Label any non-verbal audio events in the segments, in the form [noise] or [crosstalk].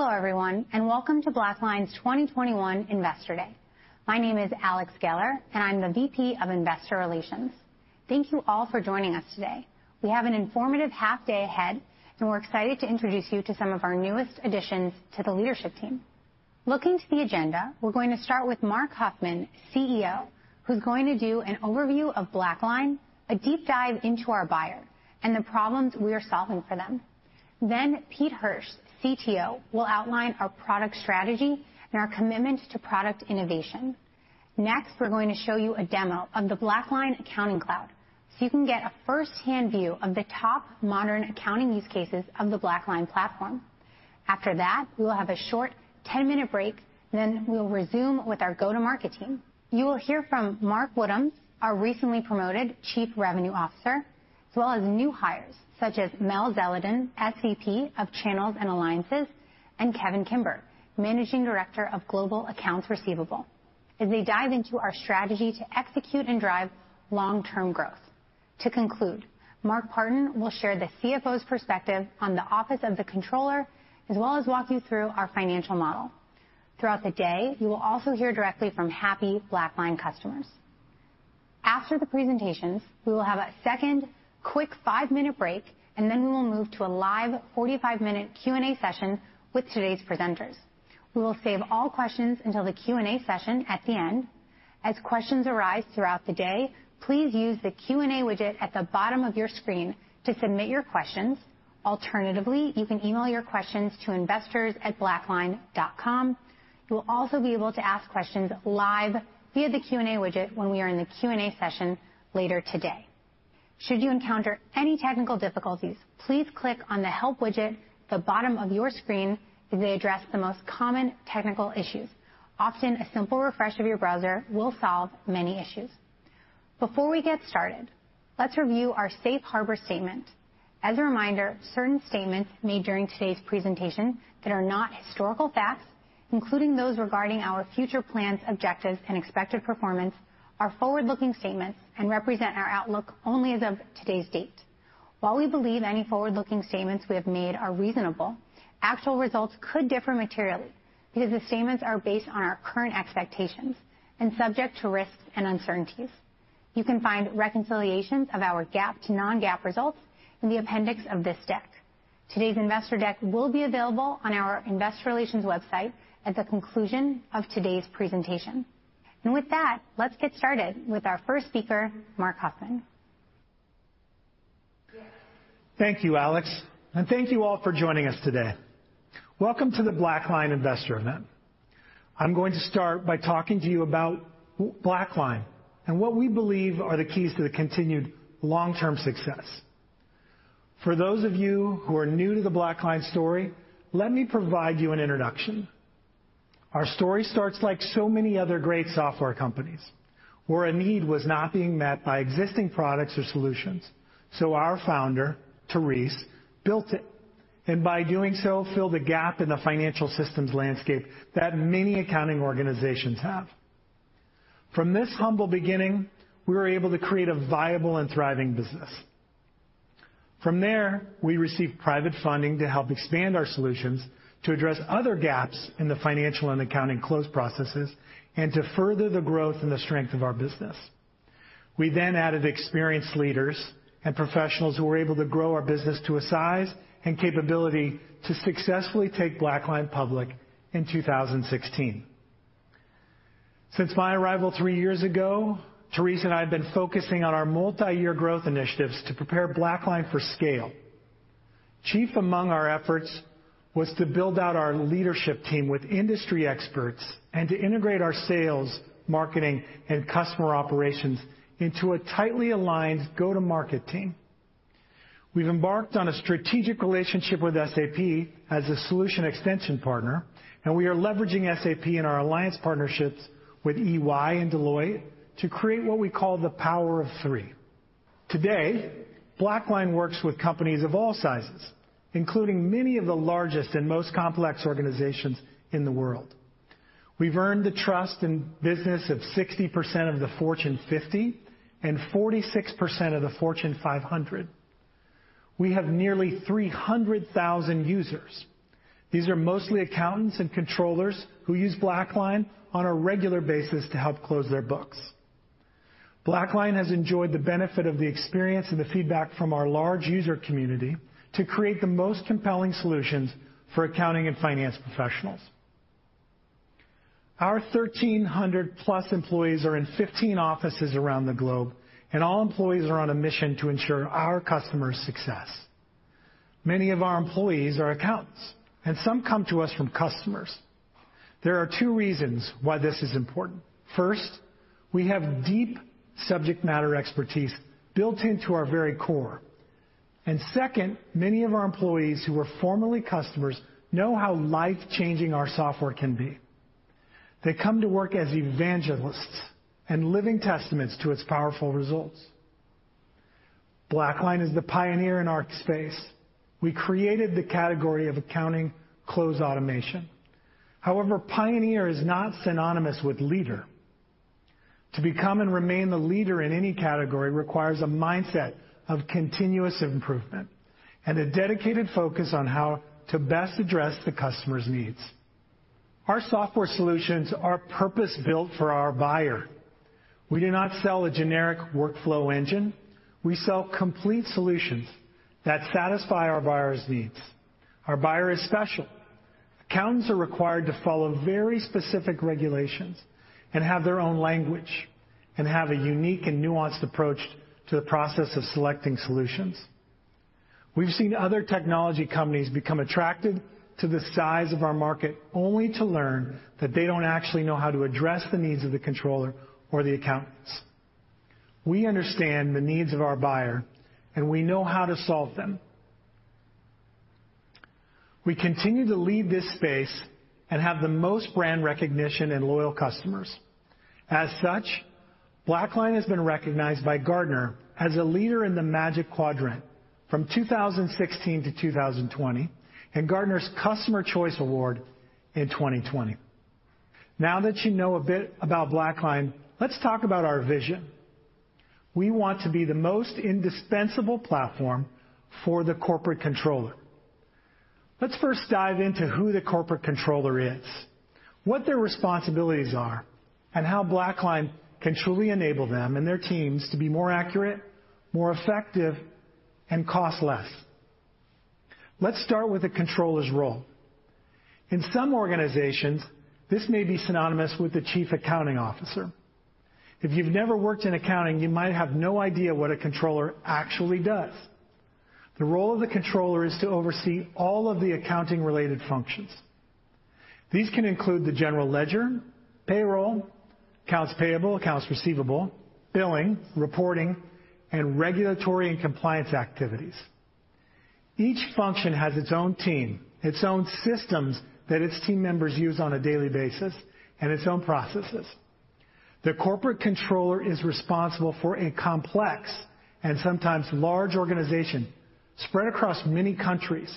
Hello everyone, and welcome to BlackLine's 2021 Investor Day. My name is Alex Geller, and I'm the VP of Investor Relations. Thank you all for joining us today. We have an informative half day ahead, and we're excited to introduce you to some of our newest additions to the leadership team. Looking to the agenda, we're going to start with Marc Huffman, CEO, who's going to do an overview of BlackLine, a deep dive into our buyer, and the problems we are solving for them. Next, Pete Hirsch, CTO, will outline our product strategy and our commitment to product innovation. Next, we're going to show you a demo of the BlackLine Accounting Cloud, so you can get a first-hand view of the top modern accounting use cases of the BlackLine platform. After that, we will have a short 10-minute break, then we'll resume with our go-to-market team. You will hear from Mark Woodhams, our recently promoted Chief Revenue Officer, as well as new hires such as Mel Zeledon, SVP of Channels and Alliances, and Kevin Kimber, Managing Director of Global Accounts Receivable, as they dive into our strategy to execute and drive long-term growth. To conclude, Mark Partin will share the CFO's perspective on the Office of the Controller, as well as walk you through our financial model. Throughout the day, you will also hear directly from happy BlackLine customers. After the presentations, we will have a second quick five-minute break, and then we will move to a live 45-minute Q&A session with today's presenters. We will save all questions until the Q&A session at the end. As questions arise throughout the day, please use the Q&A widget at the bottom of your screen to submit your questions. Alternatively, you can email your questions to investors@blackline.com. You'll also be able to ask questions live via the Q&A widget when we are in the Q&A session later today. Should you encounter any technical difficulties, please click on the Help widget at the bottom of your screen as they address the most common technical issues. Often, a simple refresh of your browser will solve many issues. Before we get started, let's review our Safe Harbor Statement. As a reminder, certain statements made during today's presentation that are not historical facts, including those regarding our future plans, objectives, and expected performance, are forward-looking statements and represent our outlook only as of today's date. While we believe any forward-looking statements we have made are reasonable, actual results could differ materially because the statements are based on our current expectations and subject to risks and uncertainties. You can find reconciliations of our GAAP to non-GAAP results in the appendix of this deck. Today's investor deck will be available on our Investor Relations website at the conclusion of today's presentation. With that, let's get started with our first speaker, Marc Huffman. Thank you, Alex, and thank you all for joining us today. Welcome to the BlackLine Investor Event. I'm going to start by talking to you about BlackLine and what we believe are the keys to the continued long-term success. For those of you who are new to the BlackLine story, let me provide you an introduction. Our story starts like so many other great software companies, where a need was not being met by existing products or solutions. Our founder, Therese, built it, and by doing so, filled the gap in the financial systems landscape that many accounting organizations have. From this humble beginning, we were able to create a viable and thriving business. From there, we received private funding to help expand our solutions, to address other gaps in the financial and accounting close processes, and to further the growth and the strength of our business. We then added experienced leaders and professionals who were able to grow our business to a size and capability to successfully take BlackLine public in 2016. Since my arrival three years ago, Therese and I have been focusing on our multi-year growth initiatives to prepare BlackLine for scale. Chief among our efforts was to build out our leadership team with industry experts and to integrate our sales, marketing, and customer operations into a tightly aligned go-to-market team. We have embarked on a strategic relationship with SAP as a solution extension partner, and we are leveraging SAP in our alliance partnerships with EY and Deloitte to create what we call the power of three. Today, BlackLine works with companies of all sizes, including many of the largest and most complex organizations in the world. We have earned the trust and business of 60% of the Fortune 50 and 46% of the Fortune 500. We have nearly 300,000 users. These are mostly accountants and controllers who use BlackLine on a regular basis to help close their books. BlackLine has enjoyed the benefit of the experience and the feedback from our large user community to create the most compelling solutions for accounting and finance professionals. Our 1,300+ employees are in 15 offices around the globe, and all employees are on a mission to ensure our customers' success. Many of our employees are accountants, and some come to us from customers. There are two reasons why this is important. First, we have deep subject matter expertise built into our very core. Second, many of our employees who were formerly customers know how life-changing our software can be. They come to work as evangelists and living testaments to its powerful results. BlackLine is the pioneer in our space. We created the category of accounting close automation. However, pioneer is not synonymous with leader. To become and remain the leader in any category requires a mindset of continuous improvement and a dedicated focus on how to best address the customer's needs. Our software solutions are purpose-built for our buyer. We do not sell a generic workflow engine. We sell complete solutions that satisfy our buyer's needs. Our buyer is special. Accountants are required to follow very specific regulations and have their own language and have a unique and nuanced approach to the process of selecting solutions. We've seen other technology companies become attracted to the size of our market only to learn that they don't actually know how to address the needs of the controller or the accountants. We understand the needs of our buyer, and we know how to solve them. We continue to lead this space and have the most brand recognition and loyal customers. As such, BlackLine has been recognized by Gartner as a leader in the Magic Quadrant from 2016 to 2020 and Gartner's Customer Choice Award in 2020. Now that you know a bit about BlackLine, let's talk about our vision. We want to be the most indispensable platform for the corporate controller. Let's first dive into who the corporate controller is, what their responsibilities are, and how BlackLine can truly enable them and their teams to be more accurate, more effective, and cost less. Let's start with a controller's role. In some organizations, this may be synonymous with the Chief Accounting Officer. If you've never worked in accounting, you might have no idea what a controller actually does. The role of the controller is to oversee all of the accounting-related functions. These can include the general ledger, payroll, accounts payable, accounts receivable, billing, reporting, and regulatory and compliance activities. Each function has its own team, its own systems that its team members use on a daily basis, and its own processes. The Corporate Controller is responsible for a complex and sometimes large organization spread across many countries,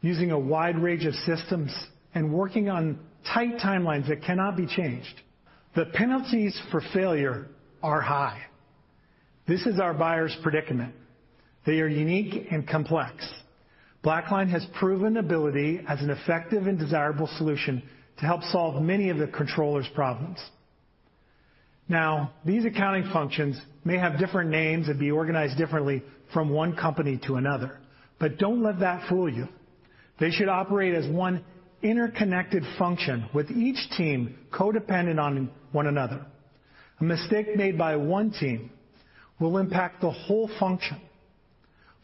using a wide range of systems and working on tight timelines that cannot be changed. The penalties for failure are high. This is our buyer's predicament. They are unique and complex. BlackLine has proven ability as an effective and desirable solution to help solve many of the Controller's problems. Now, these accounting functions may have different names and be organized differently from one company to another, but do not let that fool you. They should operate as one interconnected function with each team co-dependent on one another. A mistake made by one team will impact the whole function.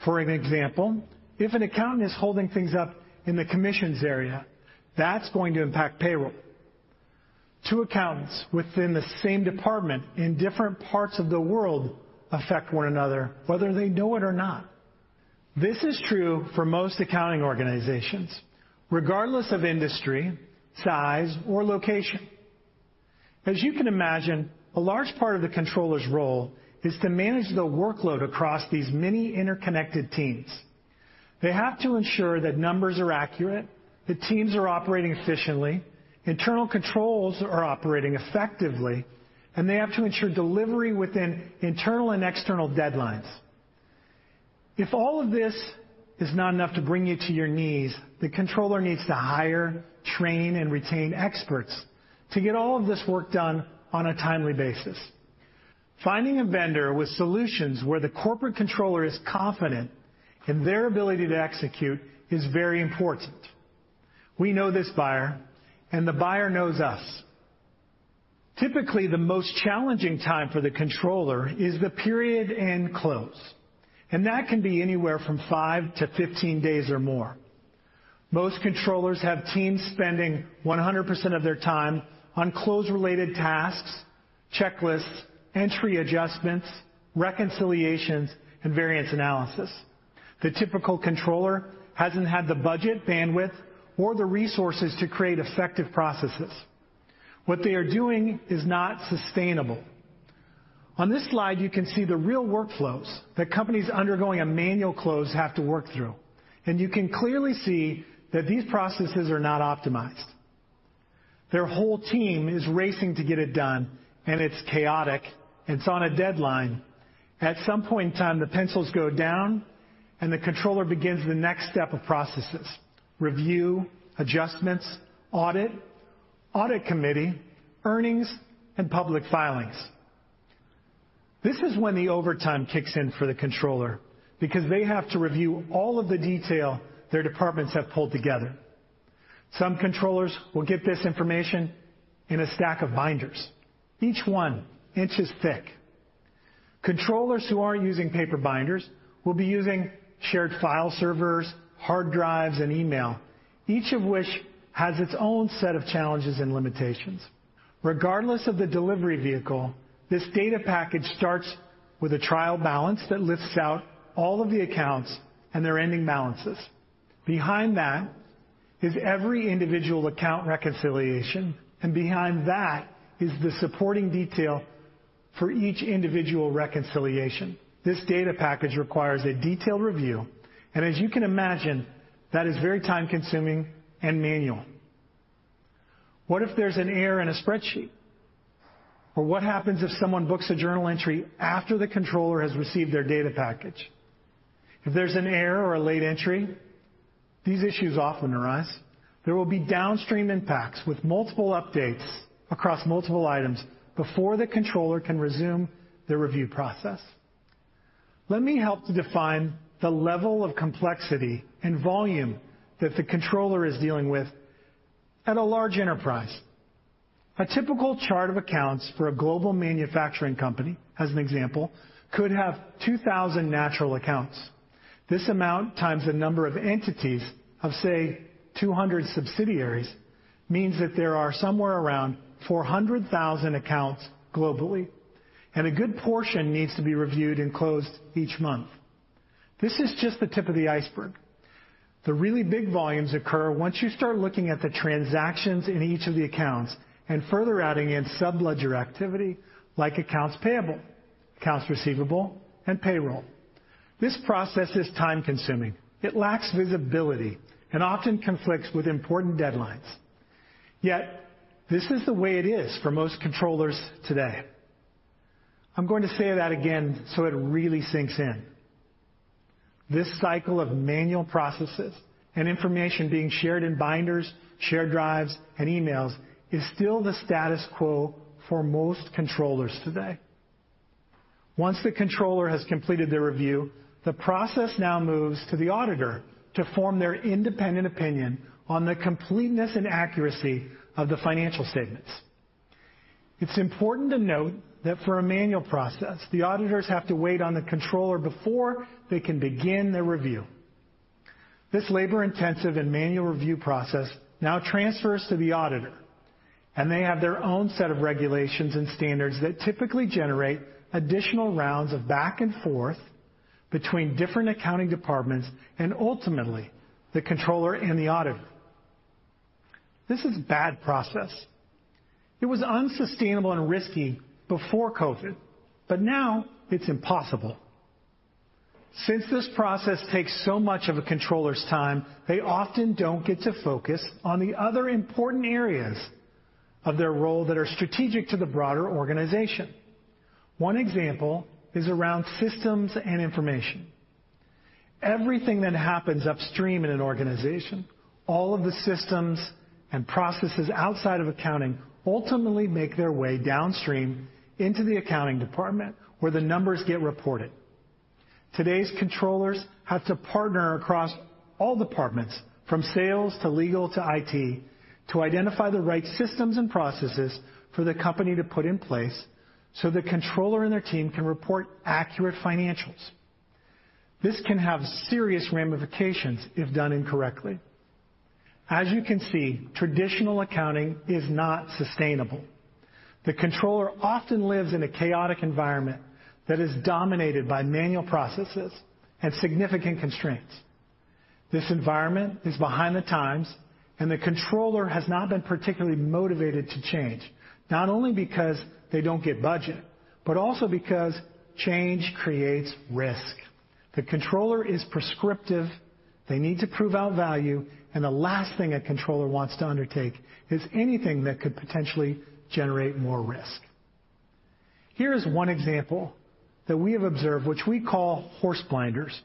For an example, if an accountant is holding things up in the commissions area, that's going to impact payroll. Two accountants within the same department in different parts of the world affect one another, whether they know it or not. This is true for most accounting organizations, regardless of industry, size, or location. As you can imagine, a large part of the controller's role is to manage the workload across these many interconnected teams. They have to ensure that numbers are accurate, that teams are operating efficiently, internal controls are operating effectively, and they have to ensure delivery within internal and external deadlines. If all of this is not enough to bring you to your knees, the controller needs to hire, train, and retain experts to get all of this work done on a timely basis. Finding a vendor with solutions where the corporate controller is confident in their ability to execute is very important. We know this buyer, and the buyer knows us. Typically, the most challenging time for the controller is the period end close, and that can be anywhere from 5 to 15 days or more. Most controllers have teams spending 100% of their time on close-related tasks, checklists, entry adjustments, reconciliations, and variance analysis. The typical controller hasn't had the budget, bandwidth, or the resources to create effective processes. What they are doing is not sustainable. On this slide, you can see the real workflows that companies undergoing a manual close have to work through, and you can clearly see that these processes are not optimized. Their whole team is racing to get it done, and it's chaotic, and it's on a deadline. At some point in time, the pencils go down, and the controller begins the next step of processes: review, adjustments, audit, audit committee, earnings, and public filings. This is when the overtime kicks in for the controller because they have to review all of the detail their departments have pulled together. Some controllers will get this information in a stack of binders, each one inches thick. Controllers who aren't using paper binders will be using shared file servers, hard drives, and email, each of which has its own set of challenges and limitations. Regardless of the delivery vehicle, this data package starts with a trial balance that lists out all of the accounts and their ending balances. Behind that is every individual account reconciliation, and behind that is the supporting detail for each individual reconciliation. This data package requires a detailed review, and as you can imagine, that is very time-consuming and manual. What if there's an error in a spreadsheet? Or what happens if someone books a journal entry after the controller has received their data package? If there's an error or a late entry, these issues often arise. There will be downstream impacts with multiple updates across multiple items before the controller can resume the review process. Let me help to define the level of complexity and volume that the controller is dealing with at a large enterprise. A typical chart of accounts for a global manufacturing company, as an example, could have 2,000 natural accounts. This amount times the number of entities of, say, 200 subsidiaries means that there are somewhere around 400,000 accounts globally, and a good portion needs to be reviewed and closed each month. This is just the tip of the iceberg. The really big volumes occur once you start looking at the transactions in each of the accounts and further adding in subledger activity like accounts payable, accounts receivable, and payroll. This process is time-consuming. It lacks visibility and often conflicts with important deadlines. Yet, this is the way it is for most controllers today. I'm going to say that again so it really sinks in. This cycle of manual processes and information being shared in binders, shared drives, and emails is still the status quo for most controllers today. Once the controller has completed their review, the process now moves to the auditor to form their independent opinion on the completeness and accuracy of the financial statements. It's important to note that for a manual process, the auditors have to wait on the controller before they can begin their review. This labor-intensive and manual review process now transfers to the auditor, and they have their own set of regulations and standards that typically generate additional rounds of back and forth between different accounting departments and ultimately the controller and the auditor. This is a bad process. It was unsustainable and risky before COVID, but now it's impossible. Since this process takes so much of a controller's time, they often don't get to focus on the other important areas of their role that are strategic to the broader organization. One example is around systems and information. Everything that happens upstream in an organization, all of the systems and processes outside of accounting ultimately make their way downstream into the accounting department where the numbers get reported. Today's controllers have to partner across all departments, from sales to legal to IT, to identify the right systems and processes for the company to put in place so the controller and their team can report accurate financials. This can have serious ramifications if done incorrectly. As you can see, traditional accounting is not sustainable. The controller often lives in a chaotic environment that is dominated by manual processes and significant constraints. This environment is behind the times, and the controller has not been particularly motivated to change, not only because they don't get budget, but also because change creates risk. The controller is prescriptive. They need to prove out value, and the last thing a controller wants to undertake is anything that could potentially generate more risk. Here is one example that we have observed, which we call horse blinders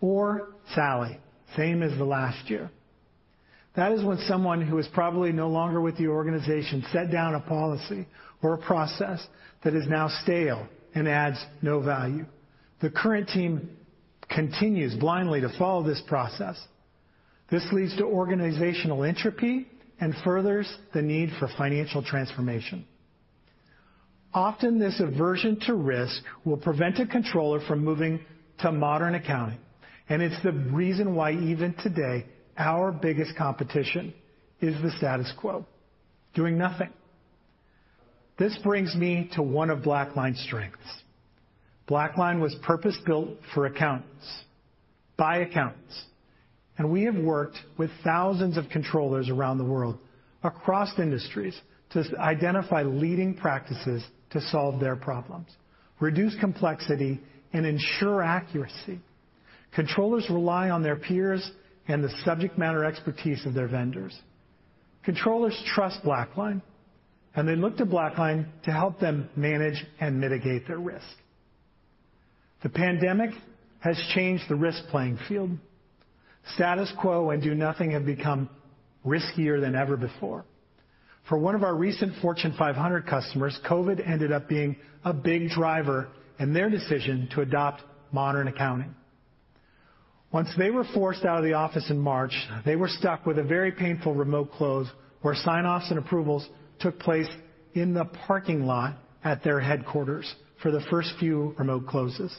or Sally, same as the last year. That is when someone who is probably no longer with the organization set down a policy or a process that is now stale and adds no value. The current team continues blindly to follow this process. This leads to organizational entropy and furthers the need for financial transformation. Often, this aversion to risk will prevent a controller from moving to modern accounting, and it's the reason why even today our biggest competition is the status quo, doing nothing. This brings me to one of BlackLine's strengths. BlackLine was purpose-built for accountants, by accountants, and we have worked with thousands of controllers around the world across industries to identify leading practices to solve their problems, reduce complexity, and ensure accuracy. Controllers rely on their peers and the subject matter expertise of their vendors. Controllers trust BlackLine, and they look to BlackLine to help them manage and mitigate their risk. The pandemic has changed the risk playing field. Status quo and do nothing have become riskier than ever before. For one of our recent Fortune 500 customers, COVID ended up being a big driver in their decision to adopt modern accounting. Once they were forced out of the office in March, they were stuck with a very painful remote close where sign-offs and approvals took place in the parking lot at their headquarters for the first few remote closes.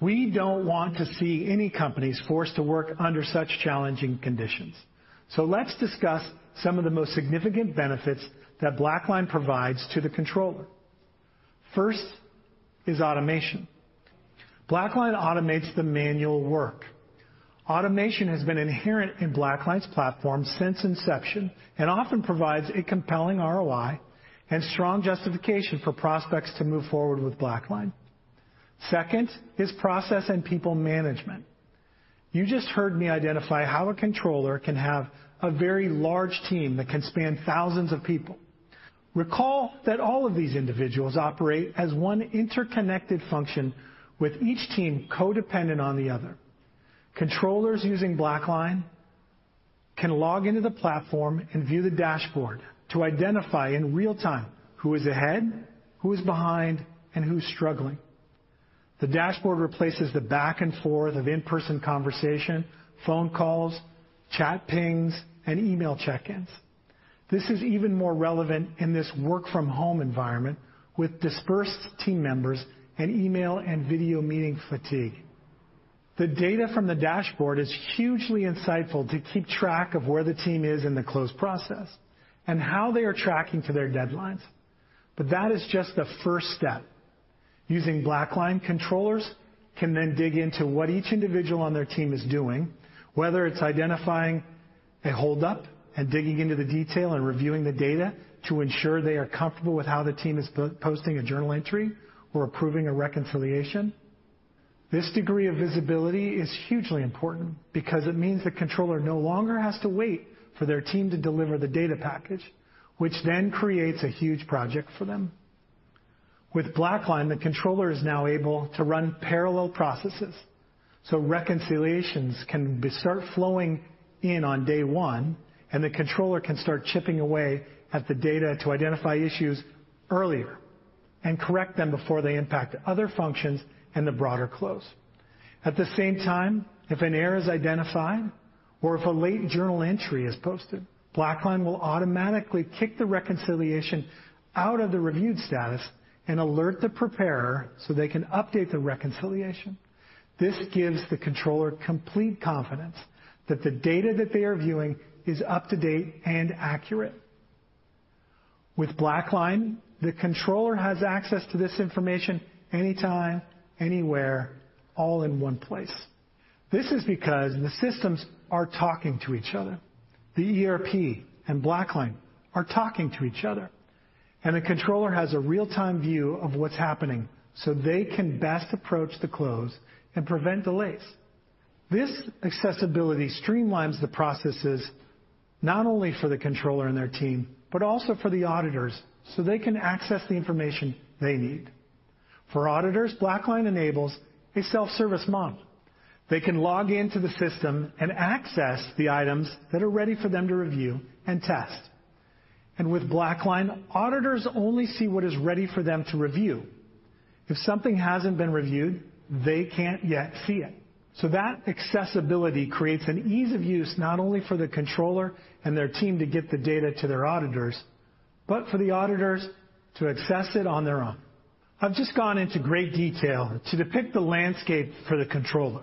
We do not want to see any companies forced to work under such challenging conditions. Let's discuss some of the most significant benefits that BlackLine provides to the controller. First is automation. BlackLine automates the manual work. Automation has been inherent in BlackLine's platform since inception and often provides a compelling ROI and strong justification for prospects to move forward with BlackLine. Second is process and people management. You just heard me identify how a controller can have a very large team that can span thousands of people. Recall that all of these individuals operate as one interconnected function with each team co-dependent on the other. Controllers using BlackLine can log into the platform and view the dashboard to identify in real time who is ahead, who is behind, and who's struggling. The dashboard replaces the back and forth of in-person conversation, phone calls, chat pings, and email check-ins. This is even more relevant in this work-from-home environment with dispersed team members and email and video meeting fatigue. The data from the dashboard is hugely insightful to keep track of where the team is in the close process and how they are tracking to their deadlines, but that is just the first step. Using BlackLine, controllers can then dig into what each individual on their team is doing, whether it's identifying a hold-up and digging into the detail and reviewing the data to ensure they are comfortable with how the team is posting a journal entry or approving a reconciliation. This degree of visibility is hugely important because it means the controller no longer has to wait for their team to deliver the data package, which then creates a huge project for them. With BlackLine, the controller is now able to run parallel processes, so reconciliations can start flowing in on day one, and the controller can start chipping away at the data to identify issues earlier and correct them before they impact other functions in the broader close. At the same time, if an error is identified or if a late journal entry is posted, BlackLine will automatically kick the reconciliation out of the reviewed status and alert the preparer so they can update the reconciliation. This gives the controller complete confidence that the data that they are viewing is up to date and accurate. With BlackLine, the controller has access to this information anytime, anywhere, all in one place. This is because the systems are talking to each other. The ERP and BlackLine are talking to each other, and the controller has a real-time view of what's happening so they can best approach the close and prevent delays. This accessibility streamlines the processes not only for the controller and their team, but also for the auditors so they can access the information they need. For auditors, BlackLine enables a self-service model. They can log into the system and access the items that are ready for them to review and test. With BlackLine, auditors only see what is ready for them to review. If something has not been reviewed, they cannot yet see it. That accessibility creates an ease of use not only for the controller and their team to get the data to their auditors, but for the auditors to access it on their own. I have just gone into great detail to depict the landscape for the controller,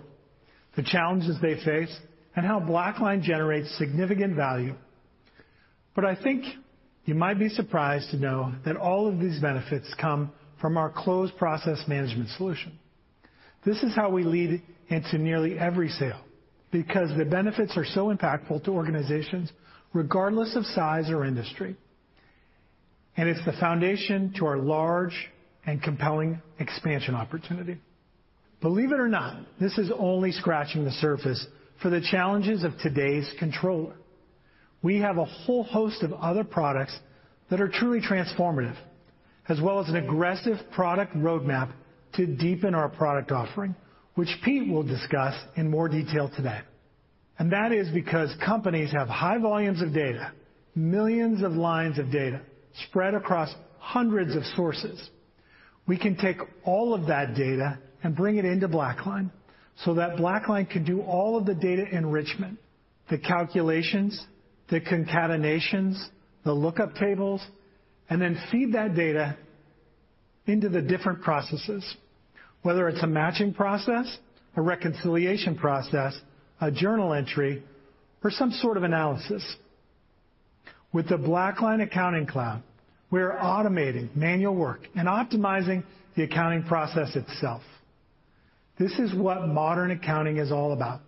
the challenges they face, and how BlackLine generates significant value. I think you might be surprised to know that all of these benefits come from our close process management solution. This is how we lead into nearly every sale because the benefits are so impactful to organizations regardless of size or industry, and it's the foundation to our large and compelling expansion opportunity. Believe it or not, this is only scratching the surface for the challenges of today's controller. We have a whole host of other products that are truly transformative, as well as an aggressive product roadmap to deepen our product offering, which Pete will discuss in more detail today. That is because companies have high volumes of data, millions of lines of data spread across hundreds of sources. We can take all of that data and bring it into BlackLine so that BlackLine can do all of the data enrichment, the calculations, the concatenations, the lookup tables, and then feed that data into the different processes, whether it's a matching process, a reconciliation process, a journal entry, or some sort of analysis. With the BlackLine Accounting Cloud, we're automating manual work and optimizing the accounting process itself. This is what modern accounting is all about: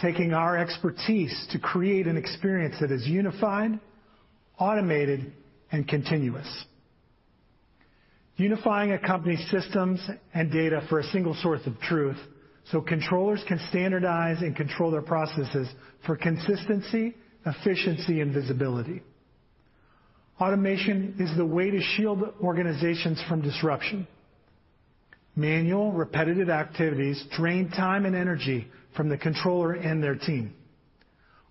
taking our expertise to create an experience that is unified, automated, and continuous. Unifying a company's systems and data for a single source of truth so controllers can standardize and control their processes for consistency, efficiency, and visibility. Automation is the way to shield organizations from disruption. Manual repetitive activities drain time and energy from the controller and their team.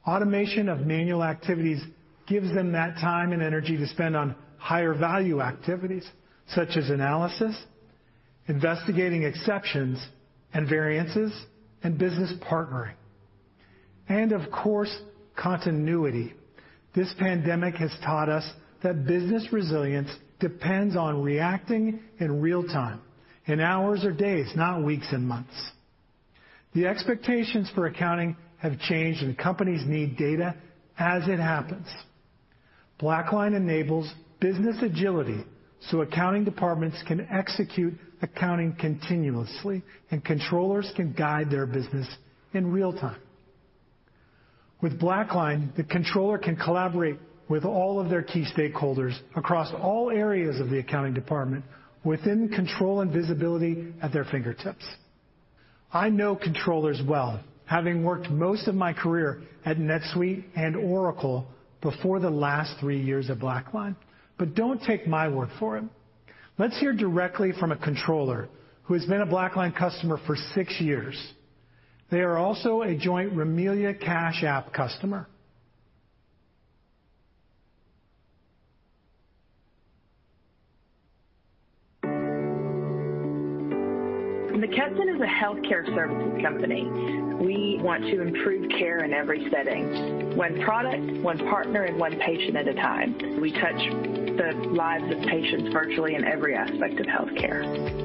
Automation of manual activities gives them that time and energy to spend on higher value activities such as analysis, investigating exceptions and variances, and business partnering. Of course, continuity. This pandemic has taught us that business resilience depends on reacting in real time, in hours or days, not weeks and months. The expectations for accounting have changed, and companies need data as it happens. BlackLine enables business agility so accounting departments can execute accounting continuously, and controllers can guide their business in real time. With BlackLine, the controller can collaborate with all of their key stakeholders across all areas of the accounting department within control and visibility at their fingertips. I know controllers well, having worked most of my career at NetSuite and Oracle before the last three years at BlackLine, but don't take my word for it. Let's hear directly from a controller who has been a BlackLine customer for six years. They are also a joint Remilia Cash Application customer. Centene is a healthcare services company. We want to improve care in every setting: one product, one partner, and one patient at a time. We touch the lives of patients virtually in every aspect of healthcare.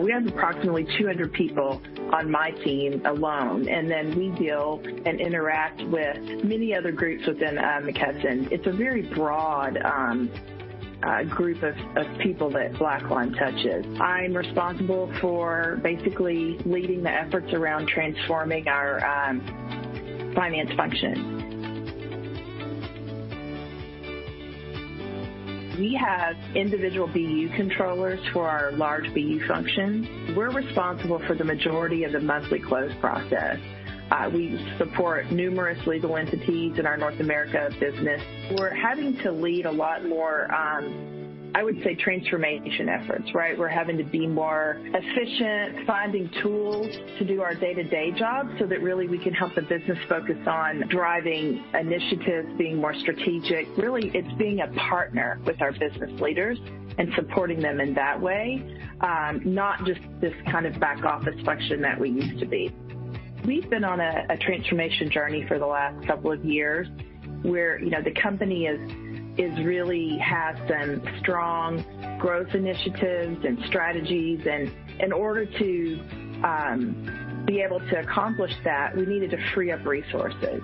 We have approximately 200 people on my team alone, and then we deal and interact with many other groups within Centene. It's a very broad group of people that BlackLine touches. I'm responsible for basically leading the efforts around transforming our finance function. We have individual BU controllers for our large BU function. We're responsible for the majority of the monthly close process. We support numerous legal entities in our North America business. We're having to lead a lot more, I would say, transformation efforts, right? We're having to be more efficient, finding tools to do our day-to-day jobs so that really we can help the business focus on driving initiatives, being more strategic. Really, it's being a partner with our business leaders and supporting them in that way, not just this kind of back office function that we used to be. We've been on a transformation journey for the last couple of years where the company really has some strong growth initiatives and strategies, and in order to be able to accomplish that, we needed to free up resources.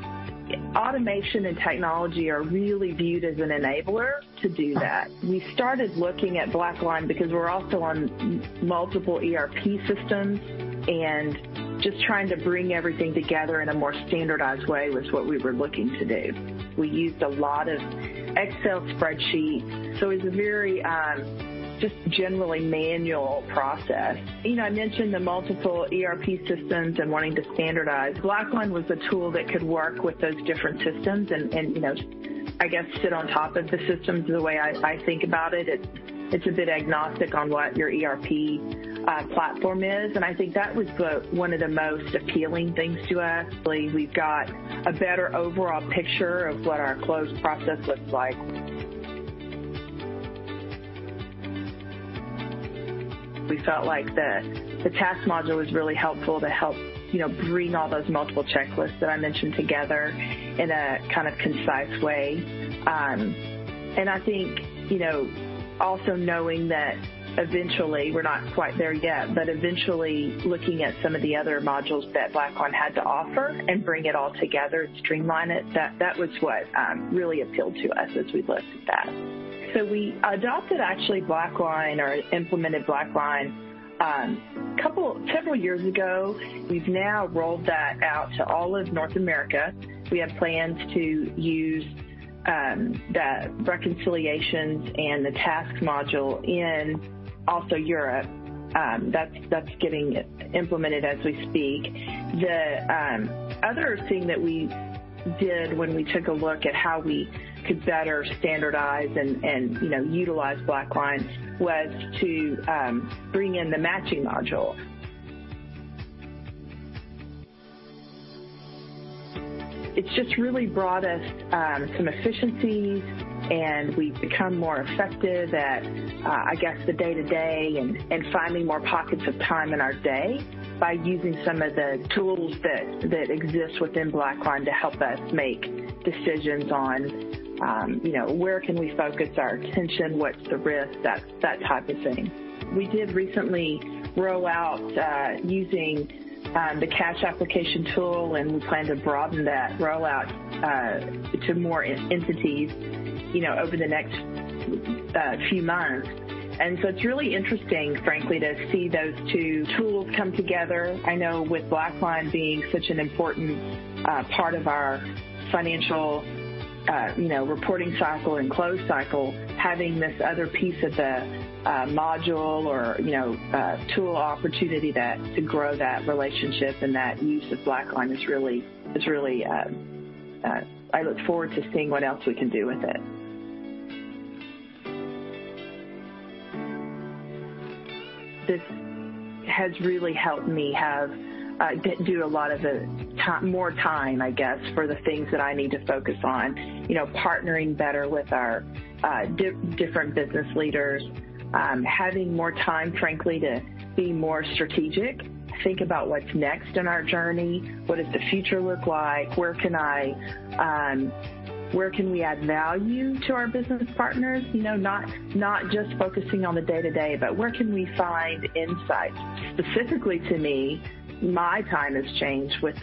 Automation and technology are really viewed as an enabler to do that. We started looking at BlackLine because we're also on multiple ERP systems, and just trying to bring everything together in a more standardized way was what we were looking to do. We used a lot of Excel spreadsheets, so it was a very just generally manual process. I mentioned the multiple ERP systems and wanting to standardize. BlackLine was a tool that could work with those different systems and, I guess, sit on top of the systems the way I think about it. It's a bit agnostic on what your ERP platform is, and I think that was one of the most appealing things to us. We've got a better overall picture of what our close process looks like. We felt like the task module was really helpful to help bring all those multiple checklists that I mentioned together in a kind of concise way. I think also knowing that eventually we're not quite there yet, but eventually looking at some of the other modules that BlackLine had to offer and bring it all together and streamline it, that was what really appealed to us as we looked at that. We adopted, actually, BlackLine or implemented BlackLine several years ago. We've now rolled that out to all of North America. We have plans to use the reconciliations and the task module in also Europe. That's getting implemented as we speak. The other thing that we did when we took a look at how we could better standardize and utilize BlackLine was to bring in the matching module. It's just really brought us some efficiencies, and we've become more effective at, I guess, the day-to-day and finding more pockets of time in our day by using some of the tools that exist within BlackLine to help us make decisions on where can we focus our attention, what's the risk, that type of thing. We did recently roll out using the cash application tool, and we plan to broaden that rollout to more entities over the next few months. It's really interesting, frankly, to see those two tools come together. I know with BlackLine being such an important part of our financial reporting cycle and close cycle, having this other piece of the module or tool opportunity to grow that relationship and that use of BlackLine is really—I look forward to seeing what else we can do with it. This has really helped me do a lot of more time, I guess, for the things that I need to focus on: partnering better with our different business leaders, having more time, frankly, to be more strategic, think about what's next in our journey, what does the future look like, where can we add value to our business partners, not just focusing on the day-to-day, but where can we find insight. Specifically to me, my time has changed with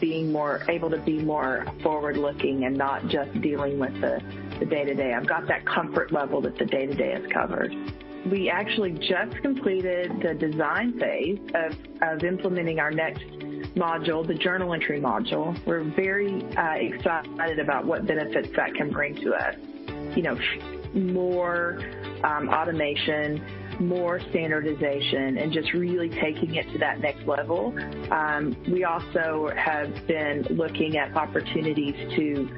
being able to be more forward-looking and not just dealing with the day-to-day. I've got that comfort level that the day-to-day has covered. We actually just completed the design phase of implementing our next module, the Journal Entry module. We're very excited about what benefits that can bring to us: more automation, more standardization, and just really taking it to that next level. We also have been looking at opportunities to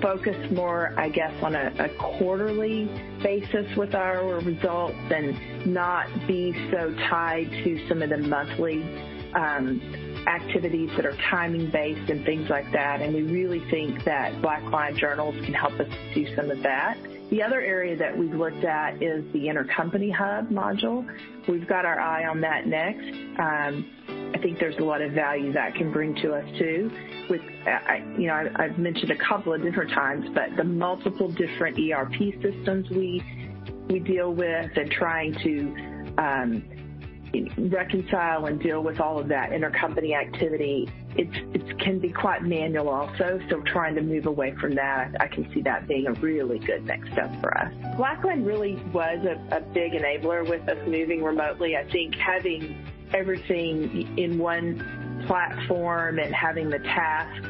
focus more, I guess, on a quarterly basis with our results and not be so tied to some of the monthly activities that are timing-based and things like that. We really think that BlackLine journals can help us do some of that. The other area that we've looked at is the Intercompany Hub module. We've got our eye on that next. I think there's a lot of value that can bring to us too. I've mentioned a couple of different times, but the multiple different ERP systems we deal with and trying to reconcile and deal with all of that intercompany activity, it can be quite manual also. Trying to move away from that, I can see that being a really good next step for us. BlackLine really was a big enabler with us moving remotely. I think having everything in one platform and having the tasks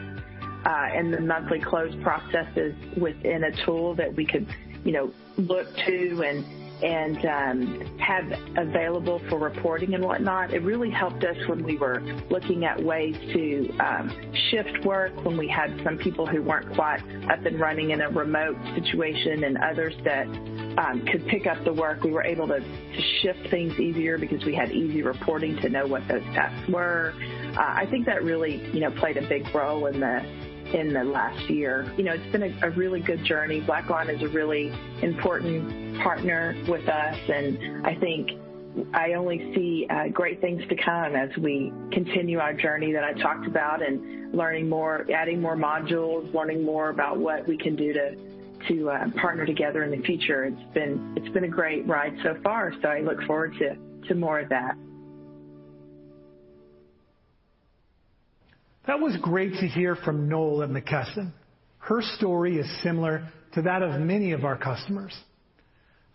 and the monthly close processes within a tool that we could look to and have available for reporting and whatnot, it really helped us when we were looking at ways to shift work. When we had some people who were not quite up and running in a remote situation and others that could pick up the work, we were able to shift things easier because we had easy reporting to know what those tasks were. I think that really played a big role in the last year. It has been a really good journey. BlackLine is a really important partner with us, and I think I only see great things to come as we continue our journey that I talked about and adding more modules, learning more about what we can do to partner together in the future. It's been a great ride so far, so I look forward to more of that. That was great to hear from Noel in the Centene. Her story is similar to that of many of our customers.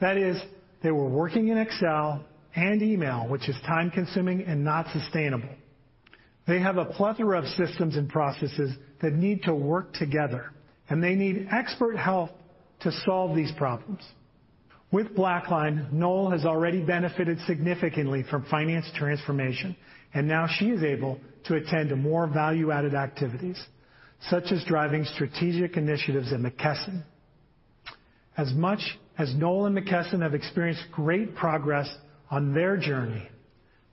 That is, they were working in Excel and email, which is time-consuming and not sustainable. They have a plethora of systems and processes that need to work together, and they need expert help to solve these problems. With BlackLine, Noel has already benefited significantly from finance transformation, and now she is able to attend to more value-added activities, such as driving strategic initiatives in the Centene. As much as Noel and the Centene have experienced great progress on their journey,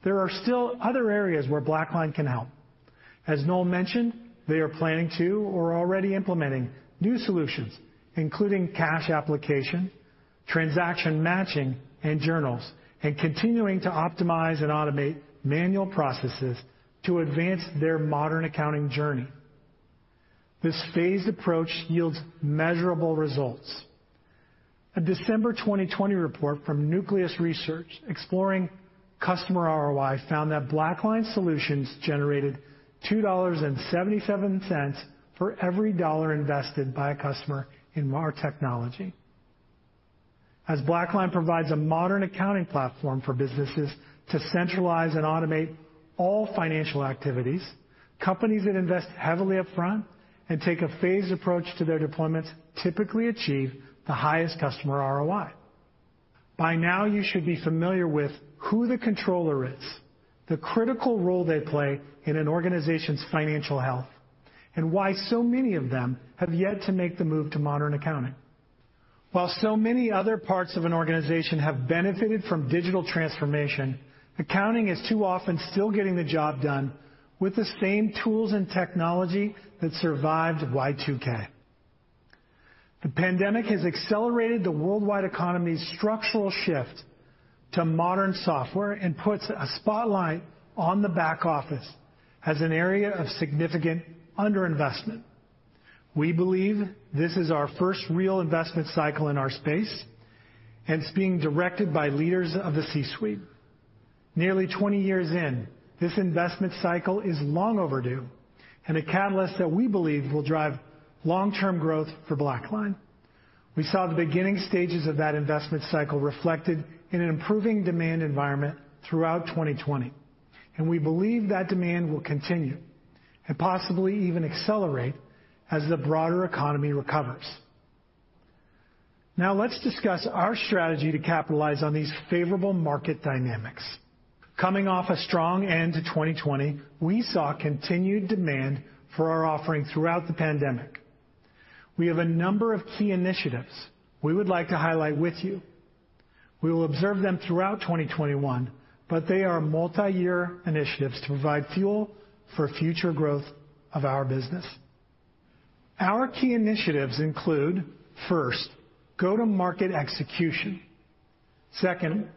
there are still other areas where BlackLine can help. As Noel mentioned, they are planning to or already implementing new solutions, including cash application, transaction matching, and journals, and continuing to optimize and automate manual processes to advance their modern accounting journey. This phased approach yields measurable results. A December 2020 report from Nucleus Research exploring customer ROI found that BlackLine solutions generated $2.77 for every dollar invested by a customer in our technology. As BlackLine provides a modern accounting platform for businesses to centralize and automate all financial activities, companies that invest heavily upfront and take a phased approach to their deployments typically achieve the highest customer ROI. By now, you should be familiar with who the controller is, the critical role they play in an organization's financial health, and why so many of them have yet to make the move to modern accounting. While so many other parts of an organization have benefited from digital transformation, accounting is too often still getting the job done with the same tools and technology that survived Y2K. The pandemic has accelerated the worldwide economy's structural shift to modern software and puts a spotlight on the back office as an area of significant underinvestment. We believe this is our first real investment cycle in our space, and it's being directed by leaders of the C-suite. Nearly 20 years in, this investment cycle is long overdue and a catalyst that we believe will drive long-term growth for BlackLine. We saw the beginning stages of that investment cycle reflected in an improving demand environment throughout 2020, and we believe that demand will continue and possibly even accelerate as the broader economy recovers. Now, let's discuss our strategy to capitalize on these favorable market dynamics. Coming off a strong end to 2020, we saw continued demand for our offering throughout the pandemic. We have a number of key initiatives we would like to highlight with you. We will observe them throughout 2021, but they are multi-year initiatives to provide fuel for future growth of our business. Our key initiatives include, first, go-to-market execution; second,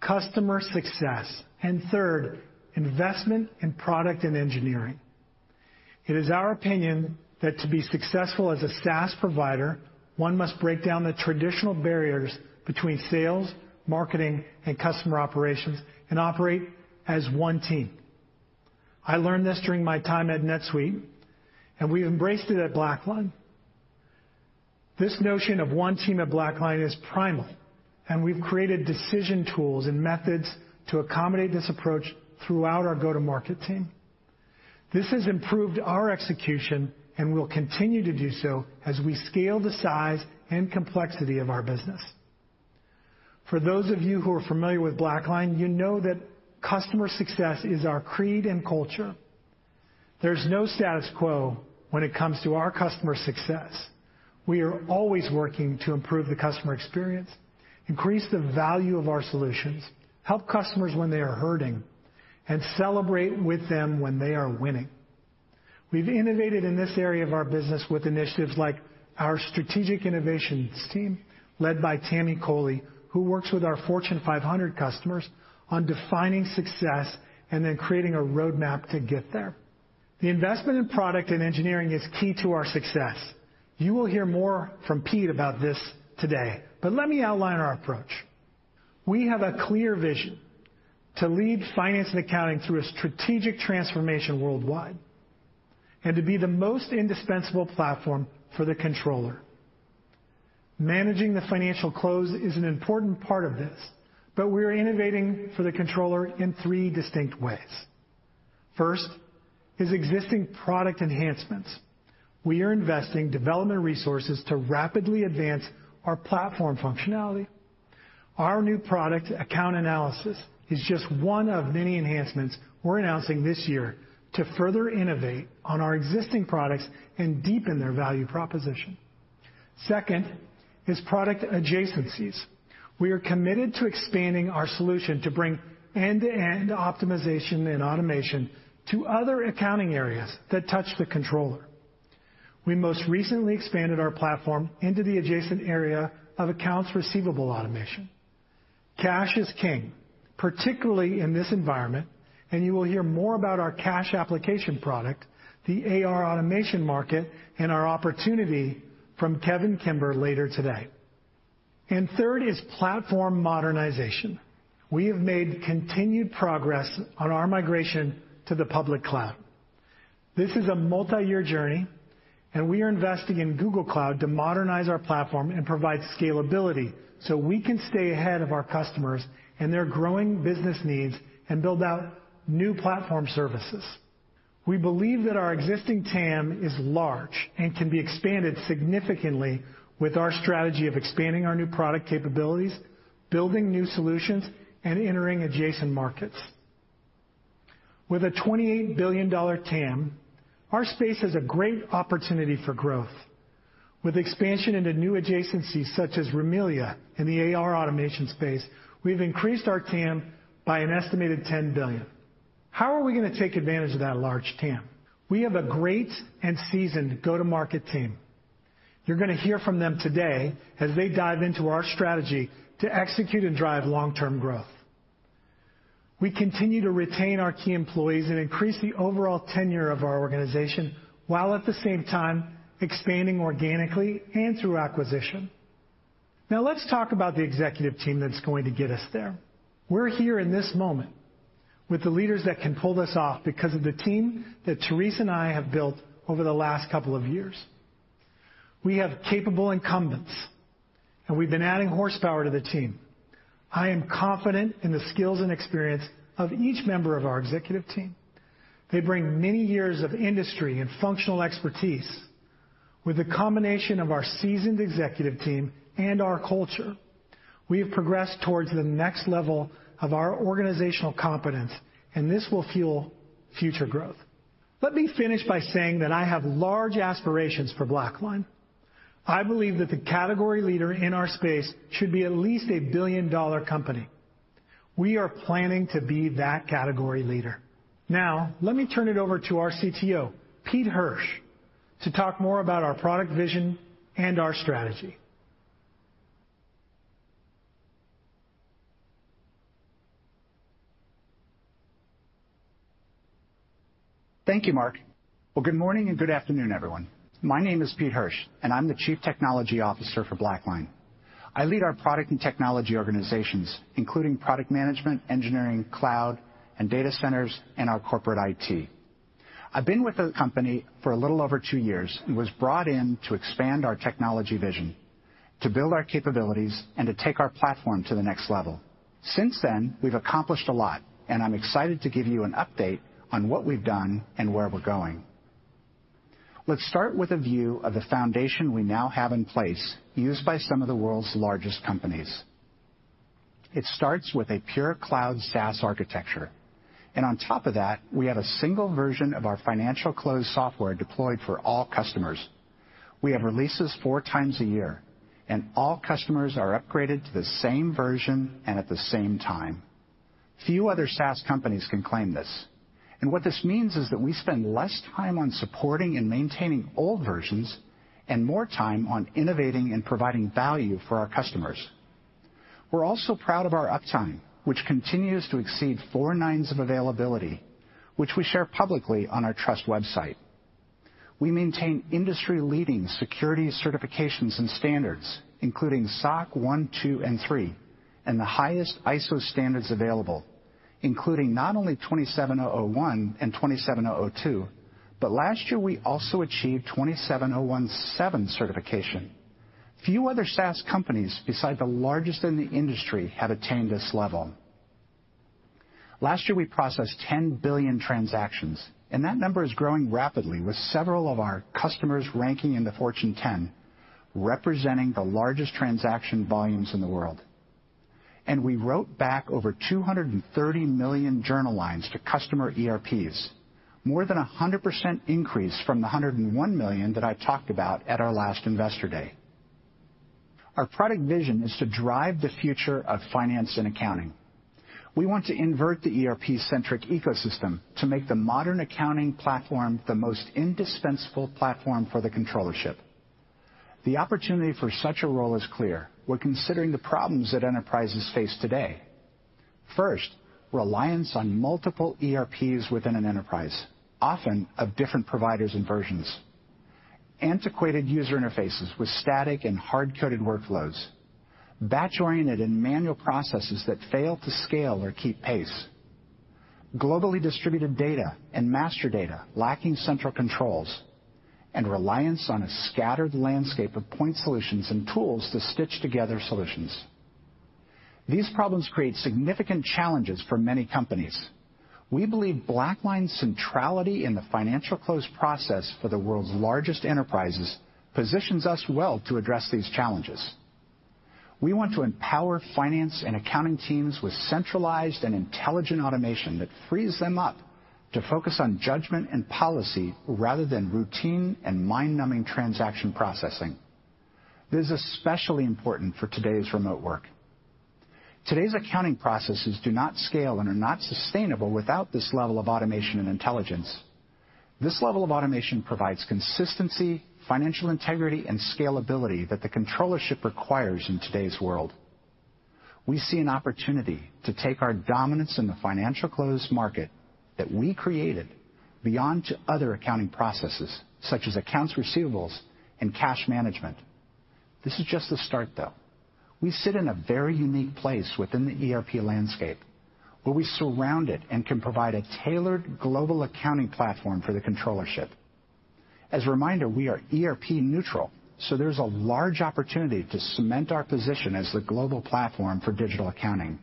customer success; and third, investment in product and engineering. It is our opinion that to be successful as a SaaS provider, one must break down the traditional barriers between sales, marketing, and customer operations and operate as one team. I learned this during my time at NetSuite, and we've embraced it at BlackLine. This notion of one team at BlackLine is primal, and we've created decision tools and methods to accommodate this approach throughout our go-to-market team. This has improved our execution and will continue to do so as we scale the size and complexity of our business. For those of you who are familiar with BlackLine, you know that customer success is our creed and culture. There's no status quo when it comes to our customer success. We are always working to improve the customer experience, increase the value of our solutions, help customers when they are hurting, and celebrate with them when they are winning. We've innovated in this area of our business with initiatives like our strategic innovations team led by Tammy Coley, who works with our Fortune 500 customers on defining success and then creating a roadmap to get there. The investment in product and engineering is key to our success. You will hear more from Pete about this today, but let me outline our approach. We have a clear vision to lead finance and accounting through a strategic transformation worldwide and to be the most indispensable platform for the controller. Managing the financial close is an important part of this, but we are innovating for the controller in three distinct ways. First is existing product enhancements. We are investing development resources to rapidly advance our platform functionality. Our new product, Account Analysis, is just one of many enhancements we're announcing this year to further innovate on our existing products and deepen their value proposition. Second is product adjacencies. We are committed to expanding our solution to bring end-to-end optimization and automation to other accounting areas that touch the controller. We most recently expanded our platform into the adjacent area of accounts receivable automation. Cash is king, particularly in this environment, and you will hear more about our cash application product, the AR automation market, and our opportunity from Kevin Kimber later today. Third is platform modernization. We have made continued progress on our migration to the public cloud. This is a multi-year journey, and we are investing in Google Cloud to modernize our platform and provide scalability so we can stay ahead of our customers and their growing business needs and build out new platform services. We believe that our existing TAM is large and can be expanded significantly with our strategy of expanding our new product capabilities, building new solutions, and entering adjacent markets. With a $28 billion TAM, our space has a great opportunity for growth. With expansion into new adjacencies such as Remilia and the AR automation space, we've increased our TAM by an estimated $10 billion. How are we going to take advantage of that large TAM? We have a great and seasoned go-to-market team. You're going to hear from them today as they dive into our strategy to execute and drive long-term growth. We continue to retain our key employees and increase the overall tenure of our organization while at the same time expanding organically and through acquisition. Now, let's talk about the executive team that's going to get us there. We're here in this moment with the leaders that can pull this off because of the team that Therese and I have built over the last couple of years. We have capable incumbents, and we've been adding horsepower to the team. I am confident in the skills and experience of each member of our executive team. They bring many years of industry and functional expertise. With the combination of our seasoned executive team and our culture, we have progressed towards the next level of our organizational competence, and this will fuel future growth. Let me finish by saying that I have large aspirations for BlackLine. I believe that the category leader in our space should be at least a billion-dollar company. We are planning to be that category leader. Now, let me turn it over to our CTO, Pete Hirsch, to talk more about our product vision and our strategy. Thank you, Marc. Good morning and good afternoon, everyone. My name is Pete Hirsch, and I'm the Chief Technology Officer for BlackLine. I lead our product and technology organizations, including product management, engineering, cloud, and data centers, and our corporate IT. I've been with the company for a little over two years and was brought in to expand our technology vision, to build our capabilities, and to take our platform to the next level. Since then, we've accomplished a lot, and I'm excited to give you an update on what we've done and where we're going. Let's start with a view of the foundation we now have in place used by some of the world's largest companies. It starts with a pure cloud SaaS architecture. On top of that, we have a single version of our financial close software deployed for all customers. We have releases four times a year, and all customers are upgraded to the same version and at the same time. Few other SaaS companies can claim this. What this means is that we spend less time on supporting and maintaining old versions and more time on innovating and providing value for our customers. We're also proud of our uptime, which continues to exceed four nines of availability, which we share publicly on our trust website. We maintain industry-leading security certifications and standards, including SOC 1, 2, and 3, and the highest ISO standards available, including not only 27001 and 27002, but last year, we also achieved 27017 certification. Few other SaaS companies beside the largest in the industry have attained this level. Last year, we processed 10 billion transactions, and that number is growing rapidly with several of our customers ranking in the Fortune 10, representing the largest transaction volumes in the world. We wrote back over 230 million journal lines to customer ERPs, more than a 100% increase from the 101 million that I talked about at our last investor day. Our product vision is to drive the future of finance and accounting. We want to invert the ERP-centric ecosystem to make the modern accounting platform the most indispensable platform for the controllership. The opportunity for such a role is clear when considering the problems that enterprises face today. First, reliance on multiple ERPs within an enterprise, often of different providers and versions. Antiquated user interfaces with static and hard-coded workloads, batch-oriented and manual processes that fail to scale or keep pace. Globally distributed data and master data lacking central controls, and reliance on a scattered landscape of point solutions and tools to stitch together solutions. These problems create significant challenges for many companies. We believe BlackLine's centrality in the financial close process for the world's largest enterprises positions us well to address these challenges. We want to empower finance and accounting teams with centralized and intelligent automation that frees them up to focus on judgment and policy rather than routine and mind-numbing transaction processing. This is especially important for today's remote work. Today's accounting processes do not scale and are not sustainable without this level of automation and intelligence. This level of automation provides consistency, financial integrity, and scalability that the controllership requires in today's world. We see an opportunity to take our dominance in the financial close market that we created beyond other accounting processes, such as accounts receivables and cash management. This is just the start, though. We sit in a very unique place within the ERP landscape where we surround it and can provide a tailored global accounting platform for the controllership. As a reminder, we are ERP neutral, so there's a large opportunity to cement our position as the global platform for digital accounting.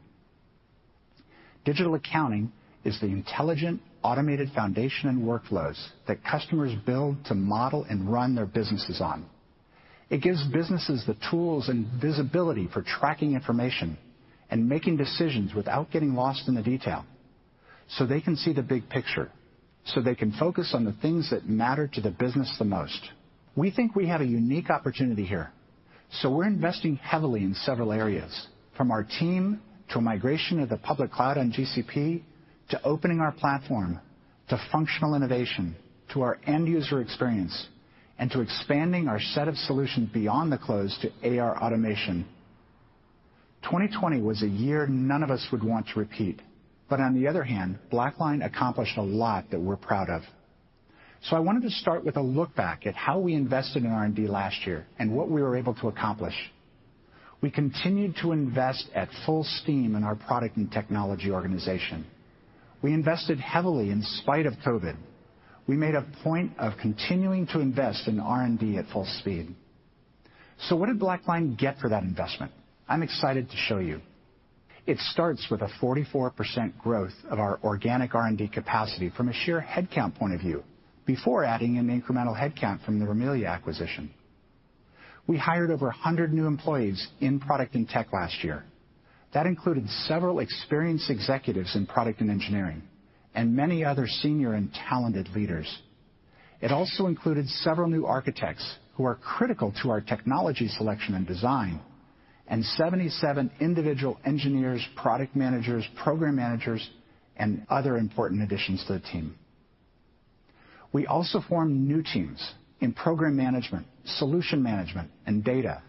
Digital accounting is the intelligent, automated foundation and workflows that customers build to model and run their businesses on. It gives businesses the tools and visibility for tracking information and making decisions without getting lost in the detail so they can see the big picture, so they can focus on the things that matter to the business the most. We think we have a unique opportunity here, so we're investing heavily in several areas, from our team to a migration of the public cloud on GCP to opening our platform to functional innovation to our end-user experience and to expanding our set of solutions beyond the close to AR automation. 2020 was a year none of us would want to repeat, but on the other hand, BlackLine accomplished a lot that we're proud of. I wanted to start with a look back at how we invested in R&D last year and what we were able to accomplish. We continued to invest at full steam in our product and technology organization. We invested heavily in spite of COVID. We made a point of continuing to invest in R&D at full speed. What did BlackLine get for that investment? I'm excited to show you. It starts with a 44% growth of our organic R&D capacity from a sheer headcount point of view before adding an incremental headcount from the Remilia acquisition. We hired over 100 new employees in product and tech last year. That included several experienced executives in product and engineering and many other senior and talented leaders. It also included several new architects who are critical to our technology selection and design and 77 individual engineers, product managers, program managers, and other important additions to the team. We also formed new teams in program management, solution management, and data.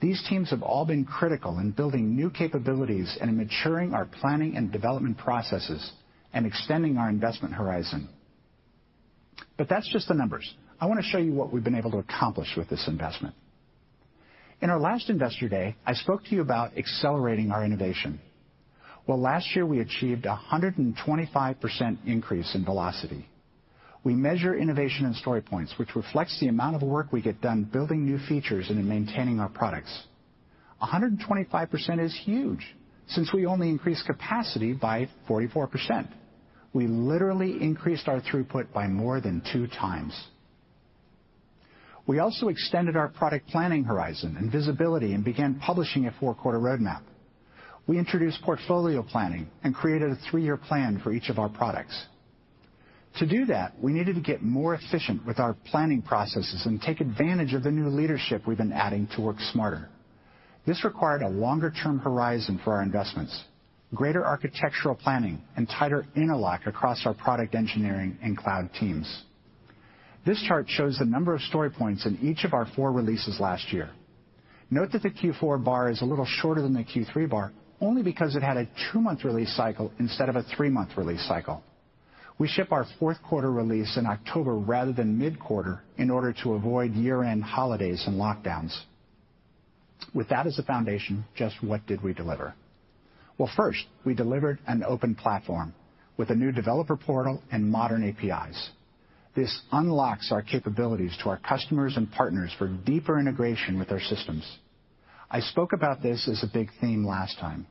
These teams have all been critical in building new capabilities and in maturing our planning and development processes and extending our investment horizon. That is just the numbers. I want to show you what we've been able to accomplish with this investment. In our last investor day, I spoke to you about accelerating our innovation. Last year, we achieved a 125% increase in velocity. We measure innovation in story points, which reflects the amount of work we get done building new features and in maintaining our products. 125% is huge since we only increased capacity by 44%. We literally increased our throughput by more than two times. We also extended our product planning horizon and visibility and began publishing a four-quarter roadmap. We introduced portfolio planning and created a three-year plan for each of our products. To do that, we needed to get more efficient with our planning processes and take advantage of the new leadership we've been adding to work smarter. This required a longer-term horizon for our investments, greater architectural planning, and tighter interlock across our product engineering and cloud teams. This chart shows the number of story points in each of our four releases last year. Note that the Q4 bar is a little shorter than the Q3 bar, only because it had a two-month release cycle instead of a three-month release cycle. We ship our fourth quarter release in October rather than mid-quarter in order to avoid year-end holidays and lockdowns. With that as a foundation, just what did we deliver? First, we delivered an open platform with a new developer portal and modern APIs. This unlocks our capabilities to our customers and partners for deeper integration with our systems. I spoke about this as a big theme last time.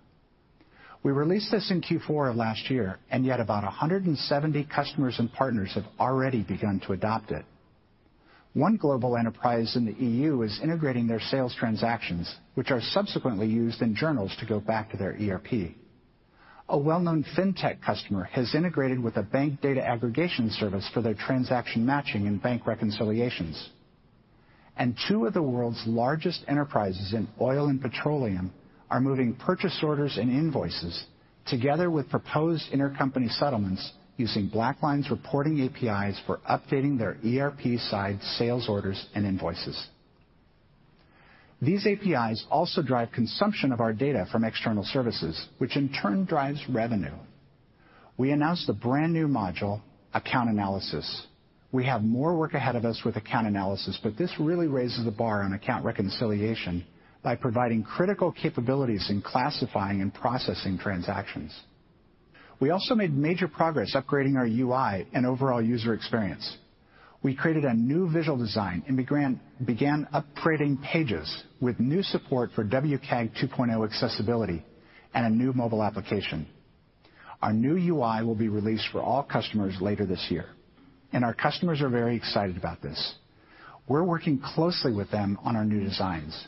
We released this in Q4 of last year, and yet about 170 customers and partners have already begun to adopt it. One global enterprise in the EU is integrating their sales transactions, which are subsequently used in journals to go back to their ERP. A well-known fintech customer has integrated with a bank data aggregation service for their transaction matching and bank reconciliations. Two of the world's largest enterprises in oil and petroleum are moving purchase orders and invoices together with proposed intercompany settlements using BlackLine's reporting APIs for updating their ERP-side sales orders and invoices. These APIs also drive consumption of our data from external services, which in turn drives revenue. We announced a brand new module, Account Analysis. We have more work ahead of us with Account Analysis, but this really raises the bar on account reconciliation by providing critical capabilities in classifying and processing transactions. We also made major progress upgrading our UI and overall user experience. We created a new visual design and began upgrading pages with new support for WCAG 2.0 accessibility and a new mobile application. Our new UI will be released for all customers later this year, and our customers are very excited about this. We're working closely with them on our new designs.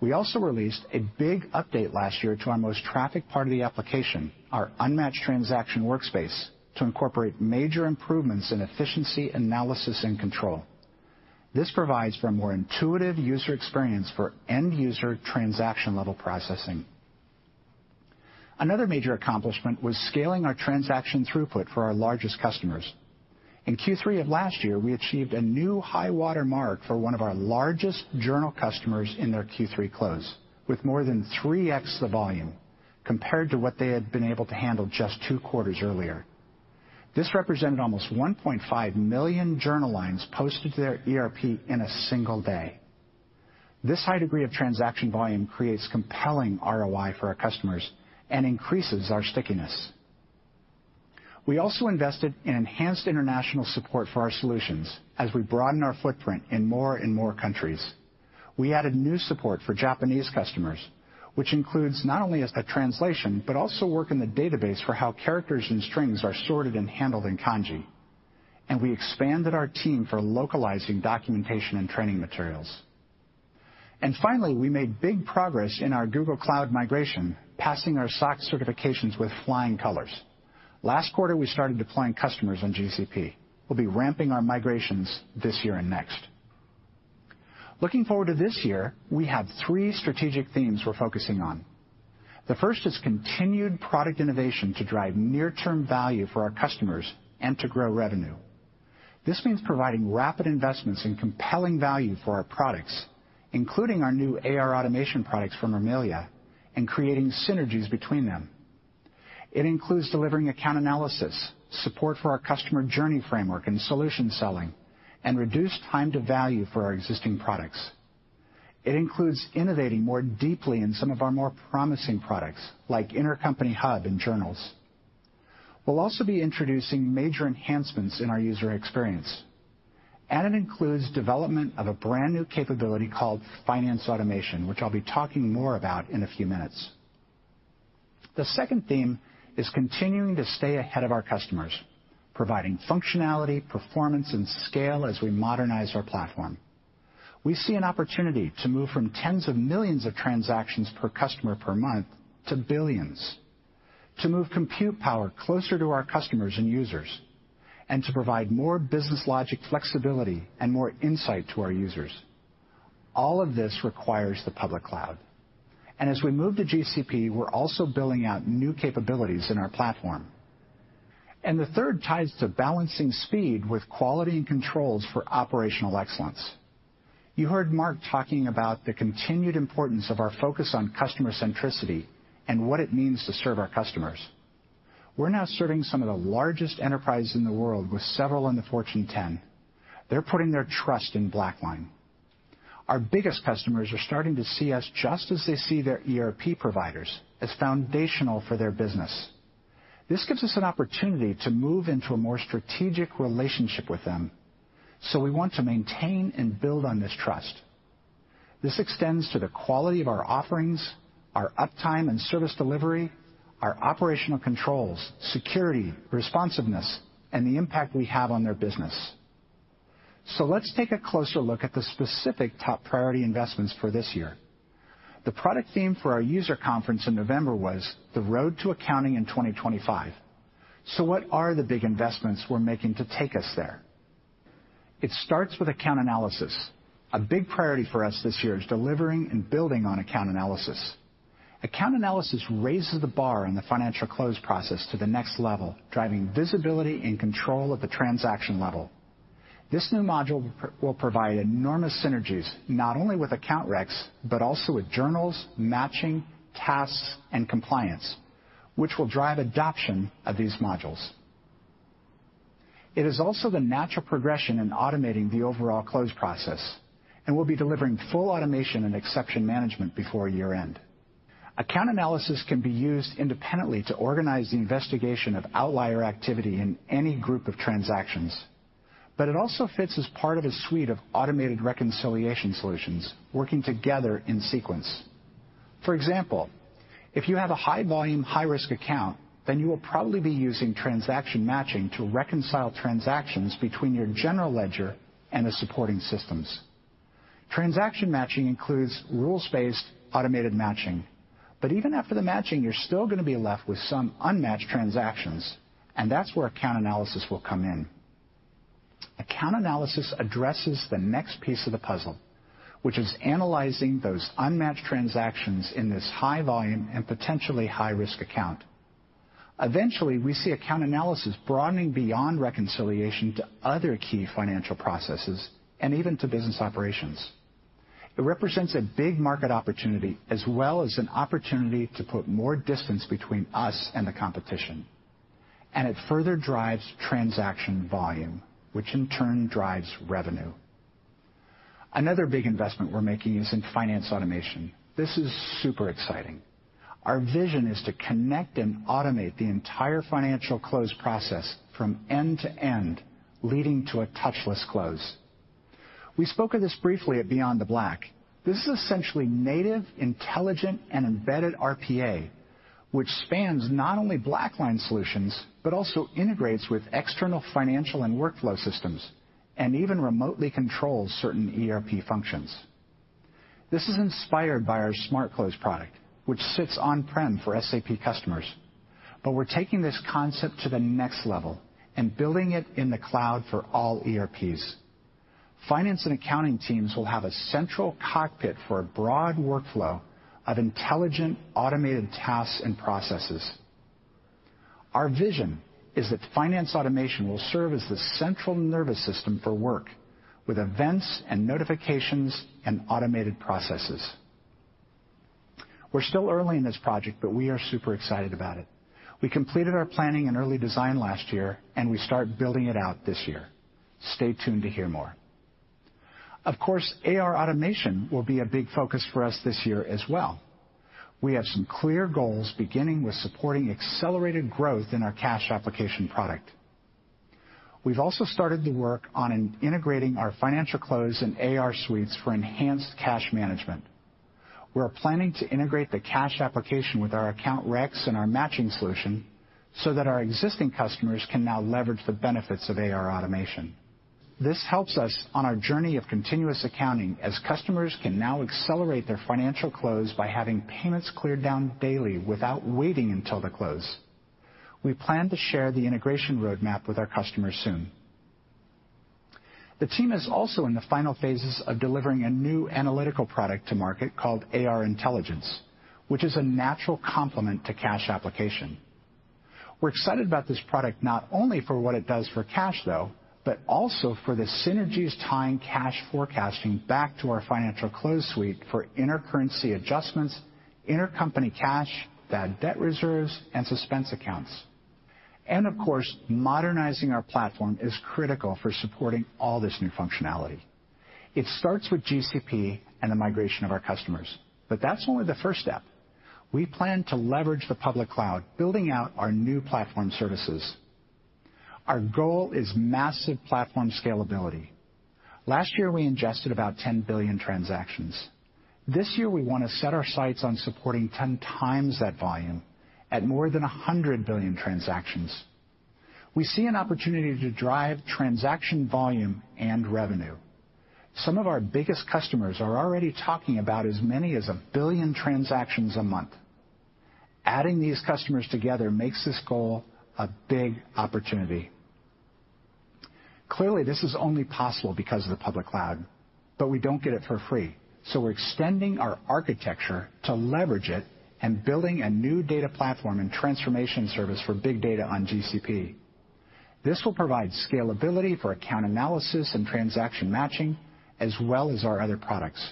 We also released a big update last year to our most trafficked part of the application, our unmatched transaction workspace, to incorporate major improvements in efficiency, analysis, and control. This provides for a more intuitive user experience for end-user transaction-level processing. Another major accomplishment was scaling our transaction throughput for our largest customers. In Q3 of last year, we achieved a new high-water mark for one of our largest journal customers in their Q3 close, with more than 3x the volume compared to what they had been able to handle just two quarters earlier. This represented almost 1.5 million journal lines posted to their ERP in a single day. This high degree of transaction volume creates compelling ROI for our customers and increases our stickiness. We also invested in enhanced international support for our solutions as we broaden our footprint in more and more countries. We added new support for Japanese customers, which includes not only a translation but also work in the database for how characters and strings are sorted and handled in Kanji. We expanded our team for localizing documentation and training materials. Finally, we made big progress in our Google Cloud migration, passing our SOC certifications with flying colors. Last quarter, we started deploying customers on GCP. We'll be ramping our migrations this year and next. Looking forward to this year, we have three strategic themes we're focusing on. The first is continued product innovation to drive near-term value for our customers and to grow revenue. This means providing rapid investments and compelling value for our products, including our new AR automation products from Remilia, and creating synergies between them. It includes delivering Account Analysis, support for our customer journey framework and solution selling, and reduced time to value for our existing products. It includes innovating more deeply in some of our more promising products like Intercompany Hub and journals. We will also be introducing major enhancements in our user experience. It includes development of a brand new capability called Finance Automation, which I will be talking more about in a few minutes. The second theme is continuing to stay ahead of our customers, providing functionality, performance, and scale as we modernize our platform. We see an opportunity to move from tens of millions of transactions per customer per month to billions, to move compute power closer to our customers and users, and to provide more business logic flexibility and more insight to our users. All of this requires the public cloud. As we move to GCP, we're also building out new capabilities in our platform. The third ties to balancing speed with quality and controls for operational excellence. You heard Mark talking about the continued importance of our focus on customer centricity and what it means to serve our customers. We're now serving some of the largest enterprises in the world with several on the Fortune 10. They're putting their trust in BlackLine. Our biggest customers are starting to see us just as they see their ERP providers as foundational for their business. This gives us an opportunity to move into a more strategic relationship with them. We want to maintain and build on this trust. This extends to the quality of our offerings, our uptime and service delivery, our operational controls, security, responsiveness, and the impact we have on their business. Let's take a closer look at the specific top priority investments for this year. The product theme for our user conference in November was the road to accounting in 2025. What are the big investments we're making to take us there? It starts with account analysis. A big priority for us this year is delivering and building on account analysis. Account analysis raises the bar in the financial close process to the next level, driving visibility and control at the transaction level. This new module will provide enormous synergies not only with account recs but also with journals, matching, tasks, and compliance, which will drive adoption of these modules. It is also the natural progression in automating the overall close process and will be delivering full automation and exception management before year-end. Account Analysis can be used independently to organize the investigation of outlier activity in any group of transactions, but it also fits as part of a suite of automated reconciliation solutions working together in sequence. For example, if you have a high-volume, high-risk account, then you will probably be using Transaction Matching to reconcile transactions between your general ledger and the supporting systems. Transaction Matching includes rules-based automated matching, but even after the matching, you're still going to be left with some unmatched transactions, and that's where Account Analysis will come in. Account analysis addresses the next piece of the puzzle, which is analyzing those unmatched transactions in this high-volume and potentially high-risk account. Eventually, we see account analysis broadening beyond reconciliation to other key financial processes and even to business operations. It represents a big market opportunity as well as an opportunity to put more distance between us and the competition. It further drives transaction volume, which in turn drives revenue. Another big investment we're making is in finance automation. This is super exciting. Our vision is to connect and automate the entire financial close process from end to end, leading to a touchless close. We spoke of this briefly at Beyond the Black. This is essentially native, intelligent, and embedded RPA, which spans not only BlackLine solutions but also integrates with external financial and workflow systems and even remotely controls certain ERP functions. This is inspired by our Smart Close product, which sits on-prem for SAP customers. We are taking this concept to the next level and building it in the cloud for all ERPs. Finance and accounting teams will have a central cockpit for a broad workflow of intelligent, automated tasks and processes. Our vision is that finance automation will serve as the central nervous system for work with events and notifications and automated processes. We are still early in this project, but we are super excited about it. We completed our planning and early design last year, and we start building it out this year. Stay tuned to hear more. Of course, AR automation will be a big focus for us this year as well. We have some clear goals beginning with supporting accelerated growth in our cash application product. We've also started the work on integrating our financial close and AR suites for enhanced cash management. We're planning to integrate the cash application with our account recs and our matching solution so that our existing customers can now leverage the benefits of AR automation. This helps us on our journey of continuous accounting as customers can now accelerate their financial close by having payments cleared down daily without waiting until the close. We plan to share the integration roadmap with our customers soon. The team is also in the final phases of delivering a new analytical product to market called AR Intelligence, which is a natural complement to cash application. We're excited about this product not only for what it does for cash, though, but also for the synergies tying cash forecasting back to our financial close suite for intercurrency adjustments, intercompany cash, bad debt reserves, and suspense accounts. Of course, modernizing our platform is critical for supporting all this new functionality. It starts with GCP and the migration of our customers, but that's only the first step. We plan to leverage the public cloud, building out our new platform services. Our goal is massive platform scalability. Last year, we ingested about 10 billion transactions. This year, we want to set our sights on supporting 10x that volume at more than 100 billion transactions. We see an opportunity to drive transaction volume and revenue. Some of our biggest customers are already talking about as many as a billion transactions a month. Adding these customers together makes this goal a big opportunity. Clearly, this is only possible because of the public cloud, but we don't get it for free. We're extending our architecture to leverage it and building a new data platform and transformation service for big data on GCP. This will provide scalability for account analysis and transaction matching as well as our other products.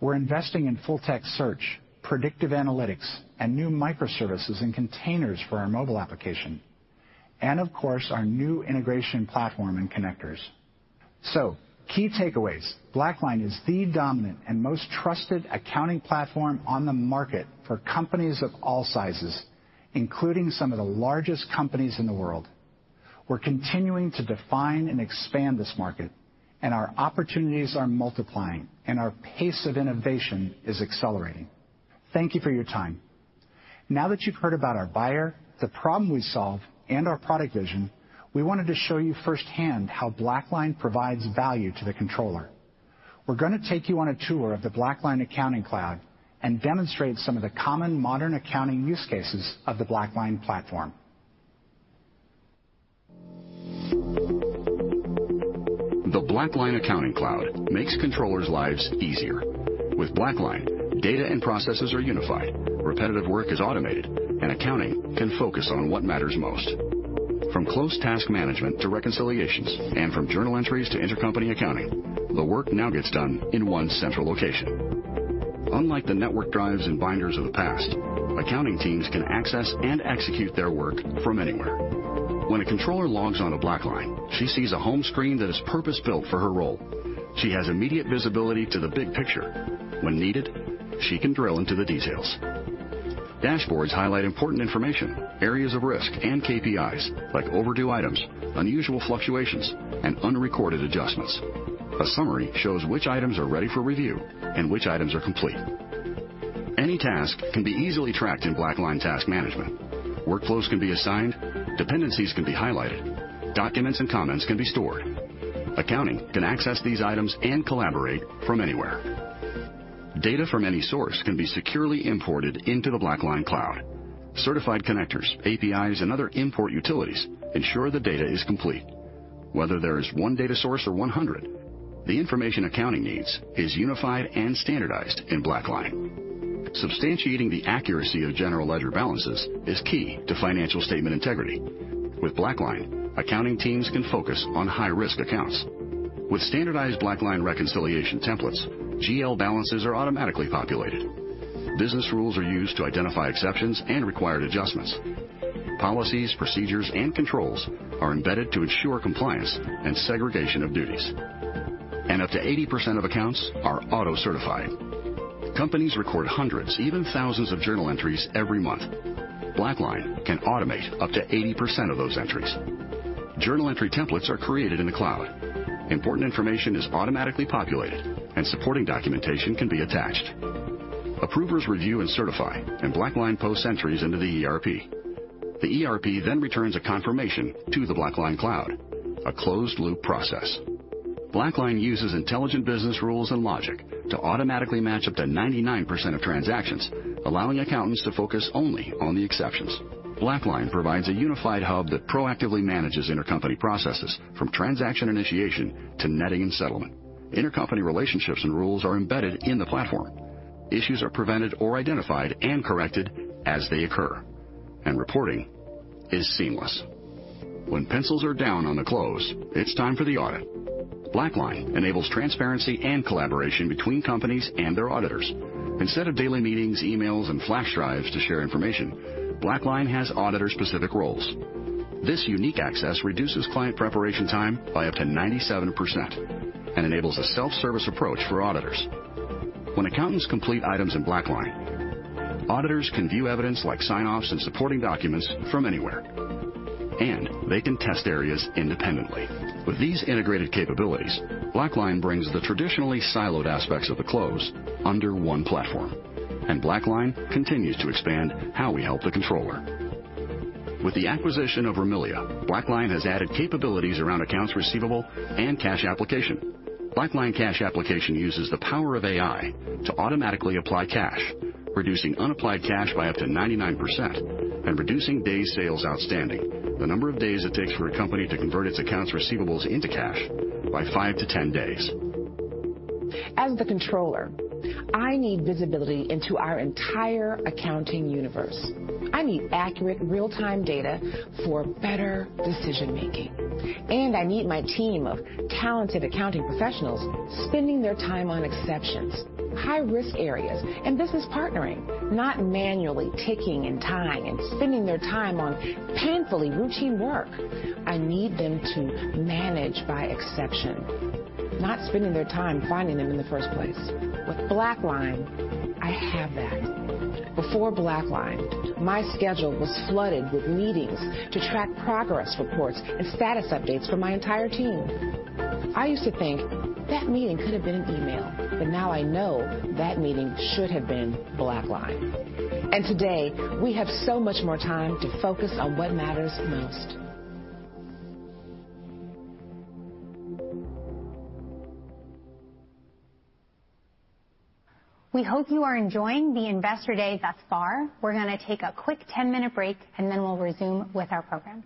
We're investing in full-text search, predictive analytics, and new microservices and containers for our mobile application. Of course, our new integration platform and connectors. Key takeaways: BlackLine is the dominant and most trusted accounting platform on the market for companies of all sizes, including some of the largest companies in the world. We're continuing to define and expand this market, and our opportunities are multiplying, and our pace of innovation is accelerating. Thank you for your time. Now that you've heard about our buyer, the problem we solve, and our product vision, we wanted to show you firsthand how BlackLine provides value to the controller. We're going to take you on a tour of the BlackLine Accounting Cloud and demonstrate some of the common modern accounting use cases of the BlackLine platform. The BlackLine Accounting Cloud makes controllers' lives easier. With BlackLine, data and processes are unified, repetitive work is automated, and accounting can focus on what matters most. From close task management to reconciliations and from journal entries to intercompany accounting, the work now gets done in one central location. Unlike the network drives and binders of the past, accounting teams can access and execute their work from anywhere. When a controller logs onto BlackLine, she sees a home screen that is purpose-built for her role. She has immediate visibility to the big picture. When needed, she can drill into the details. Dashboards highlight important information, areas of risk, and KPIs like overdue items, unusual fluctuations, and unrecorded adjustments. A summary shows which items are ready for review and which items are complete. Any task can be easily tracked in BlackLine Task Management. Workflows can be assigned, dependencies can be highlighted, documents and comments can be stored. Accounting can access these items and collaborate from anywhere. Data from any source can be securely imported into the BlackLine Cloud. Certified connectors, APIs, and other import utilities ensure the data is complete. Whether there is one data source or 100, the information accounting needs is unified and standardized in BlackLine. Substantiating the accuracy of general ledger balances is key to financial statement integrity. With BlackLine, accounting teams can focus on high-risk accounts. With standardized BlackLine reconciliation templates, GL balances are automatically populated. Business rules are used to identify exceptions and required adjustments. Policies, procedures, and controls are embedded to ensure compliance and segregation of duties. Up to 80% of accounts are auto-certified. Companies record hundreds, even thousands of journal entries every month. BlackLine can automate up to 80% of those entries. Journal entry templates are created in the cloud. Important information is automatically populated, and supporting documentation can be attached. Approvers review and certify, and BlackLine posts entries into the ERP. The ERP then returns a confirmation to the BlackLine Cloud, a closed-loop process. BlackLine uses intelligent business rules and logic to automatically match up to 99% of transactions, allowing accountants to focus only on the exceptions. BlackLine provides a unified hub that proactively manages intercompany processes from transaction initiation to netting and settlement. Intercompany relationships and rules are embedded in the platform. Issues are prevented or identified and corrected as they occur, and reporting is seamless. When pencils are down on the close, it's time for the audit. BlackLine enables transparency and collaboration between companies and their auditors. Instead of daily meetings, emails, and flash drives to share information, BlackLine has auditor-specific roles. This unique access reduces client preparation time by up to 97% and enables a self-service approach for auditors. When accountants complete items in BlackLine, auditors can view evidence like sign-offs and supporting documents from anywhere, and they can test areas independently. With these integrated capabilities, BlackLine brings the traditionally siloed aspects of the close under one platform, and BlackLine continues to expand how we help the controller. With the acquisition of Remilia, BlackLine has added capabilities around accounts receivable and cash application. BlackLine Cash Application uses the power of AI to automatically apply cash, reducing unapplied cash by up to 99% and reducing days sales outstanding, the number of days it takes for a company to convert its accounts receivables into cash, by 5-10 days. As the Controller, I need visibility into our entire accounting universe. I need accurate, real-time data for better decision-making. I need my team of talented accounting professionals spending their time on exceptions, high-risk areas, and business partnering, not manually ticking and tying and spending their time on painfully routine work. I need them to manage by exception, not spending their time finding them in the first place. With BlackLine, I have that. Before BlackLine, my schedule was flooded with meetings to track progress reports and status updates for my entire team. I used to think that meeting could have been an email, but now I know that meeting should have been BlackLine. Today, we have so much more time to focus on what matters most. We hope you are enjoying the investor day thus far. We're going to take a quick 10-minute break, and then we'll resume with our program.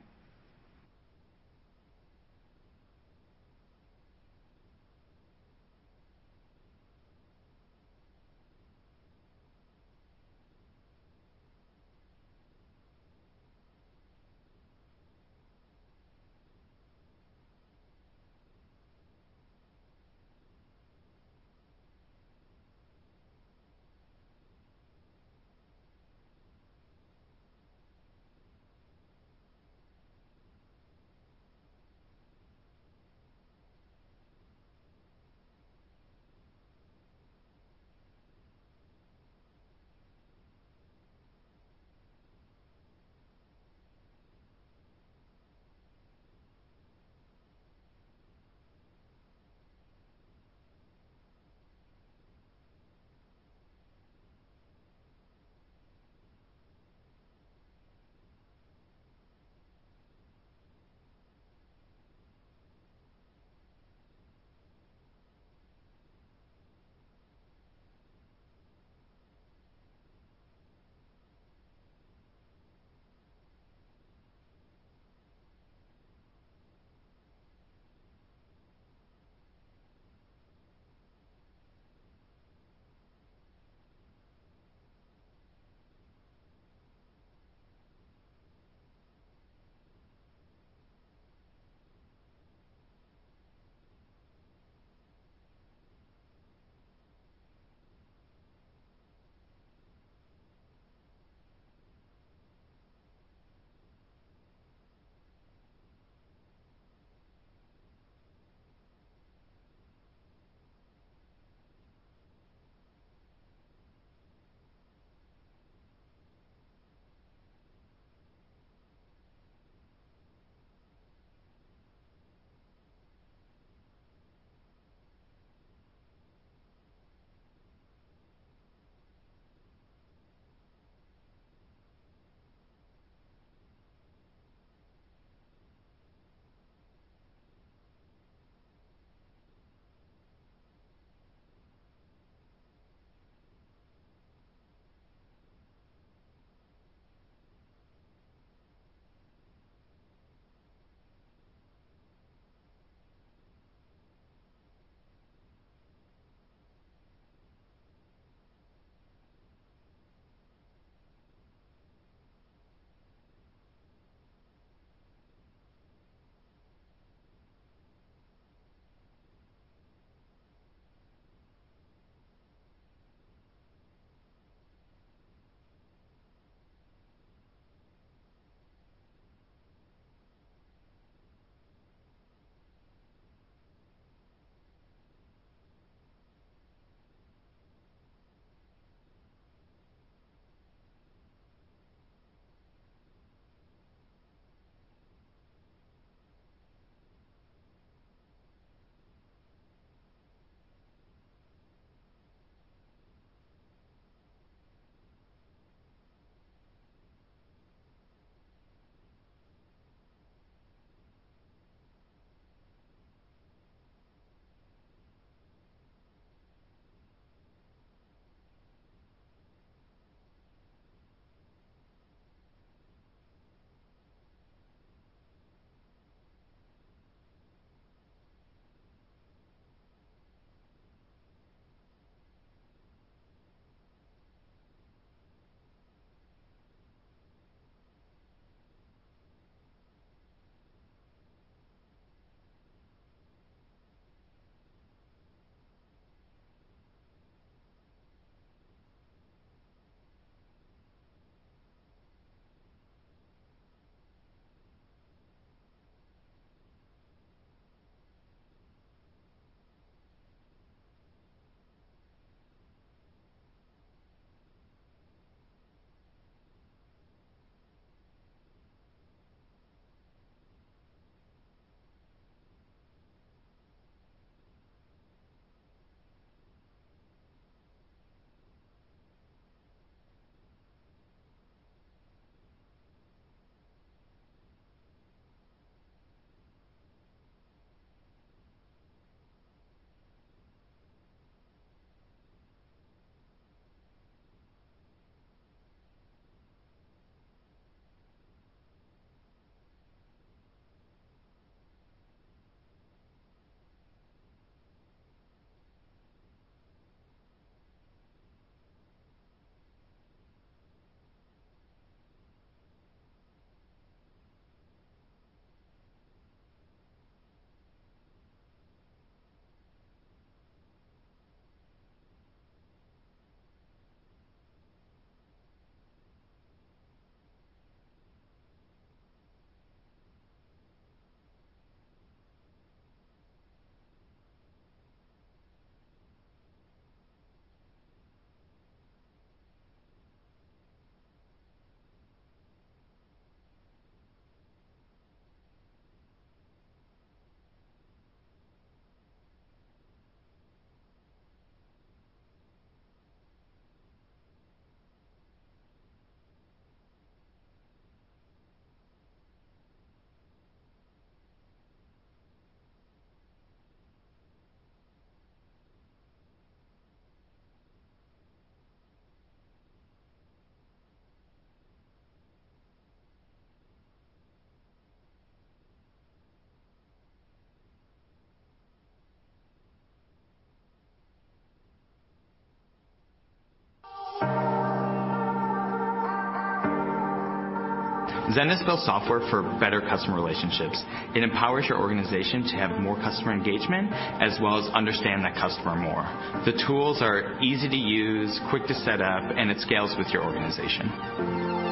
Zendesk builds software for better customer relationships. It empowers your organization to have more customer engagement as well as understand that customer more. The tools are easy to use, quick to set up, and it scales with your organization.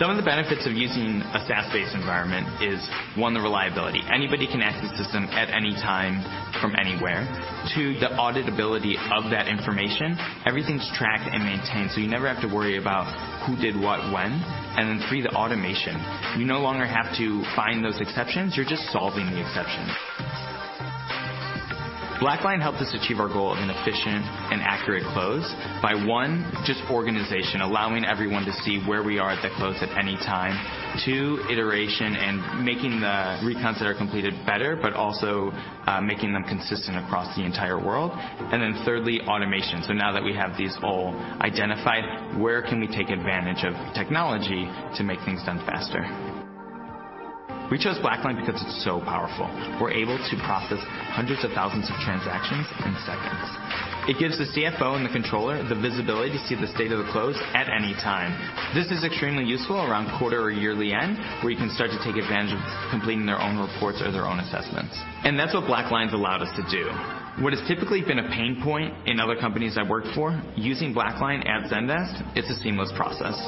Some of the benefits of using a SaaS-based environment is, one, the reliability. Anybody can access the system at any time from anywhere. Two, the auditability of that information. Everything's tracked and maintained, so you never have to worry about who did what when. Three, the automation. You no longer have to find those exceptions. You're just solving the exceptions. BlackLine helped us achieve our goal of an efficient and accurate close by, one, just organization, allowing everyone to see where we are at the close at any time. Two, iteration and making the recon that are completed better, but also making them consistent across the entire world. Thirdly, automation. Now that we have these all identified, where can we take advantage of technology to make things done faster? We chose BlackLine because it's so powerful. We're able to process hundreds of thousands of transactions in seconds. It gives the CFO and the controller the visibility to see the state of the close at any time. This is extremely useful around quarter or yearly end, where you can start to take advantage of completing their own reports or their own assessments. That's what BlackLine's allowed us to do. What has typically been a pain point in other companies I've worked for, using BlackLine at Zendesk, it's a seamless process.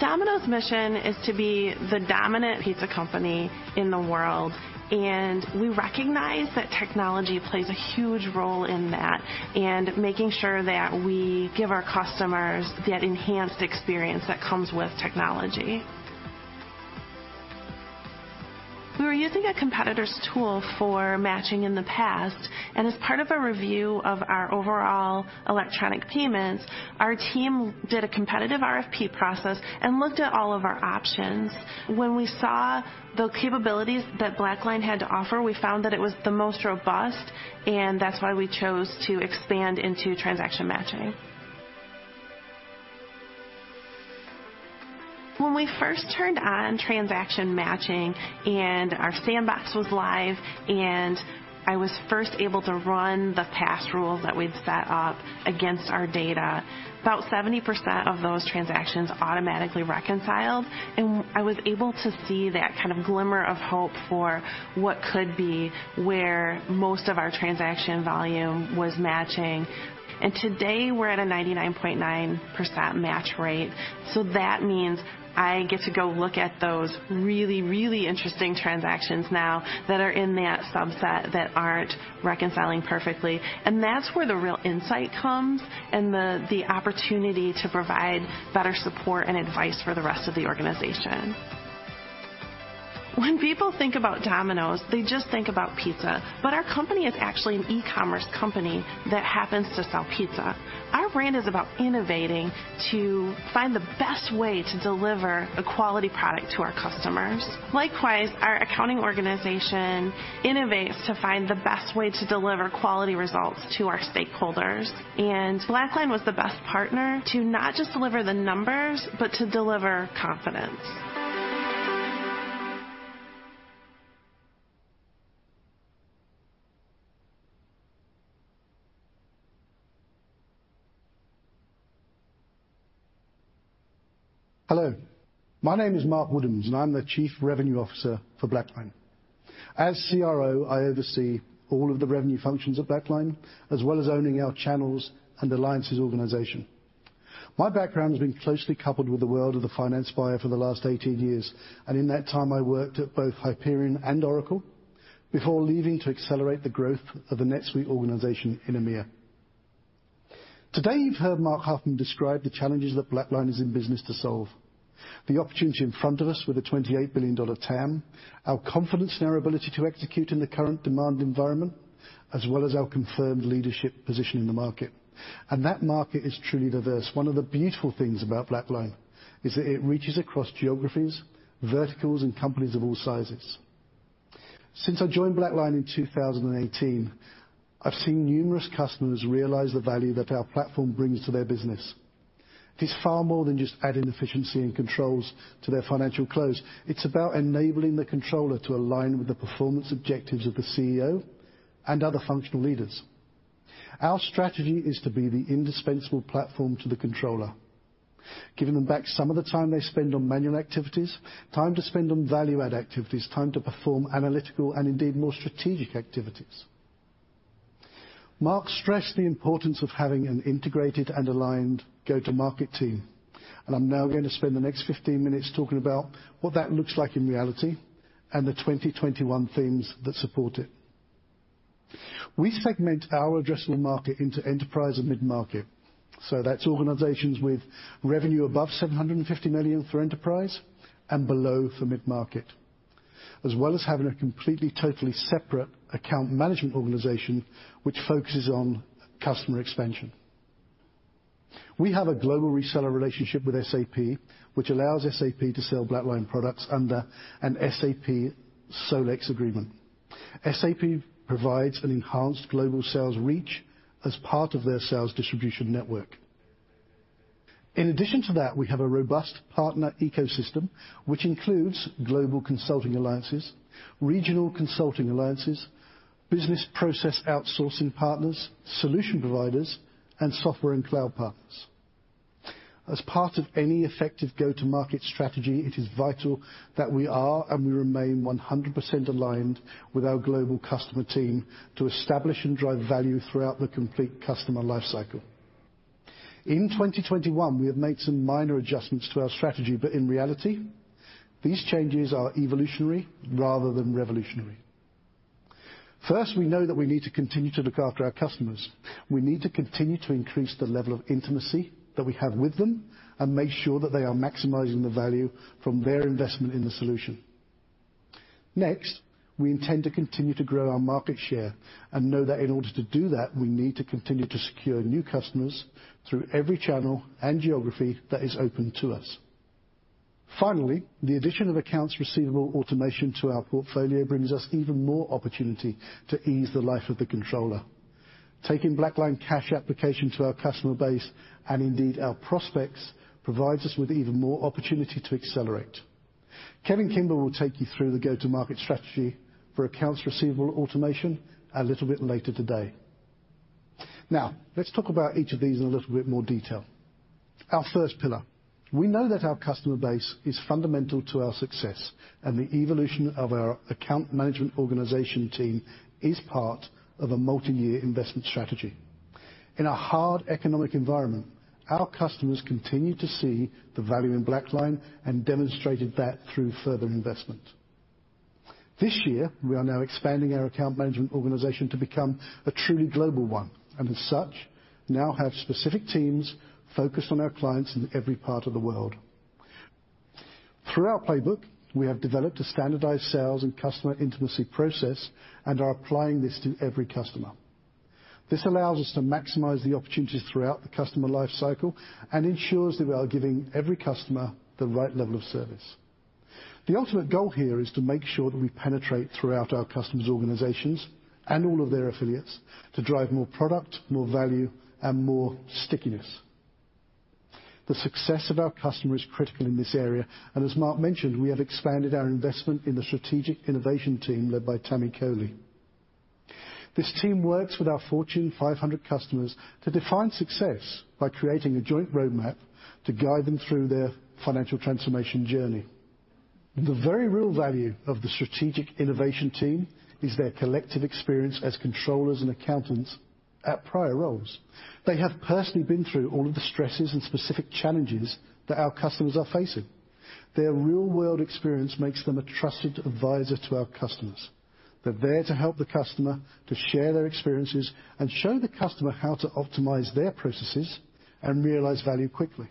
Domino's mission is to be the dominant pizza company in the world, and we recognize that technology plays a huge role in that and making sure that we give our customers that enhanced experience that comes with technology. We were using a competitor's tool for matching in the past, and as part of a review of our overall electronic payments, our team did a competitive RFP process and looked at all of our options. When we saw the capabilities that BlackLine had to offer, we found that it was the most robust, and that's why we chose to expand into transaction matching. When we first turned on transaction matching and our sandbox was live, and I was first able to run the past rules that we'd set up against our data, about 70% of those transactions automatically reconciled, and I was able to see that kind of glimmer of hope for what could be where most of our transaction volume was matching. Today, we're at a 99.9% match rate. That means I get to go look at those really, really interesting transactions now that are in that subset that aren't reconciling perfectly. That's where the real insight comes and the opportunity to provide better support and advice for the rest of the organization. When people think about Domino's, they just think about pizza, but our company is actually an e-commerce company that happens to sell pizza. Our brand is about innovating to find the best way to deliver a quality product to our customers. Likewise, our accounting organization innovates to find the best way to deliver quality results to our stakeholders. BlackLine was the best partner to not just deliver the numbers, but to deliver confidence. Hello. My name is Mark Woodhams, and I'm the Chief Revenue Officer for BlackLine. As CRO, I oversee all of the revenue functions at BlackLine, as well as owning our channels and alliances organization. My background has been closely coupled with the world of the finance buyer for the last 18 years, and in that time, I worked at both Hyperion and Oracle before leaving to accelerate the growth of the NetSuite organization in EMEA. Today, you've heard Mark Huffman describe the challenges that BlackLine is in business to solve, the opportunity in front of us with a $28 billion TAM, our confidence in our ability to execute in the current demand environment, as well as our confirmed leadership position in the market. That market is truly diverse. One of the beautiful things about BlackLine is that it reaches across geographies, verticals, and companies of all sizes. Since I joined BlackLine in 2018, I've seen numerous customers realize the value that our platform brings to their business. It's far more than just adding efficiency and controls to their financial close. It's about enabling the controller to align with the performance objectives of the CEO and other functional leaders. Our strategy is to be the indispensable platform to the controller, giving them back some of the time they spend on manual activities, time to spend on value-add activities, time to perform analytical and indeed more strategic activities. Marc stressed the importance of having an integrated and aligned go-to-market team, and I'm now going to spend the next 15 minutes talking about what that looks like in reality and the 2021 themes that support it. We segment our addressable market into enterprise and mid-market. That's organizations with revenue above $750 million for enterprise and below for mid-market, as well as having a completely, totally separate account management organization, which focuses on customer expansion. We have a global reseller relationship with SAP, which allows SAP to sell BlackLine products under an SAP Solex agreement. SAP provides an enhanced global sales reach as part of their sales distribution network. In addition to that, we have a robust partner ecosystem, which includes global consulting alliances, regional consulting alliances, business process outsourcing partners, solution providers, and software and cloud partners. As part of any effective go-to-market strategy, it is vital that we are and we remain 100% aligned with our global customer team to establish and drive value throughout the complete customer lifecycle. In 2021, we have made some minor adjustments to our strategy, but in reality, these changes are evolutionary rather than revolutionary. First, we know that we need to continue to look after our customers. We need to continue to increase the level of intimacy that we have with them and make sure that they are maximizing the value from their investment in the solution. Next, we intend to continue to grow our market share and know that in order to do that, we need to continue to secure new customers through every channel and geography that is open to us. Finally, the addition of accounts receivable automation to our portfolio brings us even more opportunity to ease the life of the controller. Taking BlackLine Cash Application to our customer base and indeed our prospects provides us with even more opportunity to accelerate. Kevin Kimber will take you through the go-to-market strategy for accounts receivable automation a little bit later today. Now, let's talk about each of these in a little bit more detail. Our first pillar. We know that our customer base is fundamental to our success, and the evolution of our account management organization team is part of a multi-year investment strategy. In a hard economic environment, our customers continue to see the value in BlackLine and demonstrated that through further investment. This year, we are now expanding our account management organization to become a truly global one and as such, now have specific teams focused on our clients in every part of the world. Through our playbook, we have developed a standardized sales and customer intimacy process and are applying this to every customer. This allows us to maximize the opportunities throughout the customer lifecycle and ensures that we are giving every customer the right level of service. The ultimate goal here is to make sure that we penetrate throughout our customers' organizations and all of their affiliates to drive more product, more value, and more stickiness. The success of our customer is critical in this area, and as Marc mentioned, we have expanded our investment in the strategic innovation team led by Tammy Kohli. This team works with our Fortune 500 customers to define success by creating a joint roadmap to guide them through their financial transformation journey. The very real value of the strategic innovation team is their collective experience as controllers and accountants at prior roles. They have personally been through all of the stresses and specific challenges that our customers are facing. Their real-world experience makes them a trusted advisor to our customers. They're there to help the customer to share their experiences and show the customer how to optimize their processes and realize value quickly.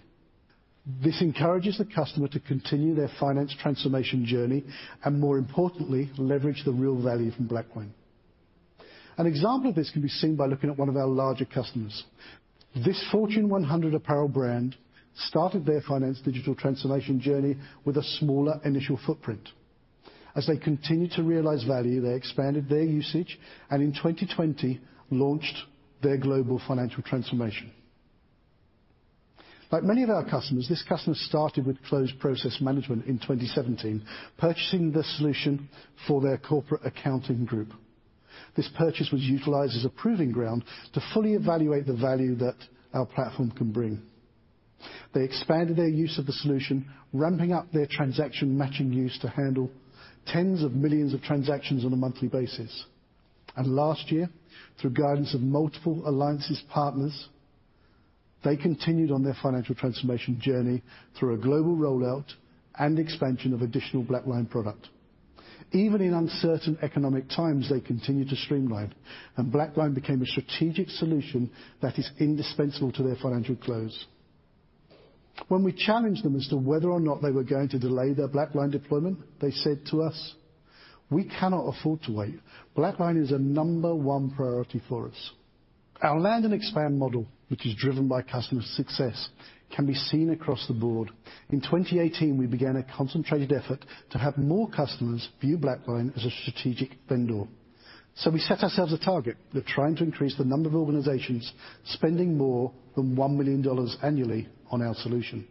This encourages the customer to continue their finance transformation journey and, more importantly, leverage the real value from BlackLine. An example of this can be seen by looking at one of our larger customers. This Fortune 100 apparel brand started their finance digital transformation journey with a smaller initial footprint. As they continued to realize value, they expanded their usage and in 2020, launched their global financial transformation. Like many of our customers, this customer started with close process management in 2017, purchasing the solution for their corporate accounting group. This purchase was utilized as a proving ground to fully evaluate the value that our platform can bring. They expanded their use of the solution, ramping up their transaction matching use to handle tens of millions of transactions on a monthly basis. Last year, through guidance of multiple alliance partners, they continued on their financial transformation journey through a global rollout and expansion of additional BlackLine product. Even in uncertain economic times, they continued to streamline, and BlackLine became a strategic solution that is indispensable to their financial close. When we challenged them as to whether or not they were going to delay their BlackLine deployment, they said to us, "We cannot afford to wait. BlackLine is a number one priority for us." Our land and expand model, which is driven by customer success, can be seen across the board. In 2018, we began a concentrated effort to have more customers view BlackLine as a strategic vendor. We set ourselves a target of trying to increase the number of organizations spending more than $1 million annually on our solution.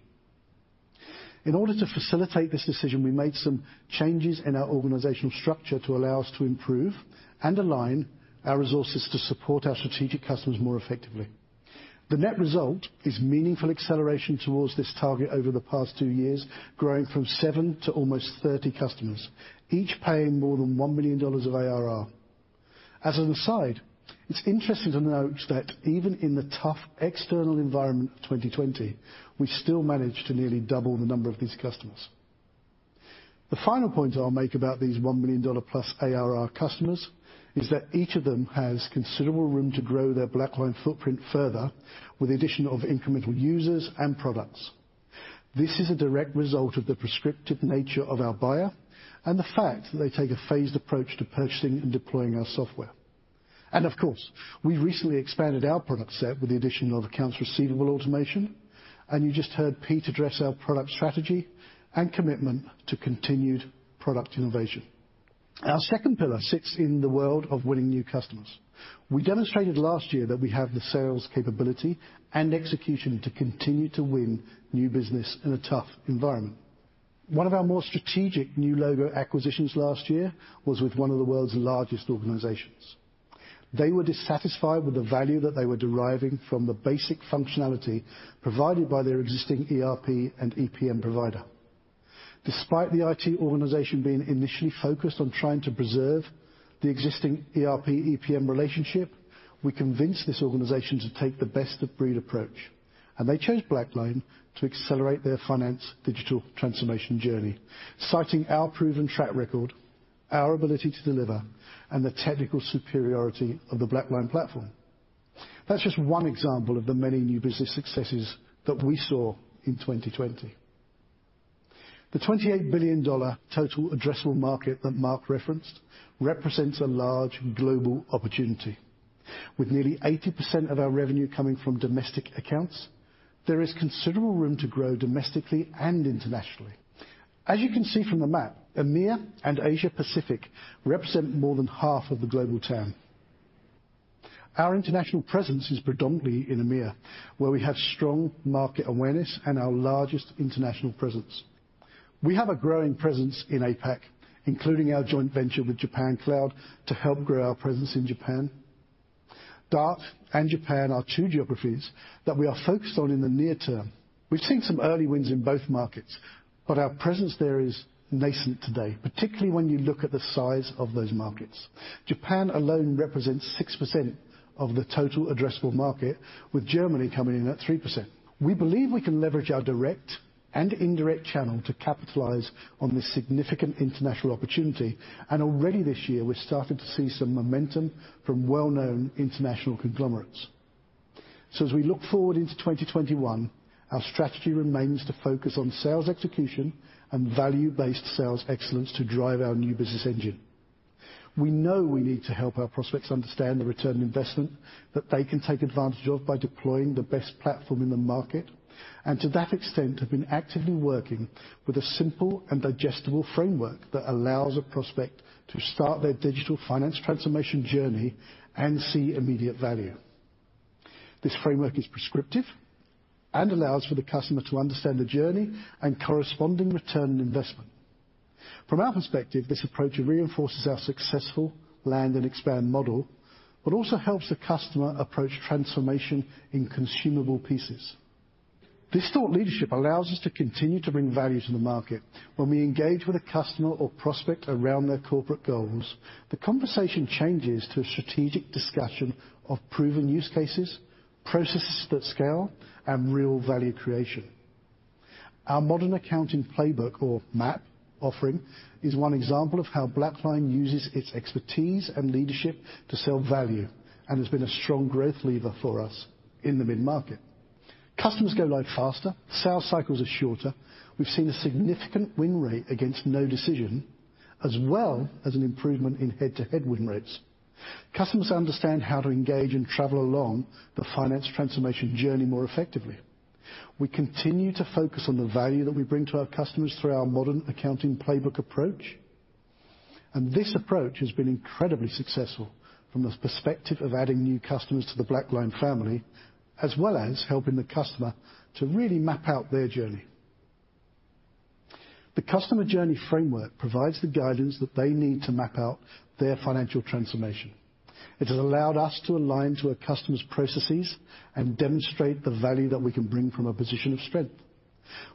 In order to facilitate this decision, we made some changes in our organizational structure to allow us to improve and align our resources to support our strategic customers more effectively. The net result is meaningful acceleration towards this target over the past two years, growing from seven to almost 30 customers, each paying more than $1 million of ARR. As an aside, it's interesting to note that even in the tough external environment of 2020, we still managed to nearly double the number of these customers. The final point I'll make about these $1 million+ ARR customers is that each of them has considerable room to grow their BlackLine footprint further with the addition of incremental users and products. This is a direct result of the prescriptive nature of our buyer and the fact that they take a phased approach to purchasing and deploying our software. Of course, we've recently expanded our product set with the addition of accounts receivable automation, and you just heard Pete address our product strategy and commitment to continued product innovation. Our second pillar sits in the world of winning new customers. We demonstrated last year that we have the sales capability and execution to continue to win new business in a tough environment. One of our more strategic new logo acquisitions last year was with one of the world's largest organizations. They were dissatisfied with the value that they were deriving from the basic functionality provided by their existing ERP and EPM provider. Despite the IT organization being initially focused on trying to preserve the existing ERP-EPM relationship, we convinced this organization to take the best-of-breed approach, and they chose BlackLine to accelerate their finance digital transformation journey, citing our proven track record, our ability to deliver, and the technical superiority of the BlackLine platform. That is just one example of the many new business successes that we saw in 2020. The $28 billion total addressable market that Marc referenced represents a large global opportunity. With nearly 80% of our revenue coming from domestic accounts, there is considerable room to grow domestically and internationally. As you can see from the map, EMEA and Asia-Pacific represent more than half of the global TAM. Our international presence is predominantly in EMEA, where we have strong market awareness and our largest international presence. We have a growing presence in APAC, including our joint venture with Japan Cloud to help grow our presence in Japan. Germany and Japan are two geographies that we are focused on in the near term. We've seen some early wins in both markets, but our presence there is nascent today, particularly when you look at the size of those markets. Japan alone represents 6% of the total addressable market, with Germany coming in at 3%. We believe we can leverage our direct and indirect channel to capitalize on this significant international opportunity, and already this year, we're starting to see some momentum from well-known international conglomerates. As we look forward into 2021, our strategy remains to focus on sales execution and value-based sales excellence to drive our new business engine. We know we need to help our prospects understand the return on investment that they can take advantage of by deploying the best platform in the market, and to that extent, have been actively working with a simple and digestible framework that allows a prospect to start their digital finance transformation journey and see immediate value. This framework is prescriptive and allows for the customer to understand the journey and corresponding return on investment. From our perspective, this approach reinforces our successful land and expand model, but also helps the customer approach transformation in consumable pieces. This thought leadership allows us to continue to bring value to the market. When we engage with a customer or prospect around their corporate goals, the conversation changes to a strategic discussion of proven use cases, processes that scale, and real value creation. Our modern accounting playbook, or MAP, offering is one example of how BlackLine uses its expertise and leadership to sell value and has been a strong growth lever for us in the mid-market. Customers go live faster, sales cycles are shorter. We've seen a significant win rate against no decision, as well as an improvement in head-to-head win rates. Customers understand how to engage and travel along the finance transformation journey more effectively. We continue to focus on the value that we bring to our customers through our modern accounting playbook approach, and this approach has been incredibly successful from the perspective of adding new customers to the BlackLine family, as well as helping the customer to really map out their journey. The customer journey framework provides the guidance that they need to map out their financial transformation. It has allowed us to align to a customer's processes and demonstrate the value that we can bring from a position of strength.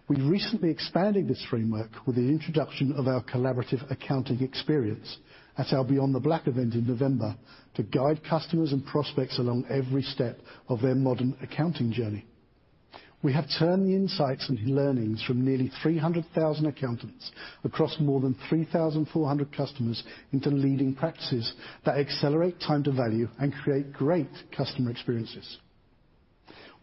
We've recently expanded this framework with the introduction of our collaborative accounting experience at our Beyond the Black event in November to guide customers and prospects along every step of their modern accounting journey. We have turned the insights and learnings from nearly 300,000 accountants across more than 3,400 customers into leading practices that accelerate time to value and create great customer experiences.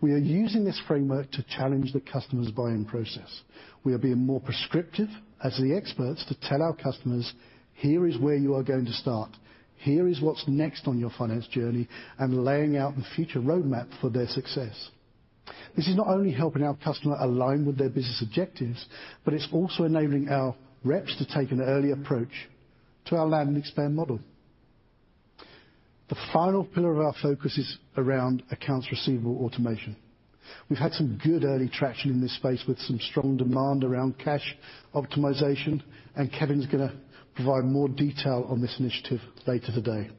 We are using this framework to challenge the customer's buying process. We are being more prescriptive as the experts to tell our customers, "Here is where you are going to start. Here is what's next on your finance journey," and laying out the future roadmap for their success. This is not only helping our customer align with their business objectives, but it's also enabling our reps to take an early approach to our land and expand model. The final pillar of our focus is around accounts receivable automation. We've had some good early traction in this space with some strong demand around cash optimization, and Kevin's going to provide more detail on this initiative later today.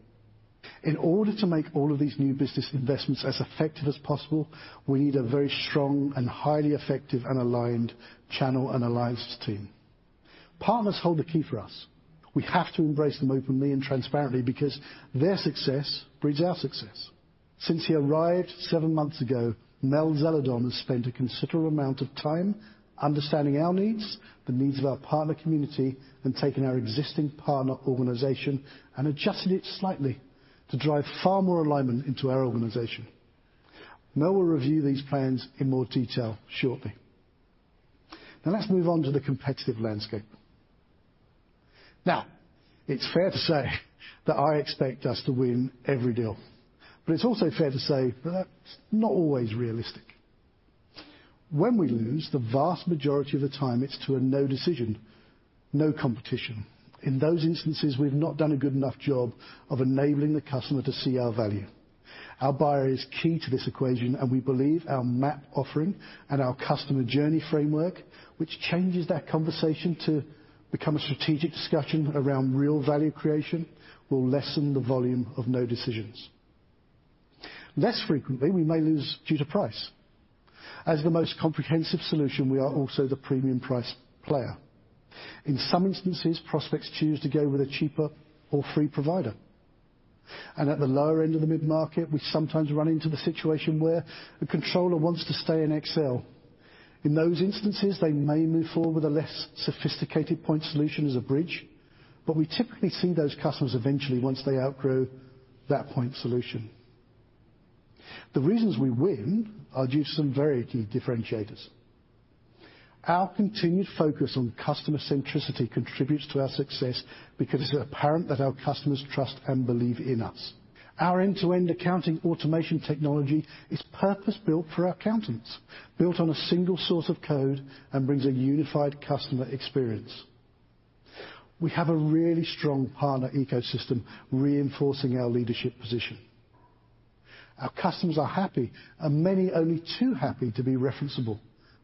In order to make all of these new business investments as effective as possible, we need a very strong and highly effective and aligned channel and alliance team. Partners hold the key for us. We have to embrace them openly and transparently because their success breeds our success. Since he arrived seven months ago, Mel Zeledon has spent a considerable amount of time understanding our needs, the needs of our partner community, and taking our existing partner organization and adjusting it slightly to drive far more alignment into our organization. Mel will review these plans in more detail shortly. Now, let's move on to the competitive landscape. It's fair to say that I expect us to win every deal, but it's also fair to say that that's not always realistic. When we lose, the vast majority of the time it's to a no decision, no competition. In those instances, we've not done a good enough job of enabling the customer to see our value. Our buyer is key to this equation, and we believe our MAP offering and our customer journey framework, which changes that conversation to become a strategic discussion around real value creation, will lessen the volume of no decisions. Less frequently, we may lose due to price. As the most comprehensive solution, we are also the premium price player. In some instances, prospects choose to go with a cheaper or free provider. At the lower end of the mid-market, we sometimes run into the situation where a controller wants to stay in Excel. In those instances, they may move forward with a less sophisticated point solution as a bridge, but we typically see those customers eventually once they outgrow that point solution. The reasons we win are due to some very key differentiators. Our continued focus on customer centricity contributes to our success because it's apparent that our customers trust and believe in us. Our end-to-end accounting automation technology is purpose-built for our accountants, built on a single source of code, and brings a unified customer experience. We have a really strong partner ecosystem reinforcing our leadership position. Our customers are happy, and many only too happy to be referenceable,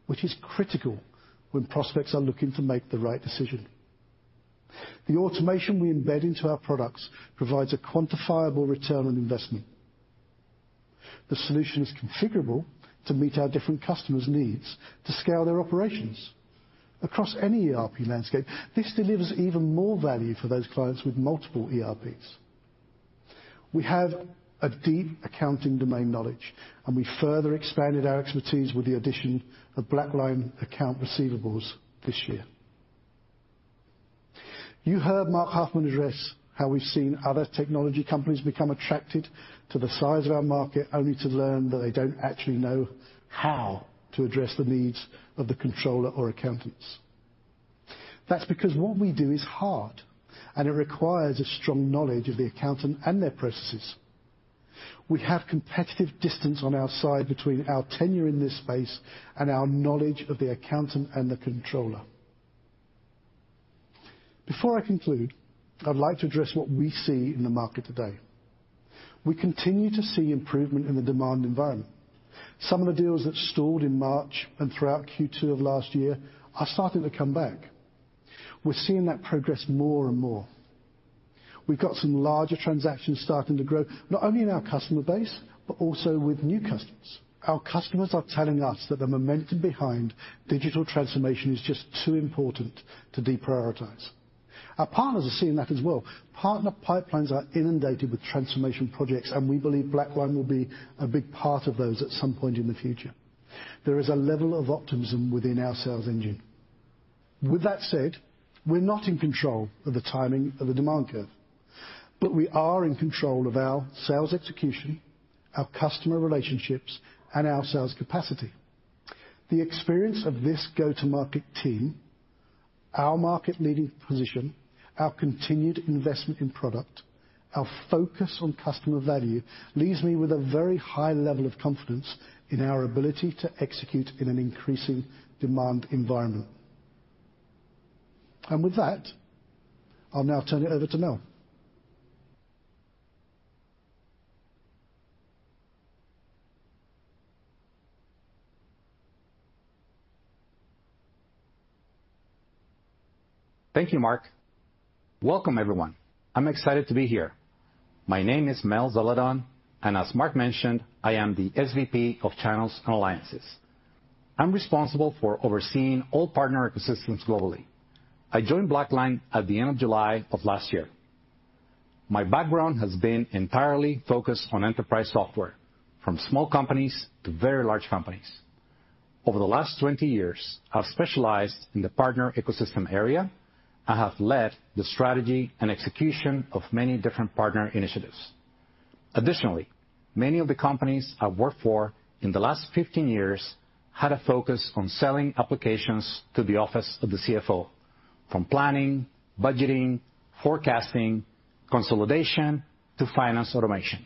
which is critical when prospects are looking to make the right decision. The automation we embed into our products provides a quantifiable return on investment. The solution is configurable to meet our different customers' needs to scale their operations. Across any ERP landscape, this delivers even more value for those clients with multiple ERPs. We have a deep accounting domain knowledge, and we further expanded our expertise with the addition of BlackLine account receivables this year. You heard Marc Huffman address how we've seen other technology companies become attracted to the size of our market only to learn that they don't actually know how to address the needs of the controller or accountants. That's because what we do is hard, and it requires a strong knowledge of the accountant and their processes. We have competitive distance on our side between our tenure in this space and our knowledge of the accountant and the controller. Before I conclude, I'd like to address what we see in the market today. We continue to see improvement in the demand environment. Some of the deals that stalled in March and throughout Q2 of last year are starting to come back. We're seeing that progress more and more. We've got some larger transactions starting to grow, not only in our customer base, but also with new customers. Our customers are telling us that the momentum behind digital transformation is just too important to deprioritize. Our partners are seeing that as well. Partner pipelines are inundated with transformation projects, and we believe BlackLine will be a big part of those at some point in the future. There is a level of optimism within our sales engine. With that said, we're not in control of the timing of the demand curve, but we are in control of our sales execution, our customer relationships, and our sales capacity. The experience of this go-to-market team, our market-leading position, our continued investment in product, our focus on customer value leaves me with a very high level of confidence in our ability to execute in an increasing demand environment. With that, I'll now turn it over to Mel. Thank you, Mark. Welcome, everyone. I'm excited to be here. My name is Mel Zellerdon, and as Mark mentioned, I am the SVP of Channels and Alliances. I'm responsible for overseeing all partner ecosystems globally. I joined BlackLine at the end of July of last year. My background has been entirely focused on enterprise software, from small companies to very large companies. Over the last 20 years, I've specialized in the partner ecosystem area and have led the strategy and execution of many different partner initiatives. Additionally, many of the companies I've worked for in the last 15 years had a focus on selling applications to the office of the CFO, from planning, budgeting, forecasting, consolidation, to finance automation.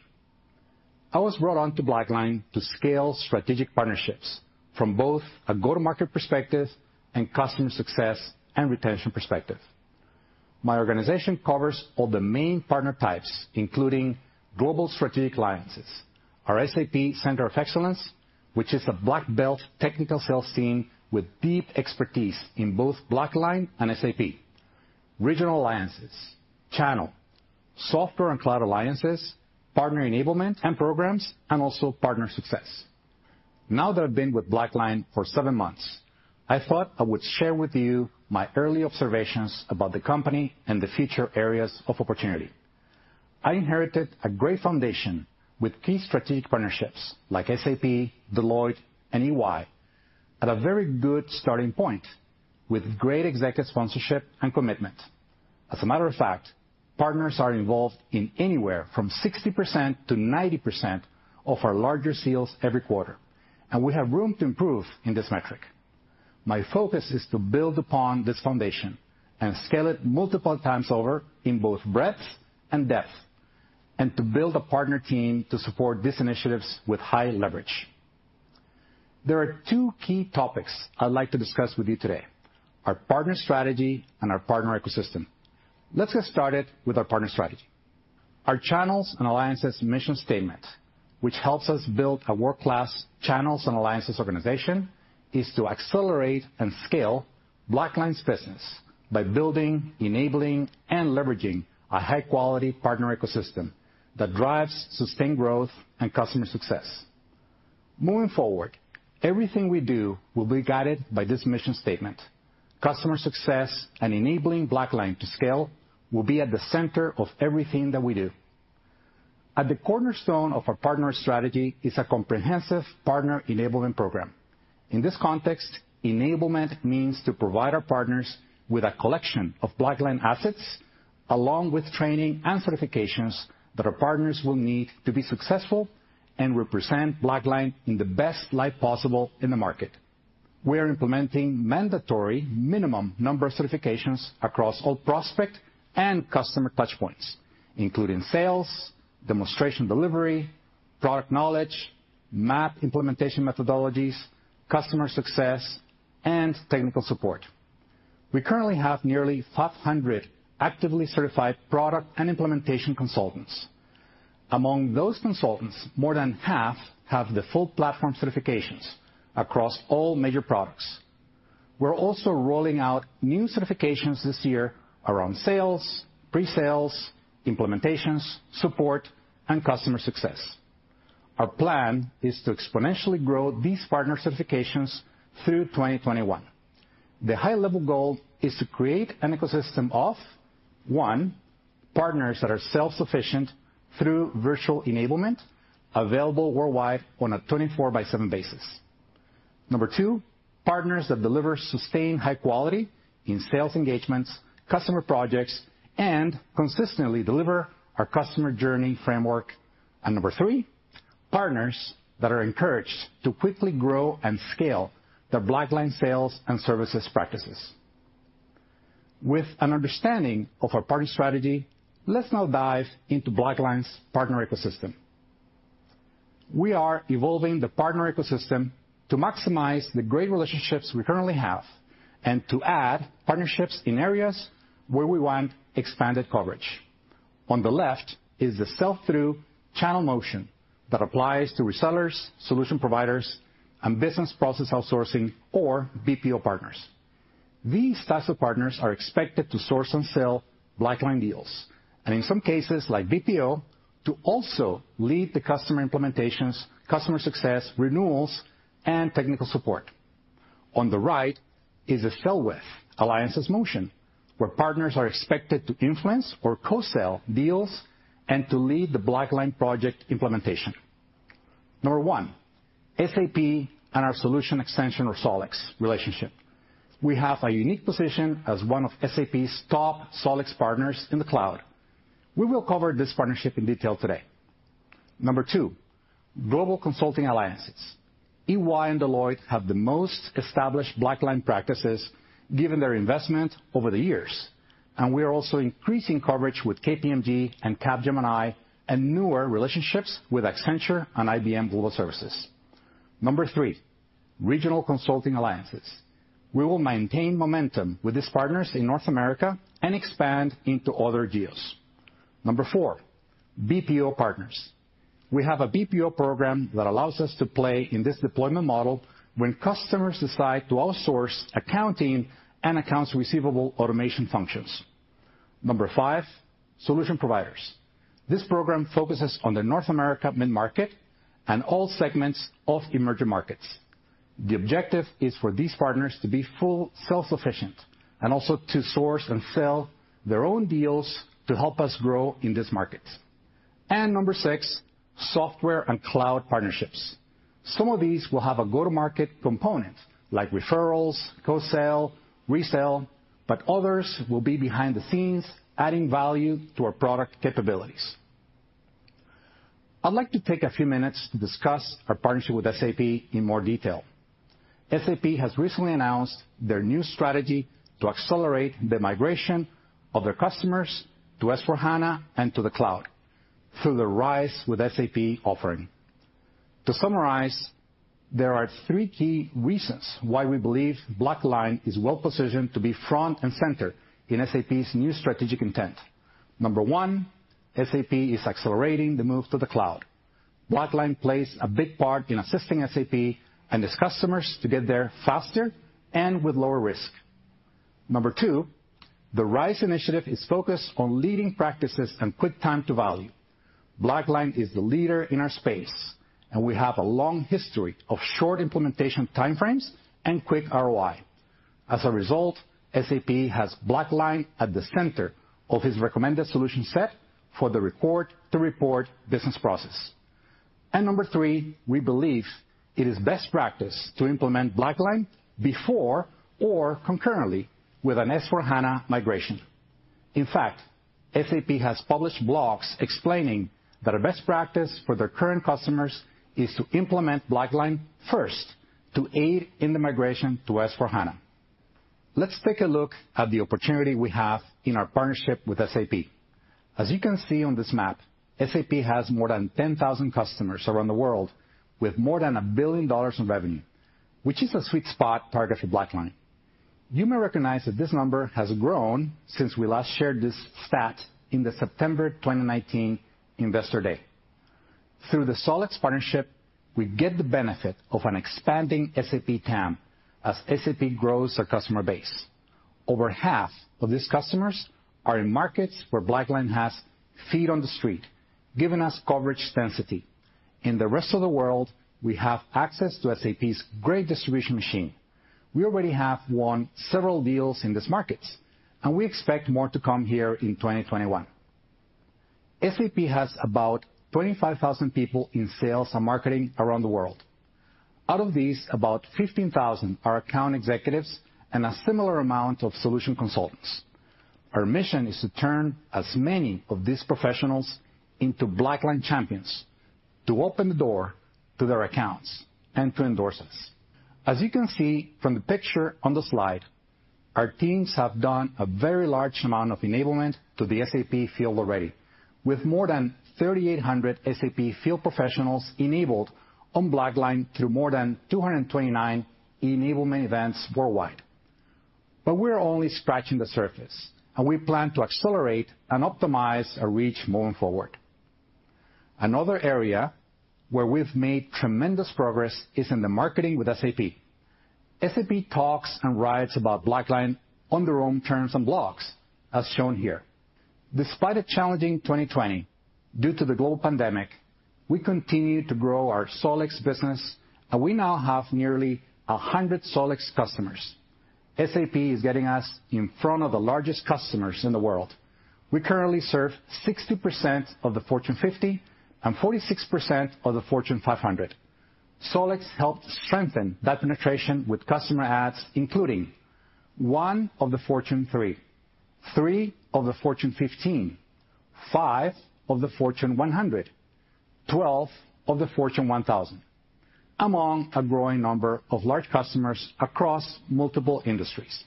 I was brought on to BlackLine to scale strategic partnerships from both a go-to-market perspective and customer success and retention perspective. My organization covers all the main partner types, including global strategic alliances. Our SAP Center of Excellence, which is a black belt technical sales team with deep expertise in both BlackLine and SAP, regional alliances, channel, software and cloud alliances, partner enablement and programs, and also partner success. Now that I've been with BlackLine for seven months, I thought I would share with you my early observations about the company and the future areas of opportunity. I inherited a great foundation with key strategic partnerships like SAP, Deloitte, and EY at a very good starting point with great executive sponsorship and commitment. As a matter of fact, partners are involved in anywhere from 60% to 90% of our larger sales every quarter, and we have room to improve in this metric. My focus is to build upon this foundation and scale it multiple times over in both breadth and depth, and to build a partner team to support these initiatives with high leverage. There are two key topics I'd like to discuss with you today: our partner strategy and our partner ecosystem. Let's get started with our partner strategy. Our Channels and Alliances mission statement, which helps us build a world-class Channels and Alliances organization, is to accelerate and scale BlackLine's business by building, enabling, and leveraging a high-quality partner ecosystem that drives sustained growth and customer success. Moving forward, everything we do will be guided by this mission statement. Customer success and enabling BlackLine to scale will be at the center of everything that we do. At the cornerstone of our partner strategy is a comprehensive partner enablement program. In this context, enablement means to provide our partners with a collection of BlackLine assets, along with training and certifications that our partners will need to be successful and represent BlackLine in the best light possible in the market. We are implementing mandatory minimum number of certifications across all prospect and customer touchpoints, including sales, demonstration delivery, product knowledge, MAP implementation methodologies, customer success, and technical support. We currently have nearly 500 actively certified product and implementation consultants. Among those consultants, more than half have the full platform certifications across all major products. We're also rolling out new certifications this year around sales, pre-sales, implementations, support, and customer success. Our plan is to exponentially grow these partner certifications through 2021. The high-level goal is to create an ecosystem of, one, partners that are self-sufficient through virtual enablement available worldwide on a 24-by-7 basis. Number two, partners that deliver sustained high quality in sales engagements, customer projects, and consistently deliver our customer journey framework. Number three, partners that are encouraged to quickly grow and scale their BlackLine sales and services practices. With an understanding of our partner strategy, let's now dive into BlackLine's partner ecosystem. We are evolving the partner ecosystem to maximize the great relationships we currently have and to add partnerships in areas where we want expanded coverage. On the left is the sell-through channel motion that applies to resellers, solution providers, and business process outsourcing, or BPO partners. These types of partners are expected to source and sell BlackLine deals, and in some cases, like BPO, to also lead the customer implementations, customer success, renewals, and technical support. On the right is the sell-with Alliances motion, where partners are expected to influence or co-sell deals and to lead the BlackLine project implementation. Number one, SAP and our solution extension or Solex relationship. We have a unique position as one of SAP's top Solex partners in the cloud. We will cover this partnership in detail today. Number two, global consulting alliances. EY and Deloitte have the most established BlackLine practices given their investment over the years, and we are also increasing coverage with KPMG and Capgemini and newer relationships with Accenture and IBM Global Services. Number three, regional consulting alliances. We will maintain momentum with these partners in North America and expand into other deals. Number four, BPO partners. We have a BPO program that allows us to play in this deployment model when customers decide to outsource accounting and accounts receivable automation functions. Number five, solution providers. This program focuses on the North America mid-market and all segments of emerging markets. The objective is for these partners to be fully self-sufficient and also to source and sell their own deals to help us grow in these markets. Number six, software and cloud partnerships. Some of these will have a go-to-market component like referrals, co-sell, resell, but others will be behind the scenes adding value to our product capabilities. I'd like to take a few minutes to discuss our partnership with SAP in more detail. SAP has recently announced their new strategy to accelerate the migration of their customers to S/4HANA and to the cloud through the RISE with SAP offering. To summarize, there are three key reasons why we believe BlackLine is well-positioned to be front and center in SAP's new strategic intent. Number one, SAP is accelerating the move to the cloud. BlackLine plays a big part in assisting SAP and its customers to get there faster and with lower risk. Number two, the RISE initiative is focused on leading practices and quick time to value. BlackLine is the leader in our space, and we have a long history of short implementation timeframes and quick ROI. As a result, SAP has BlackLine at the center of its recommended solution set for the record-to-report business process. Number three, we believe it is best practice to implement BlackLine before or concurrently with an S/4HANA migration. In fact, SAP has published blogs explaining that a best practice for their current customers is to implement BlackLine first to aid in the migration to S/4HANA. Let's take a look at the opportunity we have in our partnership with SAP. As you can see on this map, SAP has more than 10,000 customers around the world with more than $1 billion in revenue, which is a sweet spot target for BlackLine. You may recognize that this number has grown since we last shared this stat in the September 2019 Investor Day. Through the Solex partnership, we get the benefit of an expanding SAP TAM as SAP grows our customer base. Over half of these customers are in markets where BlackLine has feet on the street, giving us coverage density. In the rest of the world, we have access to SAP's great distribution machine. We already have won several deals in these markets, and we expect more to come here in 2021. SAP has about 25,000 people in sales and marketing around the world. Out of these, about 15,000 are account executives and a similar amount of solution consultants. Our mission is to turn as many of these professionals into BlackLine champions to open the door to their accounts and to endorse us. As you can see from the picture on the slide, our teams have done a very large amount of enablement to the SAP field already, with more than 3,800 SAP field professionals enabled on BlackLine through more than 229 enablement events worldwide. We are only scratching the surface, and we plan to accelerate and optimize our reach moving forward. Another area where we have made tremendous progress is in the marketing with SAP. SAP talks and writes about BlackLine on their own terms and blogs, as shown here. Despite a challenging 2020 due to the global pandemic, we continue to grow our Solex business, and we now have nearly 100 Solex customers. SAP is getting us in front of the largest customers in the world. We currently serve 60% of the Fortune 50 and 46% of the Fortune 500. Solex helped strengthen that penetration with customer ads, including one of the Fortune 3, three of the Fortune 15, five of the Fortune 100, and twelve of the Fortune 1,000, among a growing number of large customers across multiple industries.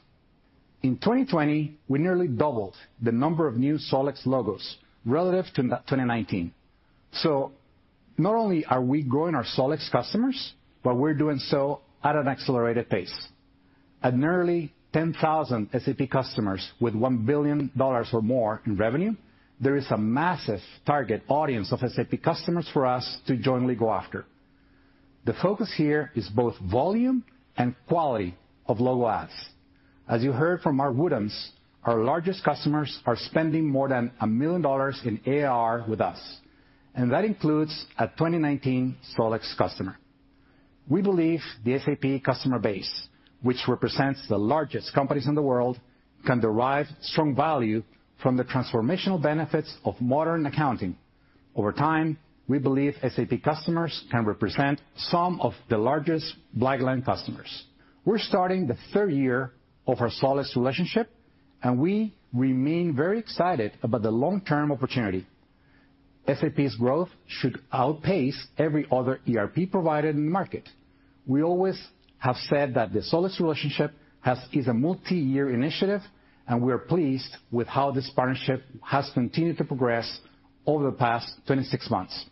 In 2020, we nearly doubled the number of new Solex logos relative to 2019. Not only are we growing our Solex customers, but we're doing so at an accelerated pace. At nearly 10,000 SAP customers with $1 billion or more in revenue, there is a massive target audience of SAP customers for us to jointly go after. The focus here is both volume and quality of logo ads. As you heard from Mark Woodhams, our largest customers are spending more than $1 million in ARR with us, and that includes a 2019 Solex customer. We believe the SAP customer base, which represents the largest companies in the world, can derive strong value from the transformational benefits of modern accounting. Over time, we believe SAP customers can represent some of the largest BlackLine customers. We're starting the third year of our Solex relationship, and we remain very excited about the long-term opportunity. SAP's growth should outpace every other ERP provider in the market. We always have said that the Solex relationship is a multi-year initiative, and we are pleased with how this partnership has continued to progress over the past 26 months.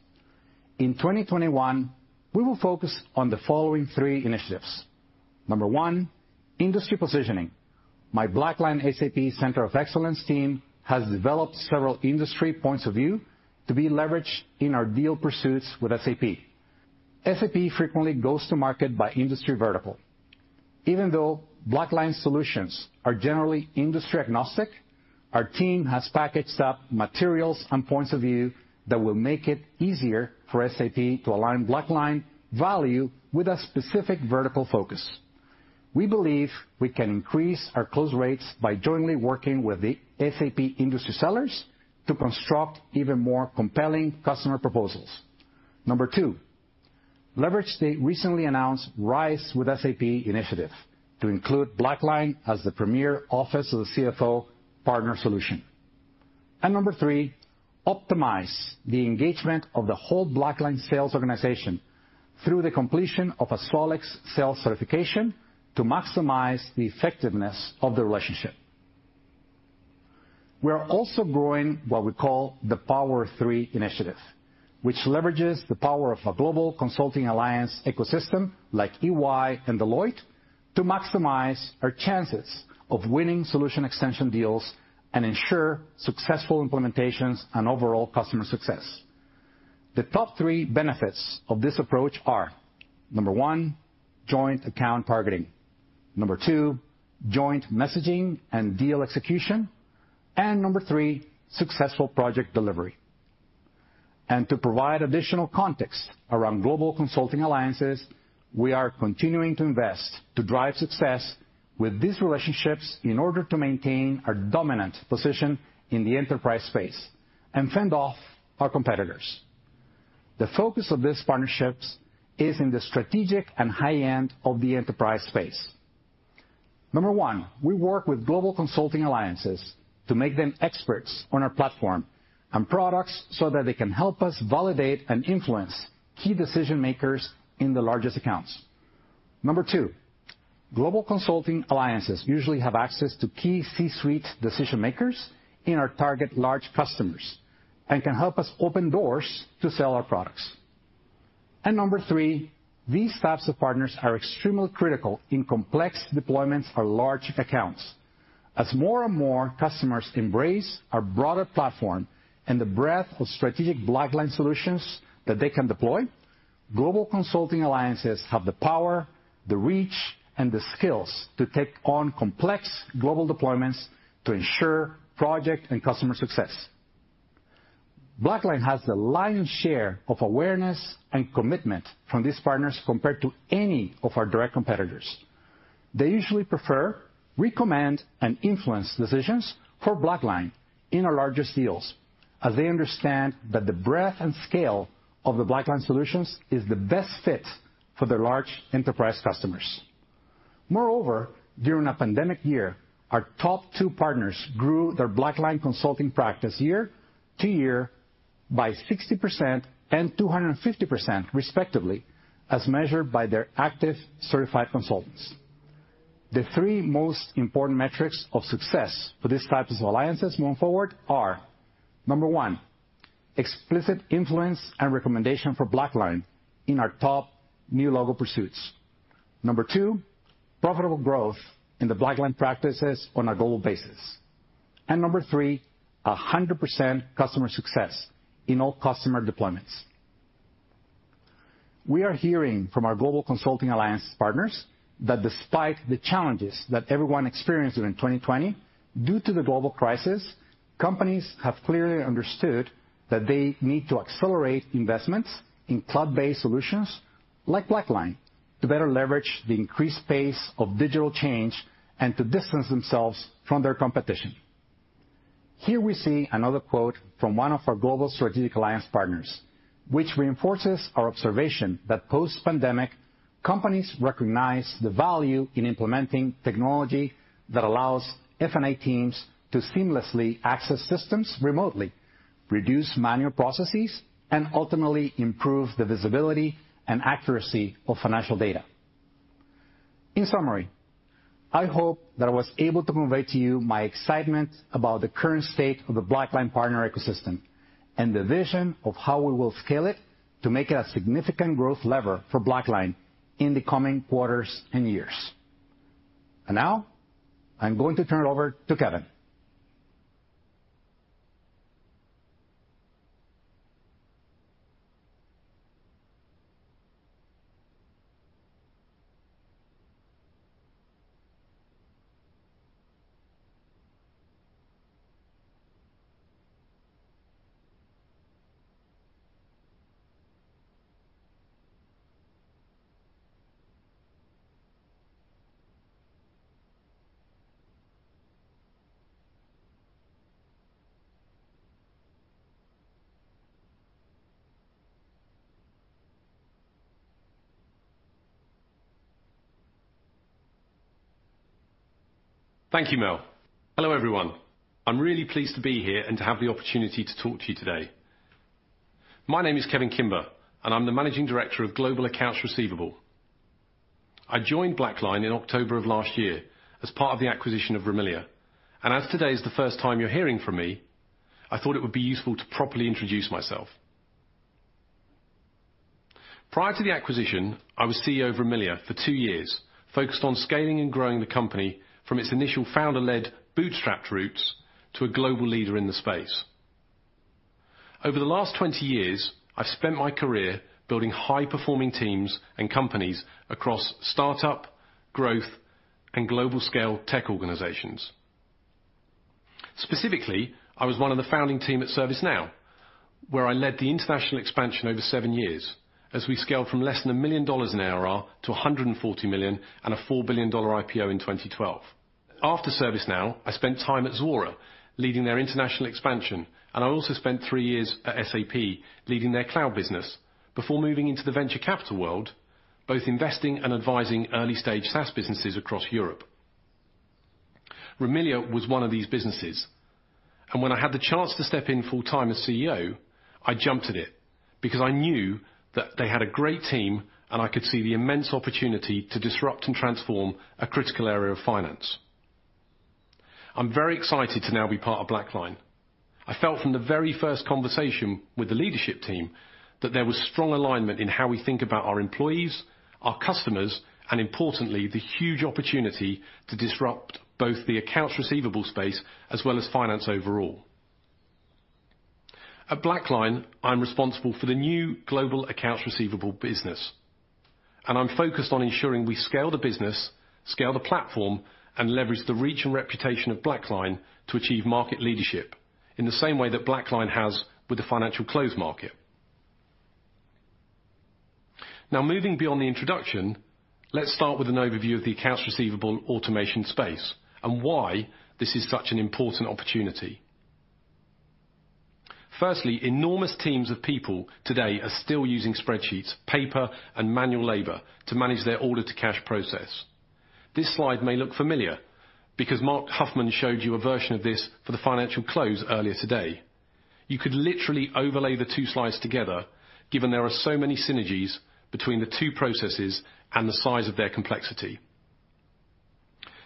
In 2021, we will focus on the following three initiatives. Number one, industry positioning. My BlackLine SAP Center of Excellence team has developed several industry points of view to be leveraged in our deal pursuits with SAP. SAP frequently goes to market by industry vertical. Even though BlackLine solutions are generally industry agnostic, our team has packaged up materials and points of view that will make it easier for SAP to align BlackLine value with a specific vertical focus. We believe we can increase our close rates by jointly working with the SAP industry sellers to construct even more compelling customer proposals. Number two, leverage the recently announced RISE with SAP initiative to include BlackLine as the premier office of the CFO partner solution. Number three, optimize the engagement of the whole BlackLine sales organization through the completion of a Solex sales certification to maximize the effectiveness of the relationship. We are also growing what we call the Power Three initiative, which leverages the power of a global consulting alliance ecosystem like EY and Deloitte to maximize our chances of winning solution extension deals and ensure successful implementations and overall customer success. The top three benefits of this approach are number one, joint account targeting; number two, joint messaging and deal execution; and number three, successful project delivery. To provide additional context around global consulting alliances, we are continuing to invest to drive success with these relationships in order to maintain our dominant position in the enterprise space and fend off our competitors. The focus of these partnerships is in the strategic and high-end of the enterprise space. Number one, we work with global consulting alliances to make them experts on our platform and products so that they can help us validate and influence key decision-makers in the largest accounts. Number two, global consulting alliances usually have access to key C-suite decision-makers in our target large customers and can help us open doors to sell our products. Number three, these types of partners are extremely critical in complex deployments or large accounts. As more and more customers embrace our broader platform and the breadth of strategic BlackLine solutions that they can deploy, global consulting alliances have the power, the reach, and the skills to take on complex global deployments to ensure project and customer success. BlackLine has the lion's share of awareness and commitment from these partners compared to any of our direct competitors. They usually prefer, recommend, and influence decisions for BlackLine in our largest deals as they understand that the breadth and scale of the BlackLine solutions is the best fit for their large enterprise customers. Moreover, during a pandemic year, our top two partners grew their BlackLine consulting practice year-to-year by 60% and 250% respectively as measured by their active certified consultants. The three most important metrics of success for these types of alliances moving forward are number one, explicit influence and recommendation for BlackLine in our top new logo pursuits. Number two, profitable growth in the BlackLine practices on a global basis. Number three, 100% customer success in all customer deployments. We are hearing from our global consulting alliance partners that despite the challenges that everyone experienced during 2020 due to the global crisis, companies have clearly understood that they need to accelerate investments in cloud-based solutions like BlackLine to better leverage the increased pace of digital change and to distance themselves from their competition. Here we see another quote from one of our global strategic alliance partners, which reinforces our observation that post-pandemic companies recognize the value in implementing technology that allows F&I teams to seamlessly access systems remotely, reduce manual processes, and ultimately improve the visibility and accuracy of financial data. In summary, I hope that I was able to convey to you my excitement about the current state of the BlackLine partner ecosystem and the vision of how we will scale it to make it a significant growth lever for BlackLine in the coming quarters and years. I am going to turn it over to Kevin. Thank you, Mel. Hello, everyone. I'm really pleased to be here and to have the opportunity to talk to you today. My name is Kevin Kimber, and I'm the managing director of Global Accounts Receivable. I joined BlackLine in October of last year as part of the acquisition of Remilia, and as today is the first time you're hearing from me, I thought it would be useful to properly introduce myself. Prior to the acquisition, I was CEO of Remilia for two years, focused on scaling and growing the company from its initial founder-led bootstrapped roots to a global leader in the space. Over the last 20 years, I've spent my career building high-performing teams and companies across startup, growth, and global-scale tech organizations. Specifically, I was one of the founding team at ServiceNow, where I led the international expansion over seven years as we scaled from less than $1 million in ARR to $140 million and a $4 billion IPO in 2012. After ServiceNow, I spent time at Zuora leading their international expansion, and I also spent three years at SAP leading their cloud business before moving into the venture capital world, both investing and advising early-stage SaaS businesses across Europe. Remilia was one of these businesses, and when I had the chance to step in full-time as CEO, I jumped at it because I knew that they had a great team and I could see the immense opportunity to disrupt and transform a critical area of finance. I'm very excited to now be part of BlackLine. I felt from the very first conversation with the leadership team that there was strong alignment in how we think about our employees, our customers, and importantly, the huge opportunity to disrupt both the accounts receivable space as well as finance overall. At BlackLine, I'm responsible for the new global accounts receivable business, and I'm focused on ensuring we scale the business, scale the platform, and leverage the reach and reputation of BlackLine to achieve market leadership in the same way that BlackLine has with the financial close market. Now, moving beyond the introduction, let's start with an overview of the accounts receivable automation space and why this is such an important opportunity. Firstly, enormous teams of people today are still using spreadsheets, paper, and manual labor to manage their order-to-cash process. This slide may look familiar because Mark Huffman showed you a version of this for the financial close earlier today. You could literally overlay the two slides together given there are so many synergies between the two processes and the size of their complexity.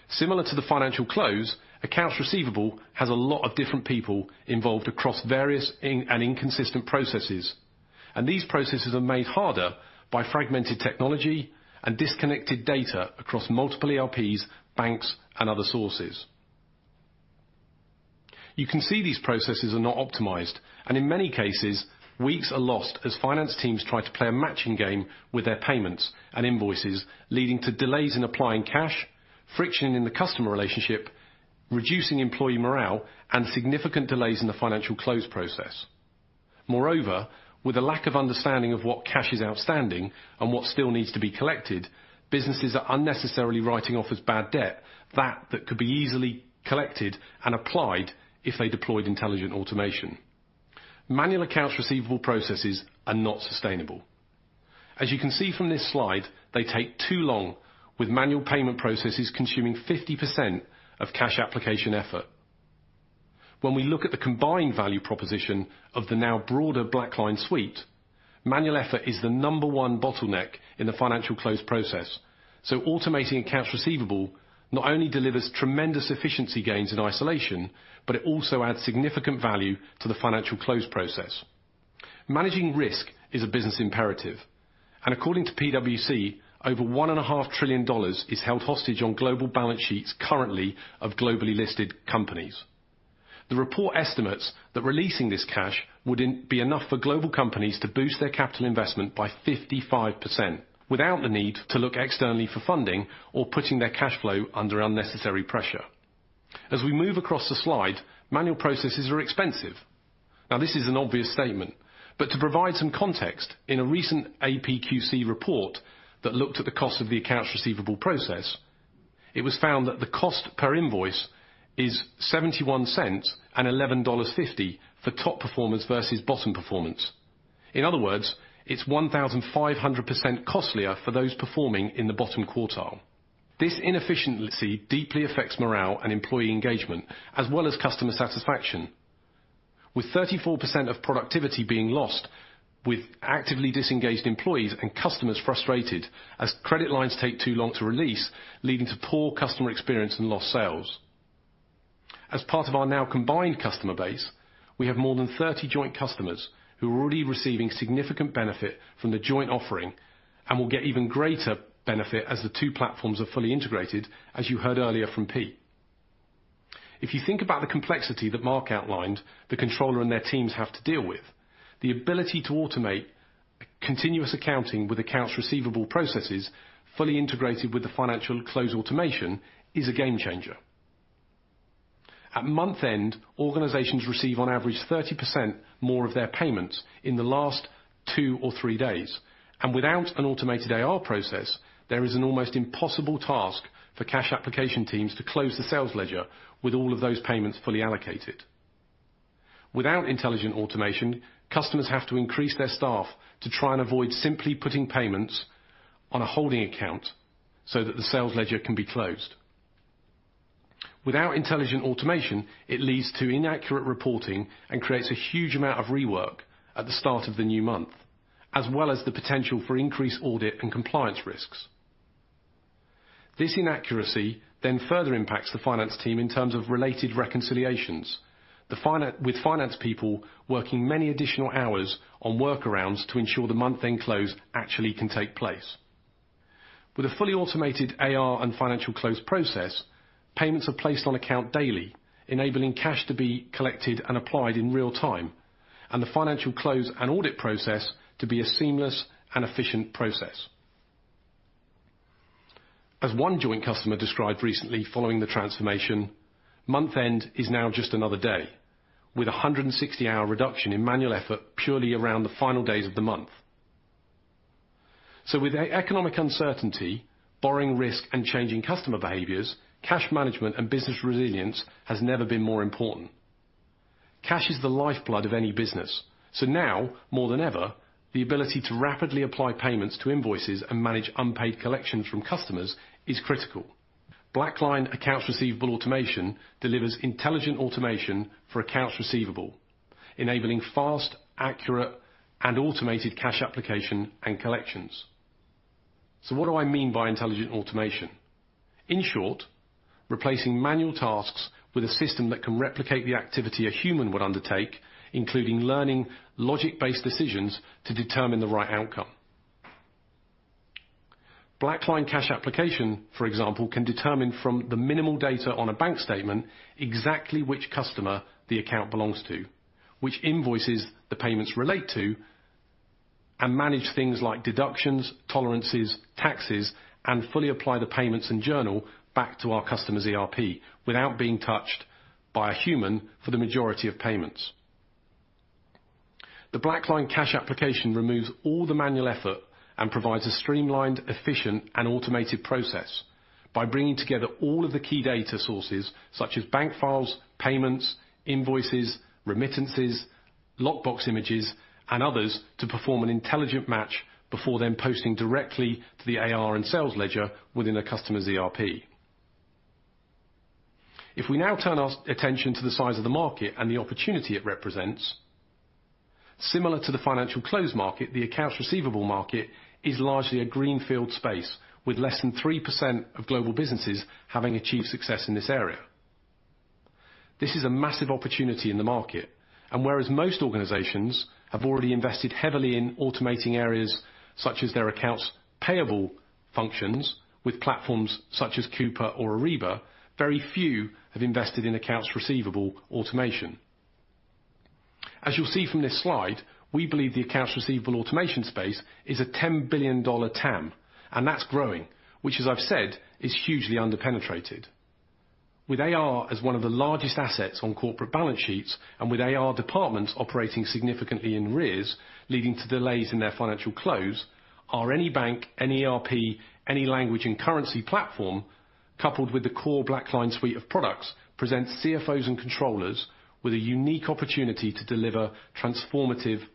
Similar to the financial close, accounts receivable has a lot of different people involved across various and inconsistent processes, and these processes are made harder by fragmented technology and disconnected data across multiple ERPs, banks, and other sources. You can see these processes are not optimized, and in many cases, weeks are lost as finance teams try to play a matching game with their payments and invoices, leading to delays in applying cash, friction in the customer relationship, reducing employee morale, and significant delays in the financial close process. Moreover, with a lack of understanding of what cash is outstanding and what still needs to be collected, businesses are unnecessarily writing off as bad debt that could be easily collected and applied if they deployed intelligent automation. Manual accounts receivable processes are not sustainable. As you can see from this slide, they take too long, with manual payment processes consuming 50% of cash application effort. When we look at the combined value proposition of the now broader BlackLine suite, manual effort is the number one bottleneck in the financial close process. Automating accounts receivable not only delivers tremendous efficiency gains in isolation, but it also adds significant value to the financial close process. Managing risk is a business imperative, and according to PwC, over $1.5 trillion is held hostage on global balance sheets currently of globally listed companies. The report estimates that releasing this cash would be enough for global companies to boost their capital investment by 55% without the need to look externally for funding or putting their cash flow under unnecessary pressure. As we move across the slide, manual processes are expensive. Now, this is an obvious statement, but to provide some context, in a recent APQC report that looked at the cost of the accounts receivable process, it was found that the cost per invoice is $0.71 and $11.50 for top performers versus bottom performers. In other words, it is 1,500% costlier for those performing in the bottom quartile. This inefficiency deeply affects morale and employee engagement as well as customer satisfaction, with 34% of productivity being lost with actively disengaged employees and customers frustrated as credit lines take too long to release, leading to poor customer experience and lost sales. As part of our now combined customer base, we have more than 30 joint customers who are already receiving significant benefit from the joint offering and will get even greater benefit as the two platforms are fully integrated, as you heard earlier from Pete. If you think about the complexity that Mark outlined, the controller and their teams have to deal with, the ability to automate continuous accounting with accounts receivable processes fully integrated with the financial close automation is a game changer. At month-end, organizations receive on average 30% more of their payments in the last two or three days, and without an automated AR process, there is an almost impossible task for cash application teams to close the sales ledger with all of those payments fully allocated. Without intelligent automation, customers have to increase their staff to try and avoid simply putting payments on a holding account so that the sales ledger can be closed. Without intelligent automation, it leads to inaccurate reporting and creates a huge amount of rework at the start of the new month, as well as the potential for increased audit and compliance risks. This inaccuracy then further impacts the finance team in terms of related reconciliations, with finance people working many additional hours on workarounds to ensure the month-end close actually can take place. With a fully automated AR and financial close process, payments are placed on account daily, enabling cash to be collected and applied in real time, and the financial close and audit process to be a seamless and efficient process. As one joint customer described recently following the transformation, month-end is now just another day, with a 160-hour reduction in manual effort purely around the final days of the month. With economic uncertainty, borrowing risk, and changing customer behaviors, cash management and business resilience has never been more important. Cash is the lifeblood of any business, so now, more than ever, the ability to rapidly apply payments to invoices and manage unpaid collections from customers is critical. BlackLine accounts receivable automation delivers intelligent automation for accounts receivable, enabling fast, accurate, and automated cash application and collections. What do I mean by intelligent automation? In short, replacing manual tasks with a system that can replicate the activity a human would undertake, including learning logic-based decisions to determine the right outcome. BlackLine cash application, for example, can determine from the minimal data on a bank statement exactly which customer the account belongs to, which invoices the payments relate to, and manage things like deductions, tolerances, taxes, and fully apply the payments and journal back to our customer's ERP without being touched by a human for the majority of payments. The BlackLine Cash Application removes all the manual effort and provides a streamlined, efficient, and automated process by bringing together all of the key data sources such as bank files, payments, invoices, remittances, lockbox images, and others to perform an intelligent match before then posting directly to the AR and sales ledger within a customer's ERP. If we now turn our attention to the size of the market and the opportunity it represents, similar to the financial close market, the accounts receivable market is largely a greenfield space with less than 3% of global businesses having achieved success in this area. This is a massive opportunity in the market, and whereas most organizations have already invested heavily in automating areas such as their accounts payable functions with platforms such as Coupa or Ariba, very few have invested in accounts receivable automation. As you'll see from this slide, we believe the accounts receivable automation space is a $10 billion TAM, and that's growing, which, as I've said, is hugely underpenetrated. With AR as one of the largest assets on corporate balance sheets and with AR departments operating significantly in rears, leading to delays in their financial close, our any bank, any ERP, any language and currency platform, coupled with the core BlackLine suite of products, presents CFOs and controllers with a unique opportunity to deliver transformative automation.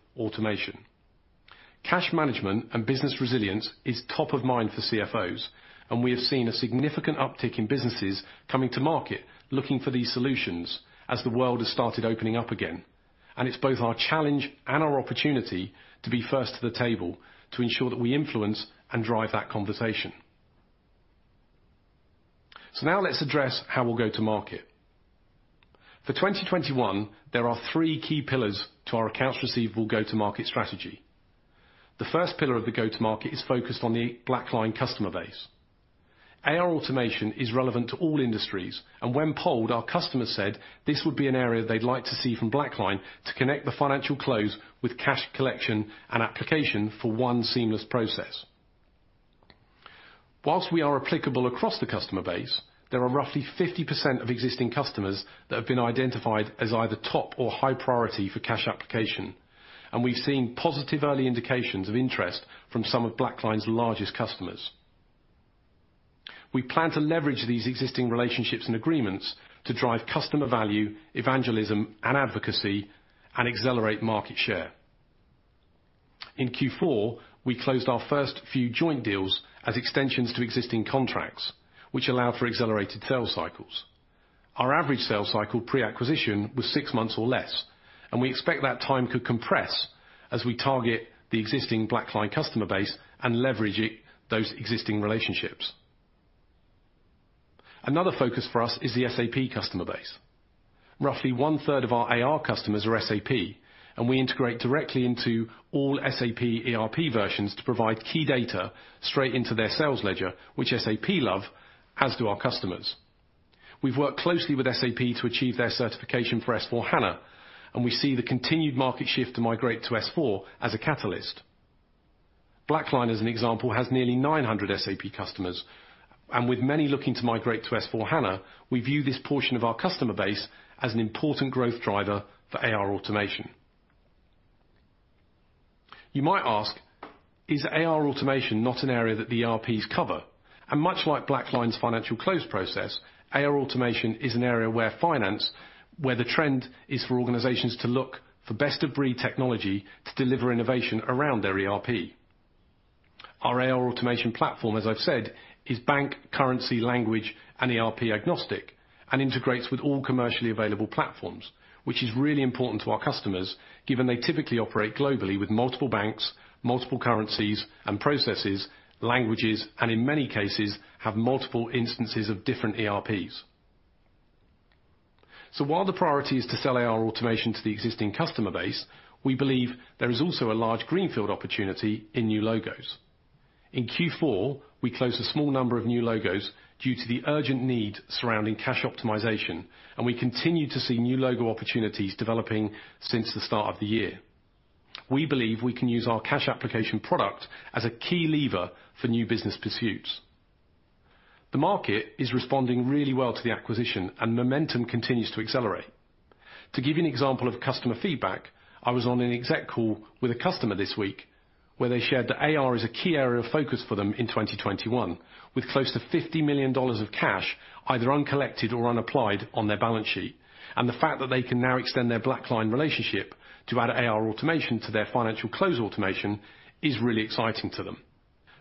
Cash management and business resilience is top of mind for CFOs, and we have seen a significant uptick in businesses coming to market looking for these solutions as the world has started opening up again, and it's both our challenge and our opportunity to be first to the table to ensure that we influence and drive that conversation. Now let's address how we'll go to market. For 2021, there are three key pillars to our accounts receivable go-to-market strategy. The first pillar of the go-to-market is focused on the BlackLine customer base. AR automation is relevant to all industries, and when polled, our customers said this would be an area they'd like to see from BlackLine to connect the financial close with cash collection and application for one seamless process. Whilst we are applicable across the customer base, there are roughly 50% of existing customers that have been identified as either top or high priority for cash application, and we've seen positive early indications of interest from some of BlackLine's largest customers. We plan to leverage these existing relationships and agreements to drive customer value, evangelism, and advocacy, and accelerate market share. In Q4, we closed our first few joint deals as extensions to existing contracts, which allowed for accelerated sales cycles. Our average sales cycle pre-acquisition was six months or less, and we expect that time could compress as we target the existing BlackLine customer base and leverage those existing relationships. Another focus for us is the SAP customer base. Roughly one-third of our AR customers are SAP, and we integrate directly into all SAP ERP versions to provide key data straight into their sales ledger, which SAP love, as do our customers. We've worked closely with SAP to achieve their certification for S/4HANA, and we see the continued market shift to migrate to S/4 as a catalyst. BlackLine, as an example, has nearly 900 SAP customers, and with many looking to migrate to S/4HANA, we view this portion of our customer base as an important growth driver for AR automation. You might ask, is AR automation not an area that the ERPs cover? Much like BlackLine's financial close process, AR automation is an area where the trend is for organizations to look for best-of-breed technology to deliver innovation around their ERP. Our AR automation platform, as I've said, is bank, currency, language, and ERP agnostic and integrates with all commercially available platforms, which is really important to our customers given they typically operate globally with multiple banks, multiple currencies, processes, languages, and in many cases, have multiple instances of different ERPs. While the priority is to sell AR automation to the existing customer base, we believe there is also a large greenfield opportunity in new logos. In Q4, we closed a small number of new logos due to the urgent need surrounding cash optimization, and we continue to see new logo opportunities developing since the start of the year. We believe we can use our cash application product as a key lever for new business pursuits. The market is responding really well to the acquisition, and momentum continues to accelerate. To give you an example of customer feedback, I was on an exec call with a customer this week where they shared that AR is a key area of focus for them in 2021, with close to $50 million of cash either uncollected or unapplied on their balance sheet, and the fact that they can now extend their BlackLine relationship to add AR automation to their financial close automation is really exciting to them.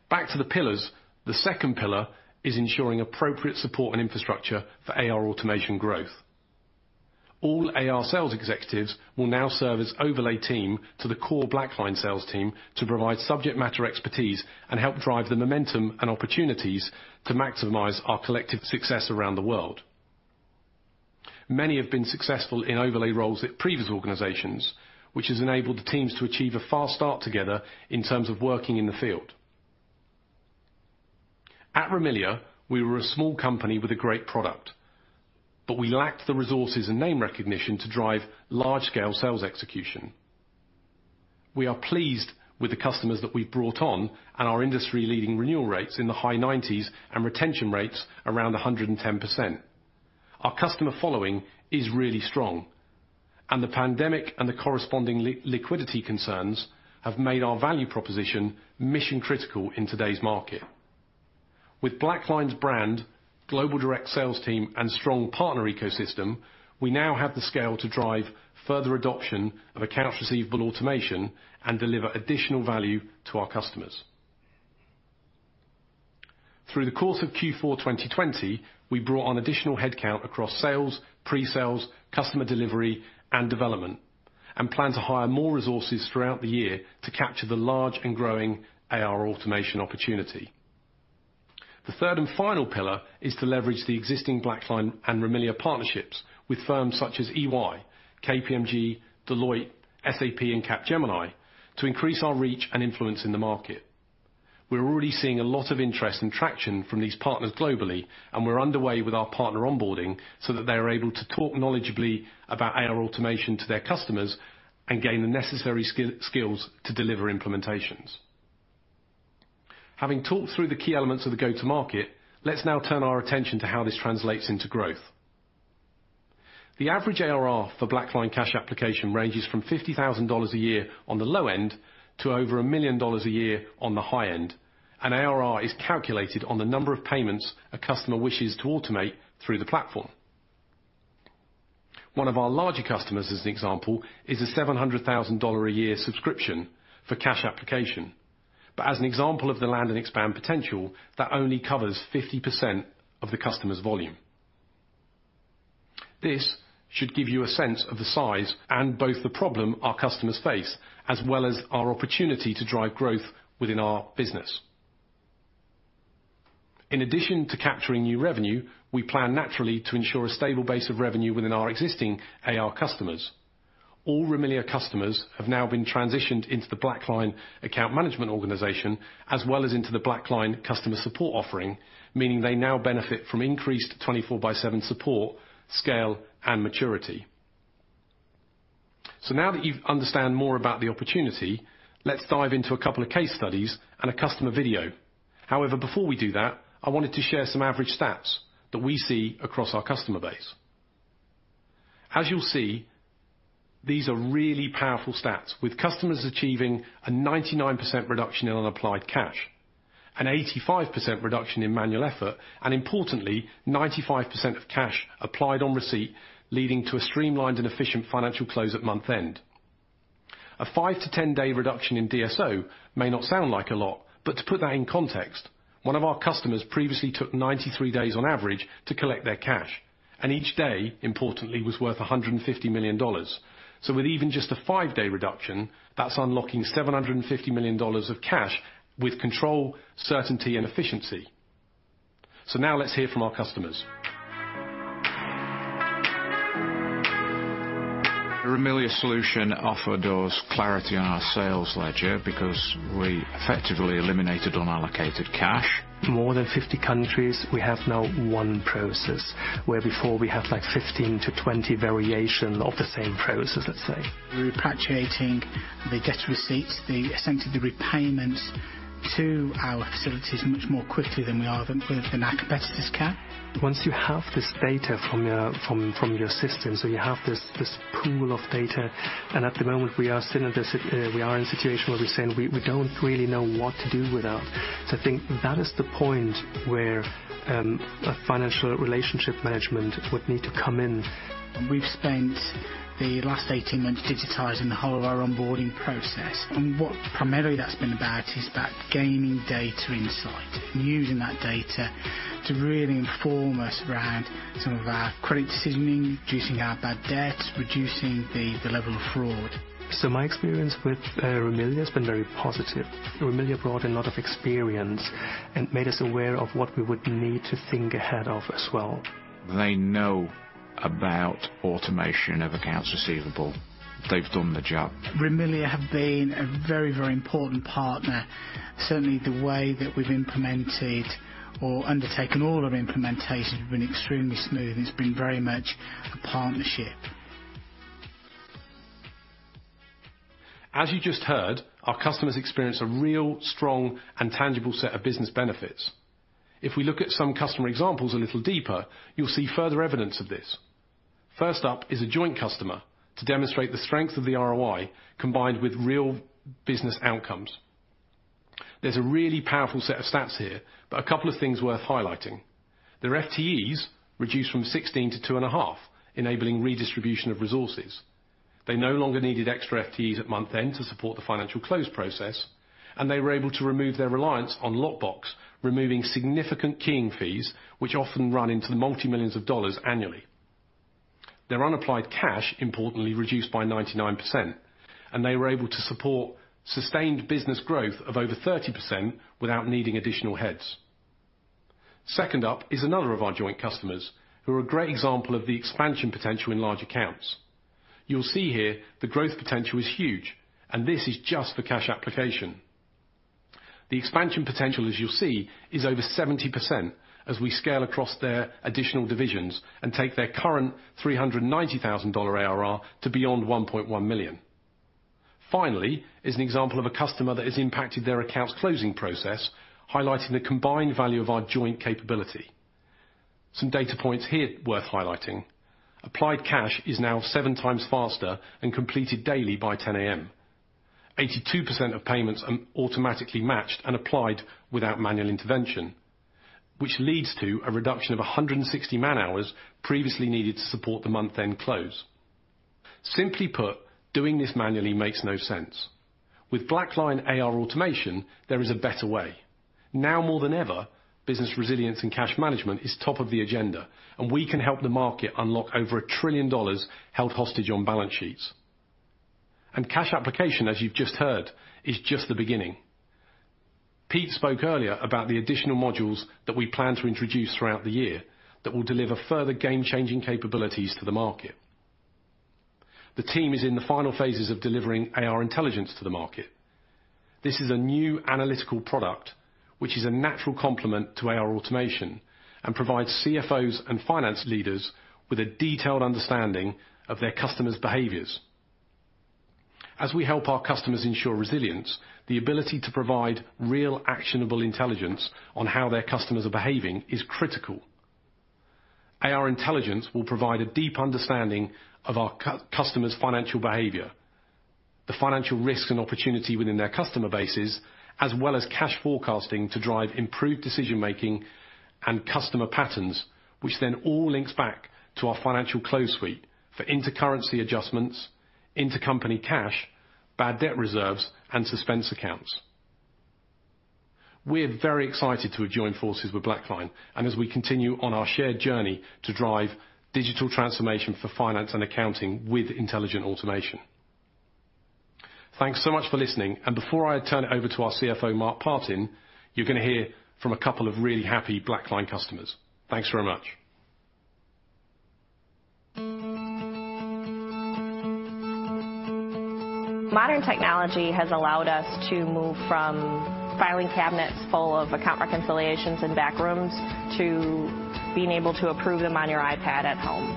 Back to the pillars, the second pillar is ensuring appropriate support and infrastructure for AR automation growth. All AR sales executives will now serve as overlay team to the core BlackLine sales team to provide subject matter expertise and help drive the momentum and opportunities to maximize our collective success around the world. Many have been successful in overlay roles at previous organizations, which has enabled the teams to achieve a fast start together in terms of working in the field. At Remilia, we were a small company with a great product, but we lacked the resources and name recognition to drive large-scale sales execution. We are pleased with the customers that we've brought on and our industry-leading renewal rates in the high 90s and retention rates around 110%. Our customer following is really strong, and the pandemic and the corresponding liquidity concerns have made our value proposition mission-critical in today's market. With BlackLine's brand, global direct sales team, and strong partner ecosystem, we now have the scale to drive further adoption of accounts receivable automation and deliver additional value to our customers. Through the course of Q4 2020, we brought on additional headcount across sales, pre-sales, customer delivery, and development, and plan to hire more resources throughout the year to capture the large and growing AR automation opportunity. The third and final pillar is to leverage the existing BlackLine and Remilia partnerships with firms such as EY, KPMG, Deloitte, SAP, and Capgemini to increase our reach and influence in the market. We're already seeing a lot of interest and traction from these partners globally, and we're underway with our partner onboarding so that they are able to talk knowledgeably about AR automation to their customers and gain the necessary skills to deliver implementations. Having talked through the key elements of the go-to-market, let's now turn our attention to how this translates into growth. The average ARR for BlackLine Cash Application ranges from $50,000 a year on the low end to over $1 million a year on the high end, and ARR is calculated on the number of payments a customer wishes to automate through the platform. One of our larger customers, as an example, is a $700,000 a year subscription for Cash Application, but as an example of the land and expand potential, that only covers 50% of the customer's volume. This should give you a sense of the size and both the problem our customers face, as well as our opportunity to drive growth within our business. In addition to capturing new revenue, we plan naturally to ensure a stable base of revenue within our existing AR customers. All Remilia customers have now been transitioned into the BlackLine account management organization, as well as into the BlackLine customer support offering, meaning they now benefit from increased 24x7 support, scale, and maturity. Now that you understand more about the opportunity, let's dive into a couple of case studies and a customer video. However, before we do that, I wanted to share some average stats that we see across our customer base. As you'll see, these are really powerful stats, with customers achieving a 99% reduction in unapplied cash, an 85% reduction in manual effort, and importantly, 95% of cash applied on receipt, leading to a streamlined and efficient financial close at month-end. A 5-10 day reduction in DSO may not sound like a lot, but to put that in context, one of our customers previously took 93 days on average to collect their cash, and each day, importantly, was worth $150 million. With even just a 5-day reduction, that's unlocking $750 million of cash with control, certainty, and efficiency. Now let's hear from our customers. The Remilia solution offered us clarity on our sales ledger because we effectively eliminated unallocated cash. More than 50 countries, we have now one process, where before we had like 15-20 variations of the same process, let's say. We're repatriating the debt receipts, essentially the repayments to our facilities, much more quickly than our competitors can. Once you have this data from your system, you have this pool of data, and at the moment we are sitting in this situation where we're saying we don't really know what to do with that. I think that is the point where financial relationship management would need to come in. We've spent the last 18 months digitizing the whole of our onboarding process, and what primarily that's been about is gaining data insight and using that data to really inform us around some of our credit decisioning, reducing our bad debt, reducing the level of fraud. My experience with Remilia has been very positive. Remilia brought in a lot of experience and made us aware of what we would need to think ahead of as well. They know about automation of accounts receivable. They've done the job. Remilia have been a very, very important partner. Certainly, the way that we've implemented or undertaken all our implementations has been extremely smooth, and it's been very much a partnership. As you just heard, our customers experience a real, strong, and tangible set of business benefits. If we look at some customer examples a little deeper, you'll see further evidence of this. First up is a joint customer to demonstrate the strength of the ROI combined with real business outcomes. There's a really powerful set of stats here, but a couple of things worth highlighting. Their FTEs reduced from 16 - 2.5, enabling redistribution of resources. They no longer needed extra FTEs at month-end to support the financial close process, and they were able to remove their reliance on Lockbox, removing significant keying fees, which often run into multimillions of dollars annually. Their unapplied cash, importantly, reduced by 99%, and they were able to support sustained business growth of over 30% without needing additional heads. Second up is another of our joint customers who are a great example of the expansion potential in large accounts. You'll see here the growth potential is huge, and this is just for cash application. The expansion potential, as you'll see, is over 70% as we scale across their additional divisions and take their current $390,000 ARR to beyond $1.1 million. Finally, is an example of a customer that has impacted their accounts closing process, highlighting the combined value of our joint capability. Some data points here worth highlighting. Applied cash is now seven times faster and completed daily by 10:00 A.M. 82% of payments are automatically matched and applied without manual intervention, which leads to a reduction of 160 man-hours previously needed to support the month-end close. Simply put, doing this manually makes no sense. With BlackLine AR automation, there is a better way. Now more than ever, business resilience and cash management is top of the agenda, and we can help the market unlock over a trillion dollars held hostage on balance sheets. Cash application, as you've just heard, is just the beginning. Pete spoke earlier about the additional modules that we plan to introduce throughout the year that will deliver further game-changing capabilities to the market. The team is in the final phases of delivering AR Intelligence to the market. This is a new analytical product, which is a natural complement to AR automation and provides CFOs and finance leaders with a detailed understanding of their customers' behaviors. As we help our customers ensure resilience, the ability to provide real actionable intelligence on how their customers are behaving is critical. AR Intelligence will provide a deep understanding of our customers' financial behavior, the financial risk and opportunity within their customer bases, as well as cash forecasting to drive improved decision-making and customer patterns, which then all links back to our financial close suite for inter-currency adjustments, intercompany cash, bad debt reserves, and suspense accounts. We're very excited to have joined forces with BlackLine, and as we continue on our shared journey to drive digital transformation for finance and accounting with intelligent automation. Thanks so much for listening, and before I turn it over to our CFO, Mark Partin, you're going to hear from a couple of really happy BlackLine customers. Thanks very much. Modern technology has allowed us to move from filing cabinets full of account reconciliations and backrooms to being able to approve them on your iPad at home.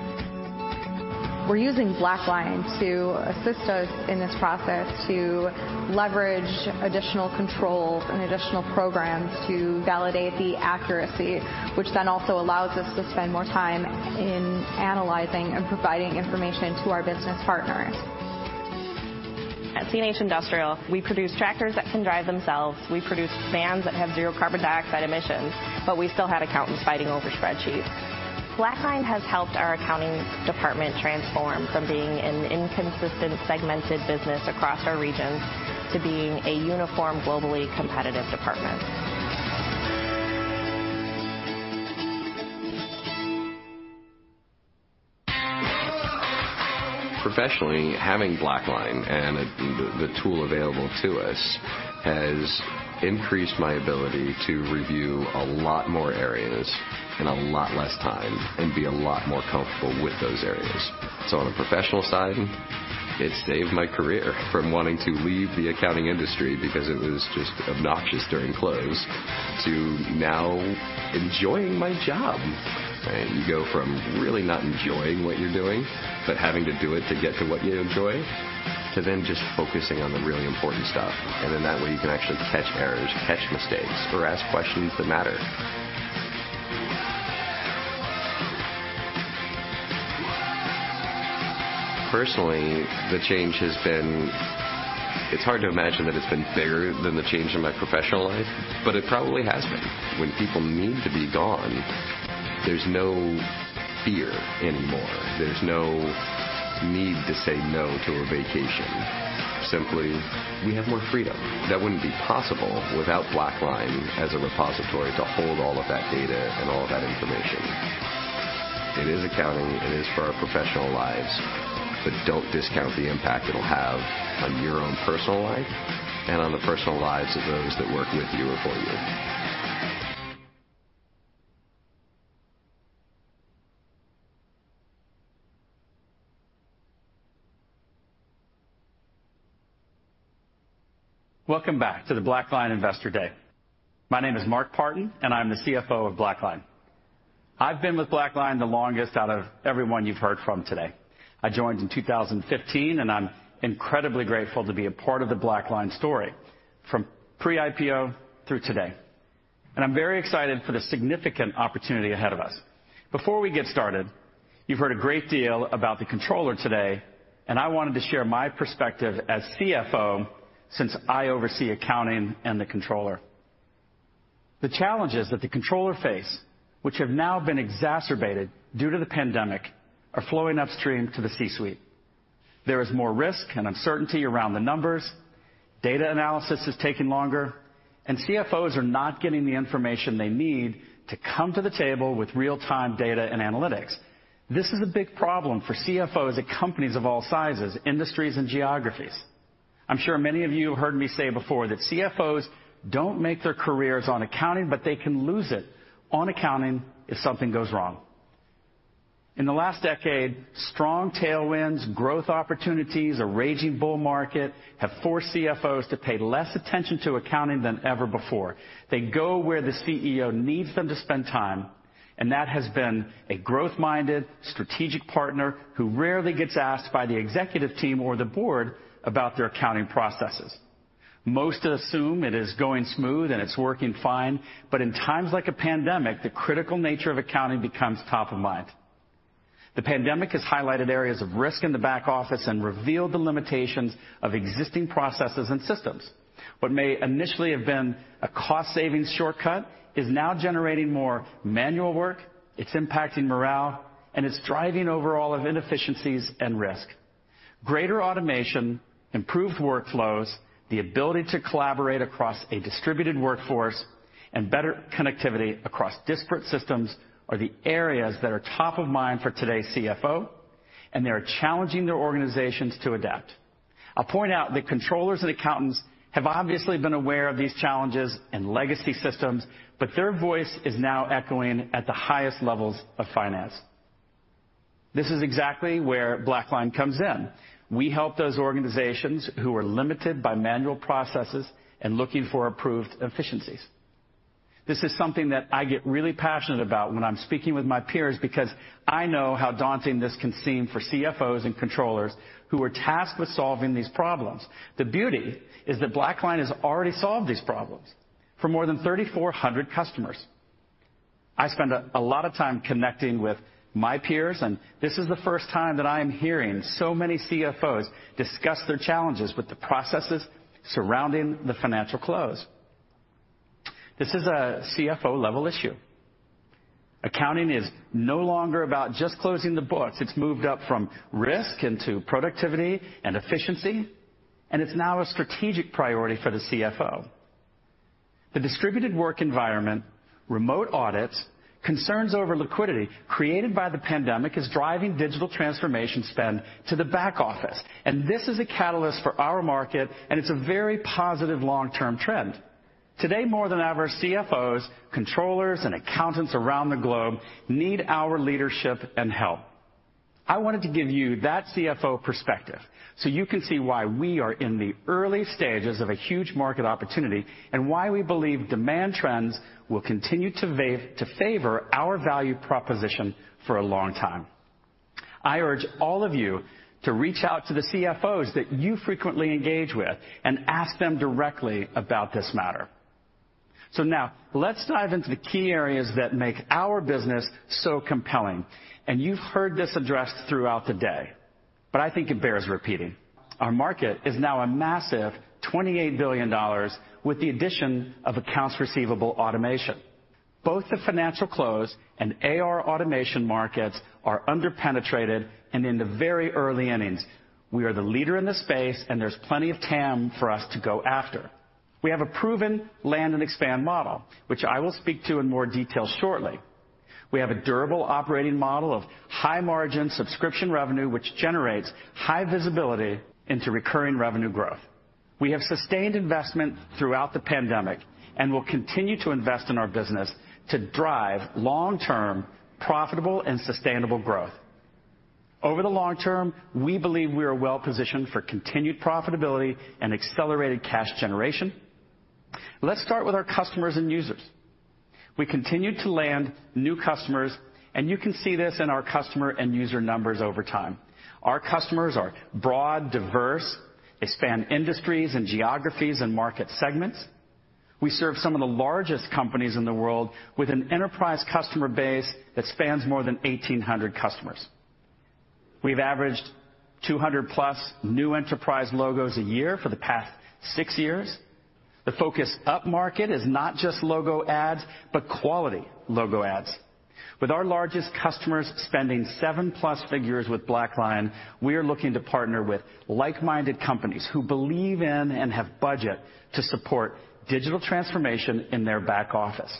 We're using BlackLine to assist us in this process to leverage additional controls and additional programs to validate the accuracy, which then also allows us to spend more time in analyzing and providing information to our business partners. At CNH Industrial, we produce tractors that can drive themselves. We produce vans that have zero carbon dioxide emissions, but we still have accountants fighting over spreadsheets. BlackLine has helped our accounting department transform from being an inconsistent, segmented business across our regions to being a uniform, globally competitive department. Professionally, having BlackLine and the tool available to us has increased my ability to review a lot more areas in a lot less time and be a lot more comfortable with those areas. On the professional side, it saved my career from wanting to leave the accounting industry because it was just obnoxious during close to now enjoying my job. You go from really not enjoying what you're doing, but having to do it to get to what you enjoy, to just focusing on the really important stuff. That way you can actually catch errors, catch mistakes, or ask questions that matter. Personally, the change has been—it's hard to imagine that it's been bigger than the change in my professional life, but it probably has been. When people need to be gone, there's no fear anymore. There's no need to say no to a vacation. Simply, we have more freedom. That would not be possible without BlackLine as a repository to hold all of that data and all of that information. It is accounting. It is for our professional lives, but do not discount the impact it will have on your own personal life and on the personal lives of those that work with you or for you. Welcome back to the BlackLine Investor Day. My name is Mark Partin, and I am the CFO of BlackLine. I have been with BlackLine the longest out of everyone you have heard from today. I joined in 2015, and I am incredibly grateful to be a part of the BlackLine story from pre-IPO through today. I am very excited for the significant opportunity ahead of us. Before we get started, you've heard a great deal about the controller today, and I wanted to share my perspective as CFO since I oversee accounting and the controller. The challenges that the controller faced, which have now been exacerbated due to the pandemic, are flowing upstream to the C-suite. There is more risk and uncertainty around the numbers. Data analysis is taking longer, and CFOs are not getting the information they need to come to the table with real-time data and analytics. This is a big problem for CFOs at companies of all sizes, industries, and geographies. I'm sure many of you have heard me say before that CFOs don't make their careers on accounting, but they can lose it on accounting if something goes wrong. In the last decade, strong tailwinds, growth opportunities, a raging bull market have forced CFOs to pay less attention to accounting than ever before. They go where the CEO needs them to spend time, and that has been a growth-minded, strategic partner who rarely gets asked by the executive team or the board about their accounting processes. Most assume it is going smooth and it's working fine, but in times like a pandemic, the critical nature of accounting becomes top of mind. The pandemic has highlighted areas of risk in the back office and revealed the limitations of existing processes and systems. What may initially have been a cost-saving shortcut is now generating more manual work. It's impacting morale, and it's driving overall inefficiencies and risk. Greater automation, improved workflows, the ability to collaborate across a distributed workforce, and better connectivity across disparate systems are the areas that are top of mind for today's CFO, and they are challenging their organizations to adapt. I'll point out that controllers and accountants have obviously been aware of these challenges and legacy systems, but their voice is now echoing at the highest levels of finance. This is exactly where BlackLine comes in. We help those organizations who are limited by manual processes and looking for approved efficiencies. This is something that I get really passionate about when I'm speaking with my peers because I know how daunting this can seem for CFOs and controllers who are tasked with solving these problems. The beauty is that BlackLine has already solved these problems for more than 3,400 customers. I spend a lot of time connecting with my peers, and this is the first time that I am hearing so many CFOs discuss their challenges with the processes surrounding the financial close. This is a CFO-level issue. Accounting is no longer about just closing the books. It's moved up from risk into productivity and efficiency, and it's now a strategic priority for the CFO. The distributed work environment, remote audits, concerns over liquidity created by the pandemic is driving digital transformation spend to the back office, and this is a catalyst for our market, and it's a very positive long-term trend. Today, more than ever, CFOs, controllers, and accountants around the globe need our leadership and help. I wanted to give you that CFO perspective so you can see why we are in the early stages of a huge market opportunity and why we believe demand trends will continue to favor our value proposition for a long time. I urge all of you to reach out to the CFOs that you frequently engage with and ask them directly about this matter. Now let's dive into the key areas that make our business so compelling, and you've heard this addressed throughout the day, but I think it bears repeating. Our market is now a massive $28 billion with the addition of accounts receivable automation. Both the financial close and AR automation markets are underpenetrated, and in the very early innings, we are the leader in the space, and there's plenty of TAM for us to go after. We have a proven land-and-expand model, which I will speak to in more detail shortly. We have a durable operating model of high-margin subscription revenue, which generates high visibility into recurring revenue growth. We have sustained investment throughout the pandemic and will continue to invest in our business to drive long-term profitable and sustainable growth. Over the long term, we believe we are well-positioned for continued profitability and accelerated cash generation. Let's start with our customers and users. We continue to land new customers, and you can see this in our customer and user numbers over time. Our customers are broad, diverse. They span industries and geographies and market segments. We serve some of the largest companies in the world with an enterprise customer base that spans more than 1,800 customers. We've averaged 200+ new enterprise logos a year for the past six years. The focus up market is not just logo ads, but quality logo ads. With our largest customers spending 7+ figures with BlackLine, we are looking to partner with like-minded companies who believe in and have budget to support digital transformation in their back office.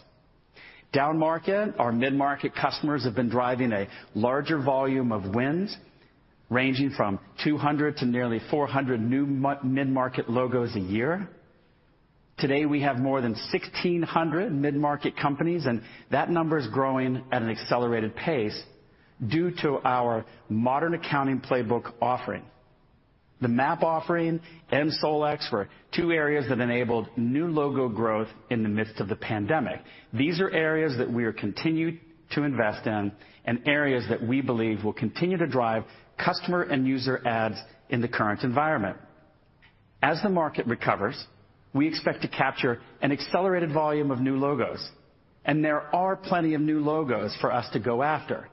Down market, our mid-market customers have been driving a larger volume of wins, ranging from 200 to nearly 400 new mid-market logos a year. Today, we have more than 1,600 mid-market companies, and that number is growing at an accelerated pace due to our modern accounting playbook offering. The MAP offering and Solex were two areas that enabled new logo growth in the midst of the pandemic. These are areas that we are continuing to invest in and areas that we believe will continue to drive customer and user ads in the current environment. As the market recovers, we expect to capture an accelerated volume of new logos, and there are plenty of new logos for us to go after.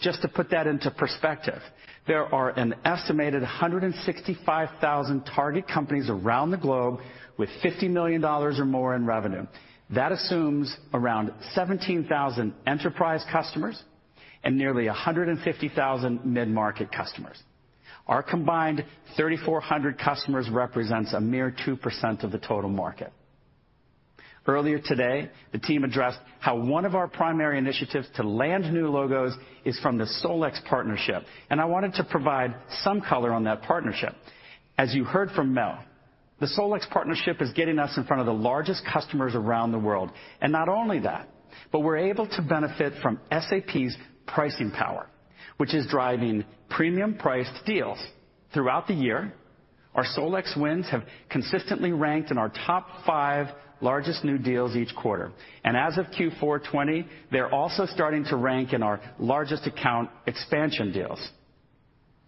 Just to put that into perspective, there are an estimated 165,000 target companies around the globe with $50 million or more in revenue. That assumes around 17,000 enterprise customers and nearly 150,000 mid-market customers. Our combined 3,400 customers represents a mere 2% of the total market. Earlier today, the team addressed how one of our primary initiatives to land new logos is from the Solex partnership, and I wanted to provide some color on that partnership. As you heard from Mel, the Solex partnership is getting us in front of the largest customers around the world. Not only that, but we're able to benefit from SAP's pricing power, which is driving premium-priced deals throughout the year. Our Solex wins have consistently ranked in our top five largest new deals each quarter. As of Q4 2020, they're also starting to rank in our largest account expansion deals.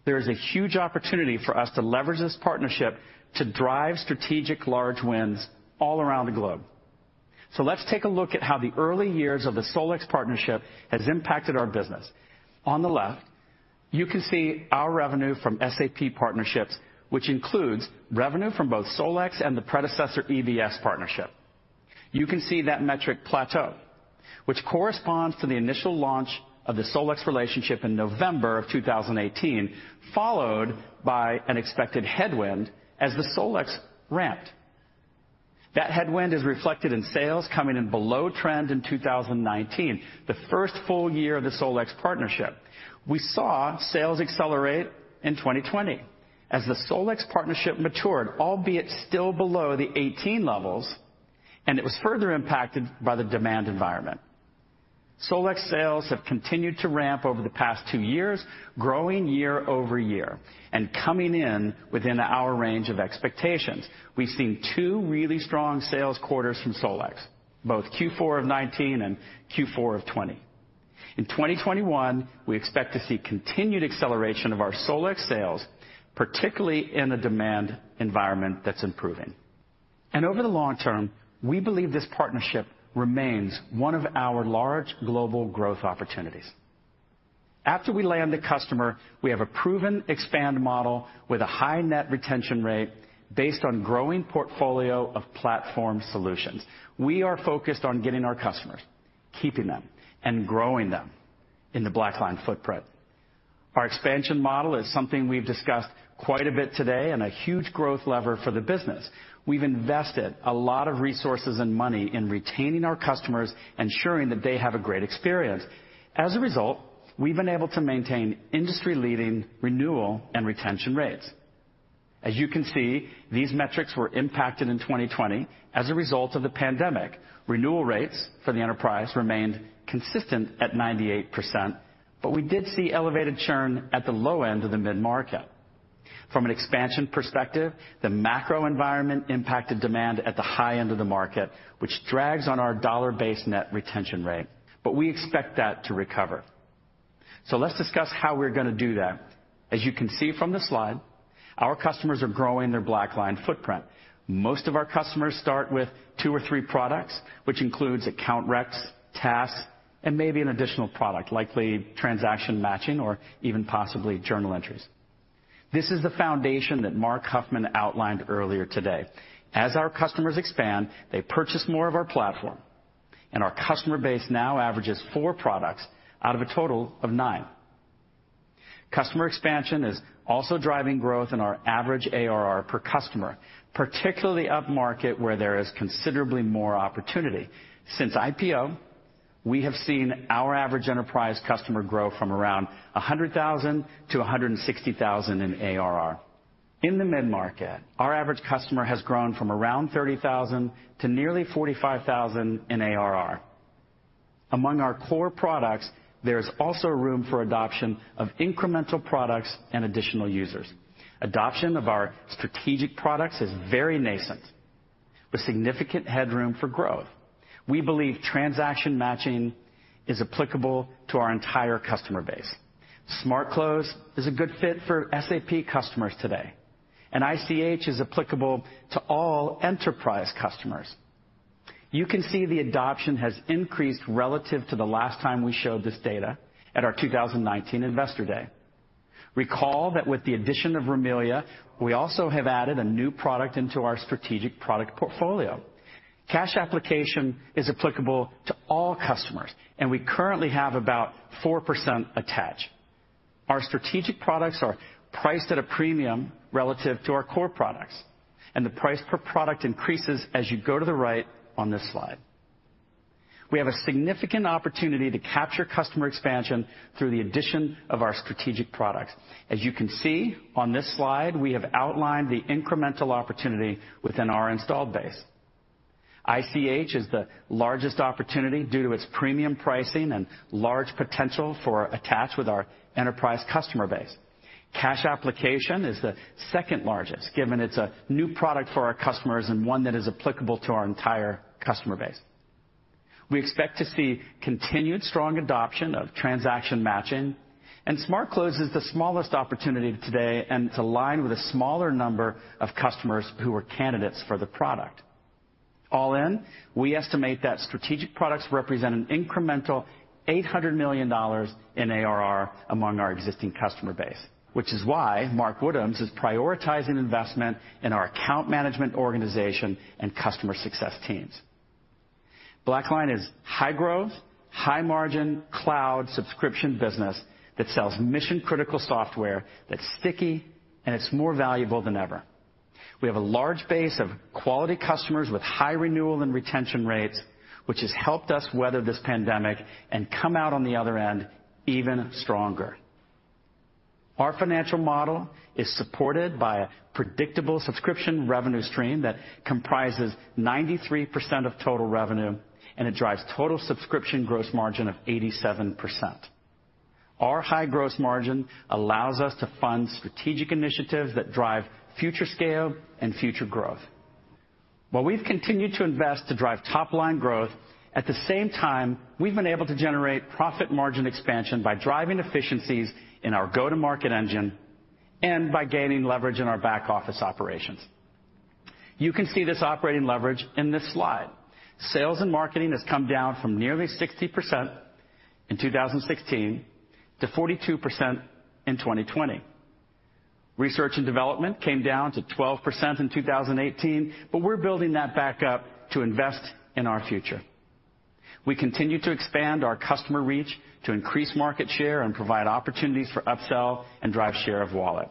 There is a huge opportunity for us to leverage this partnership to drive strategic large wins all around the globe. Let's take a look at how the early years of the Solex partnership have impacted our business. On the left, you can see our revenue from SAP partnerships, which includes revenue from both Solex and the predecessor EBS partnership. You can see that metric plateau, which corresponds to the initial launch of the Solex relationship in November 2018, followed by an expected headwind as the Solex ramped. That headwind is reflected in sales coming in below trend in 2019, the first full year of the Solex partnership. We saw sales accelerate in 2020 as the Solex partnership matured, albeit still below the 2018 levels, and it was further impacted by the demand environment. Solex sales have continued to ramp over the past two years, growing year over year and coming in within our range of expectations. We've seen two really strong sales quarters from Solex, both Q4 of 2019 and Q4 of 2020. In 2021, we expect to see continued acceleration of our Solex sales, particularly in the demand environment that's improving. Over the long term, we believe this partnership remains one of our large global growth opportunities. After we land the customer, we have a proven expand model with a high net retention rate based on a growing portfolio of platform solutions. We are focused on getting our customers, keeping them, and growing them in the BlackLine footprint. Our expansion model is something we've discussed quite a bit today and a huge growth lever for the business. We've invested a lot of resources and money in retaining our customers, ensuring that they have a great experience. As a result, we've been able to maintain industry-leading renewal and retention rates. As you can see, these metrics were impacted in 2020 as a result of the pandemic. Renewal rates for the enterprise remained consistent at 98%, but we did see elevated churn at the low end of the mid-market. From an expansion perspective, the macro environment impacted demand at the high end of the market, which drags on our dollar-based net retention rate, but we expect that to recover. Let's discuss how we're going to do that. As you can see from the slide, our customers are growing their BlackLine footprint. Most of our customers start with two or three products, which includes account recs, tasks, and maybe an additional product, likely transaction matching or even possibly journal entries. This is the foundation that Mark Huffman outlined earlier today. As our customers expand, they purchase more of our platform, and our customer base now averages four products out of a total of nine. Customer expansion is also driving growth in our average ARR per customer, particularly up market where there is considerably more opportunity. Since IPO, we have seen our average enterprise customer grow from around $100,000 to $160,000 in ARR. In the mid-market, our average customer has grown from around $30,000 to nearly $45,000 in ARR. Among our core products, there is also room for adoption of incremental products and additional users. Adoption of our strategic products is very nascent, with significant headroom for growth. We believe transaction matching is applicable to our entire customer base. Smart Close is a good fit for SAP customers today, and ICH is applicable to all enterprise customers. You can see the adoption has increased relative to the last time we showed this data at our 2019 investor day. Recall that with the addition of Remilia, we also have added a new product into our strategic product portfolio. Cash application is applicable to all customers, and we currently have about 4% attached. Our strategic products are priced at a premium relative to our core products, and the price per product increases as you go to the right on this slide. We have a significant opportunity to capture customer expansion through the addition of our strategic products. As you can see on this slide, we have outlined the incremental opportunity within our installed base. ICH is the largest opportunity due to its premium pricing and large potential for attach with our enterprise customer base. Cash application is the second largest, given it's a new product for our customers and one that is applicable to our entire customer base. We expect to see continued strong adoption of transaction matching, and Smart Close is the smallest opportunity today and it's aligned with a smaller number of customers who are candidates for the product. All in, we estimate that strategic products represent an incremental $800 million in ARR among our existing customer base, which is why Mark Woodhams is prioritizing investment in our account management organization and customer success teams. BlackLine is high growth, high margin cloud subscription business that sells mission-critical software that's sticky, and it's more valuable than ever. We have a large base of quality customers with high renewal and retention rates, which has helped us weather this pandemic and come out on the other end even stronger. Our financial model is supported by a predictable subscription revenue stream that comprises 93% of total revenue, and it drives total subscription gross margin of 87%. Our high gross margin allows us to fund strategic initiatives that drive future scale and future growth. While we've continued to invest to drive top-line growth, at the same time, we've been able to generate profit margin expansion by driving efficiencies in our go-to-market engine and by gaining leverage in our back office operations. You can see this operating leverage in this slide. Sales and marketing has come down from nearly 60% in 2016 to 42% in 2020. Research and development came down to 12% in 2018, but we're building that back up to invest in our future. We continue to expand our customer reach to increase market share and provide opportunities for upsell and drive share of wallet.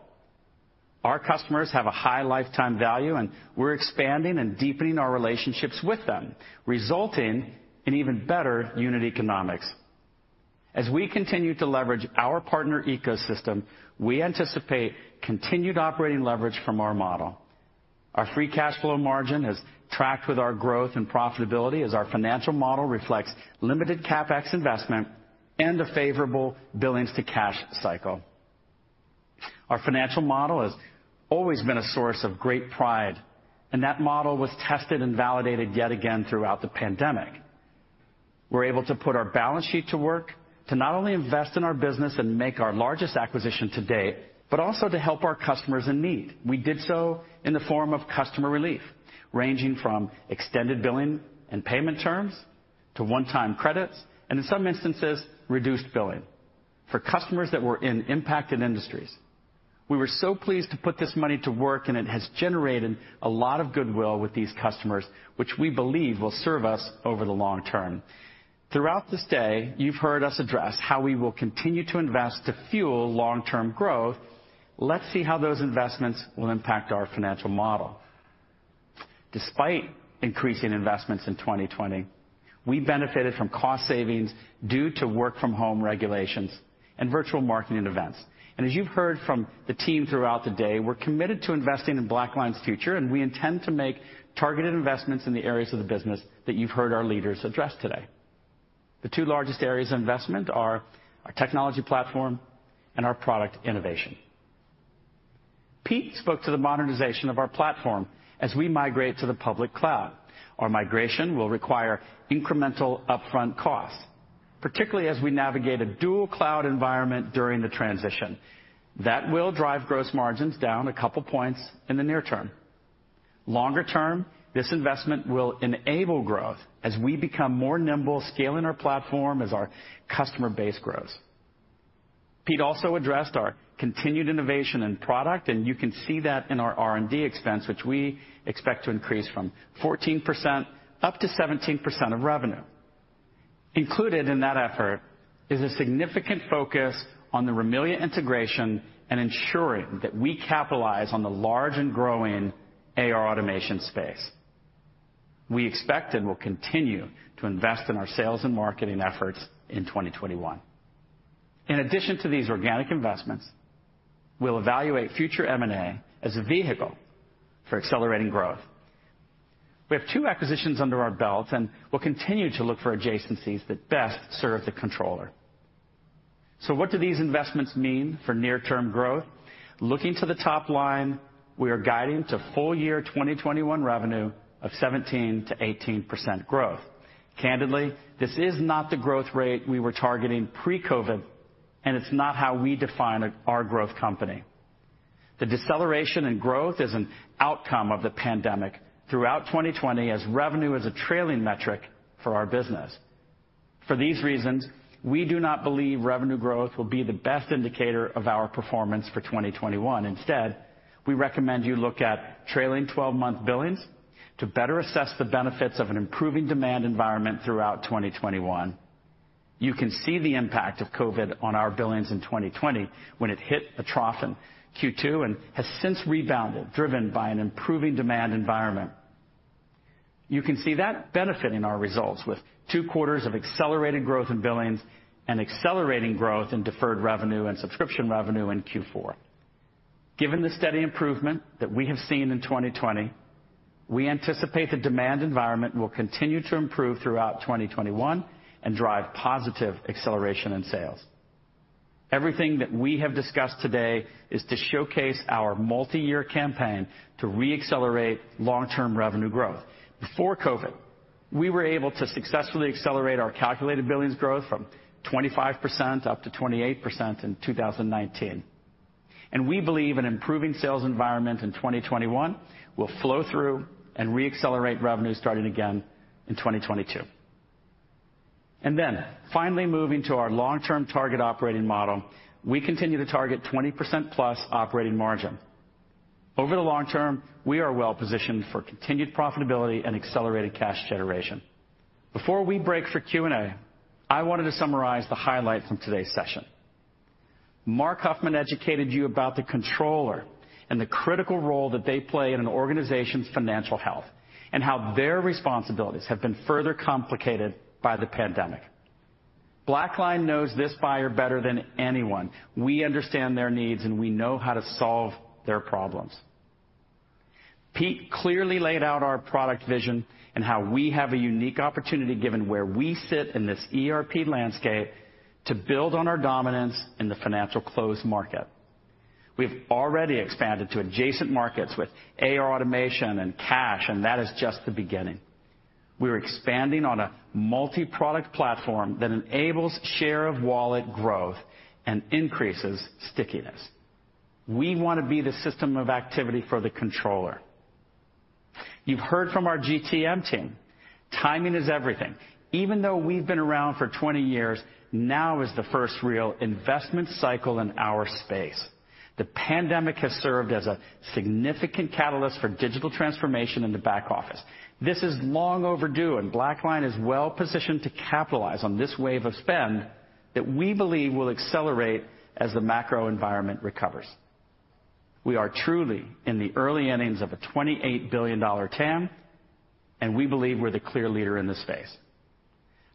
Our customers have a high lifetime value, and we're expanding and deepening our relationships with them, resulting in even better unit economics. As we continue to leverage our partner ecosystem, we anticipate continued operating leverage from our model. Our free cash flow margin has tracked with our growth and profitability as our financial model reflects limited CapEx investment and a favorable billings-to-cash cycle. Our financial model has always been a source of great pride, and that model was tested and validated yet again throughout the pandemic. We're able to put our balance sheet to work to not only invest in our business and make our largest acquisition to date, but also to help our customers in need. We did so in the form of customer relief, ranging from extended billing and payment terms to one-time credits, and in some instances, reduced billing for customers that were in impacted industries. We were so pleased to put this money to work, and it has generated a lot of goodwill with these customers, which we believe will serve us over the long term. Throughout this day, you've heard us address how we will continue to invest to fuel long-term growth. Let's see how those investments will impact our financial model. Despite increasing investments in 2020, we benefited from cost savings due to work-from-home regulations and virtual marketing events. As you've heard from the team throughout the day, we're committed to investing in BlackLine's future, and we intend to make targeted investments in the areas of the business that you've heard our leaders address today. The two largest areas of investment are our technology platform and our product innovation. Pete spoke to the modernization of our platform as we migrate to the public cloud. Our migration will require incremental upfront costs, particularly as we navigate a dual cloud environment during the transition. That will drive gross margins down a couple of points in the near term. Longer term, this investment will enable growth as we become more nimble scaling our platform as our customer base grows. Pete also addressed our continued innovation in product, and you can see that in our R&D expense, which we expect to increase from 14% up to 17% of revenue. Included in that effort is a significant focus on the Remilia integration and ensuring that we capitalize on the large and growing AR automation space. We expect and will continue to invest in our sales and marketing efforts in 2021. In addition to these organic investments, we'll evaluate future M&A as a vehicle for accelerating growth. We have two acquisitions under our belts, and we'll continue to look for adjacencies that best serve the controller. What do these investments mean for near-term growth? Looking to the top line, we are guiding to full year 2021 revenue of 17%-18% growth. Candidly, this is not the growth rate we were targeting pre-COVID, and it's not how we define our growth company. The deceleration in growth is an outcome of the pandemic throughout 2020, as revenue is a trailing metric for our business. For these reasons, we do not believe revenue growth will be the best indicator of our performance for 2021. Instead, we recommend you look at trailing 12-month billings to better assess the benefits of an improving demand environment throughout 2021. You can see the impact of COVID on our billings in 2020 when it hit a trough in Q2 and has since rebounded, driven by an improving demand environment. You can see that benefit in our results with two quarters of accelerated growth in billings and accelerating growth in deferred revenue and subscription revenue in Q4. Given the steady improvement that we have seen in 2020, we anticipate the demand environment will continue to improve throughout 2021 and drive positive acceleration in sales. Everything that we have discussed today is to showcase our multi-year campaign to re-accelerate long-term revenue growth. Before COVID, we were able to successfully accelerate our calculated billings growth from 25% up to 28% in 2019. We believe an improving sales environment in 2021 will flow through and re-accelerate revenue starting again in 2022. Finally, moving to our long-term target operating model, we continue to target 20% plus operating margin. Over the long term, we are well positioned for continued profitability and accelerated cash generation. Before we break for Q&A, I wanted to summarize the highlights from today's session. Mark Huffman educated you about the controller and the critical role that they play in an organization's financial health and how their responsibilities have been further complicated by the pandemic. BlackLine knows this buyer better than anyone. We understand their needs, and we know how to solve their problems. Pete clearly laid out our product vision and how we have a unique opportunity given where we sit in this ERP landscape to build on our dominance in the financial close market. We have already expanded to adjacent markets with AR automation and cash, and that is just the beginning. We are expanding on a multi-product platform that enables share of wallet growth and increases stickiness. We want to be the system of activity for the controller. You've heard from our GTM team. Timing is everything. Even though we've been around for 20 years, now is the first real investment cycle in our space. The pandemic has served as a significant catalyst for digital transformation in the back office. This is long overdue, and BlackLine is well positioned to capitalize on this wave of spend that we believe will accelerate as the macro environment recovers. We are truly in the early innings of a $28 billion TAM, and we believe we're the clear leader in this space.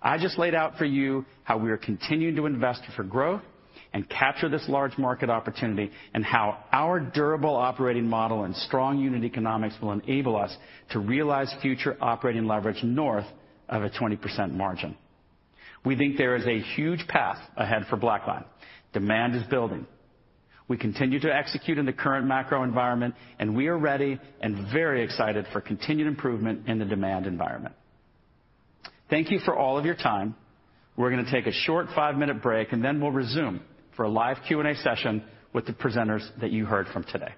I just laid out for you how we are continuing to invest for growth and capture this large market opportunity and how our durable operating model and strong unit economics will enable us to realize future operating leverage north of a 20% margin. We think there is a huge path ahead for BlackLine. Demand is building. We continue to execute in the current macro environment, and we are ready and very excited for continued improvement in the demand environment. Thank you for all of your time. We're going to take a short five-minute break, and then we'll resume for a live Q&A session with the presenters that you heard from today.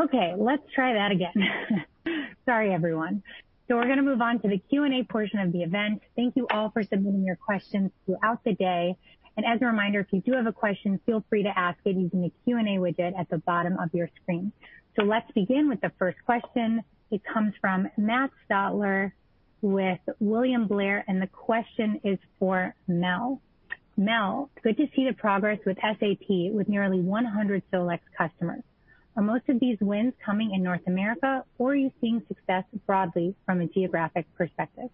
Okay, let's try that again. Sorry, everyone. We're going to move on to the Q&A portion of the event. Thank you all for submitting your questions throughout the day. As a reminder, if you do have a question, feel free to ask it using the Q&A widget at the bottom of your screen. Let's begin with the first question. It comes from Matt Stotler with William Blair, and the question is for Mel. Mel, good to see the progress with SAP with nearly 100 Solex customers. Are most of these wins coming in North America, or are you seeing success broadly from a geographic perspective?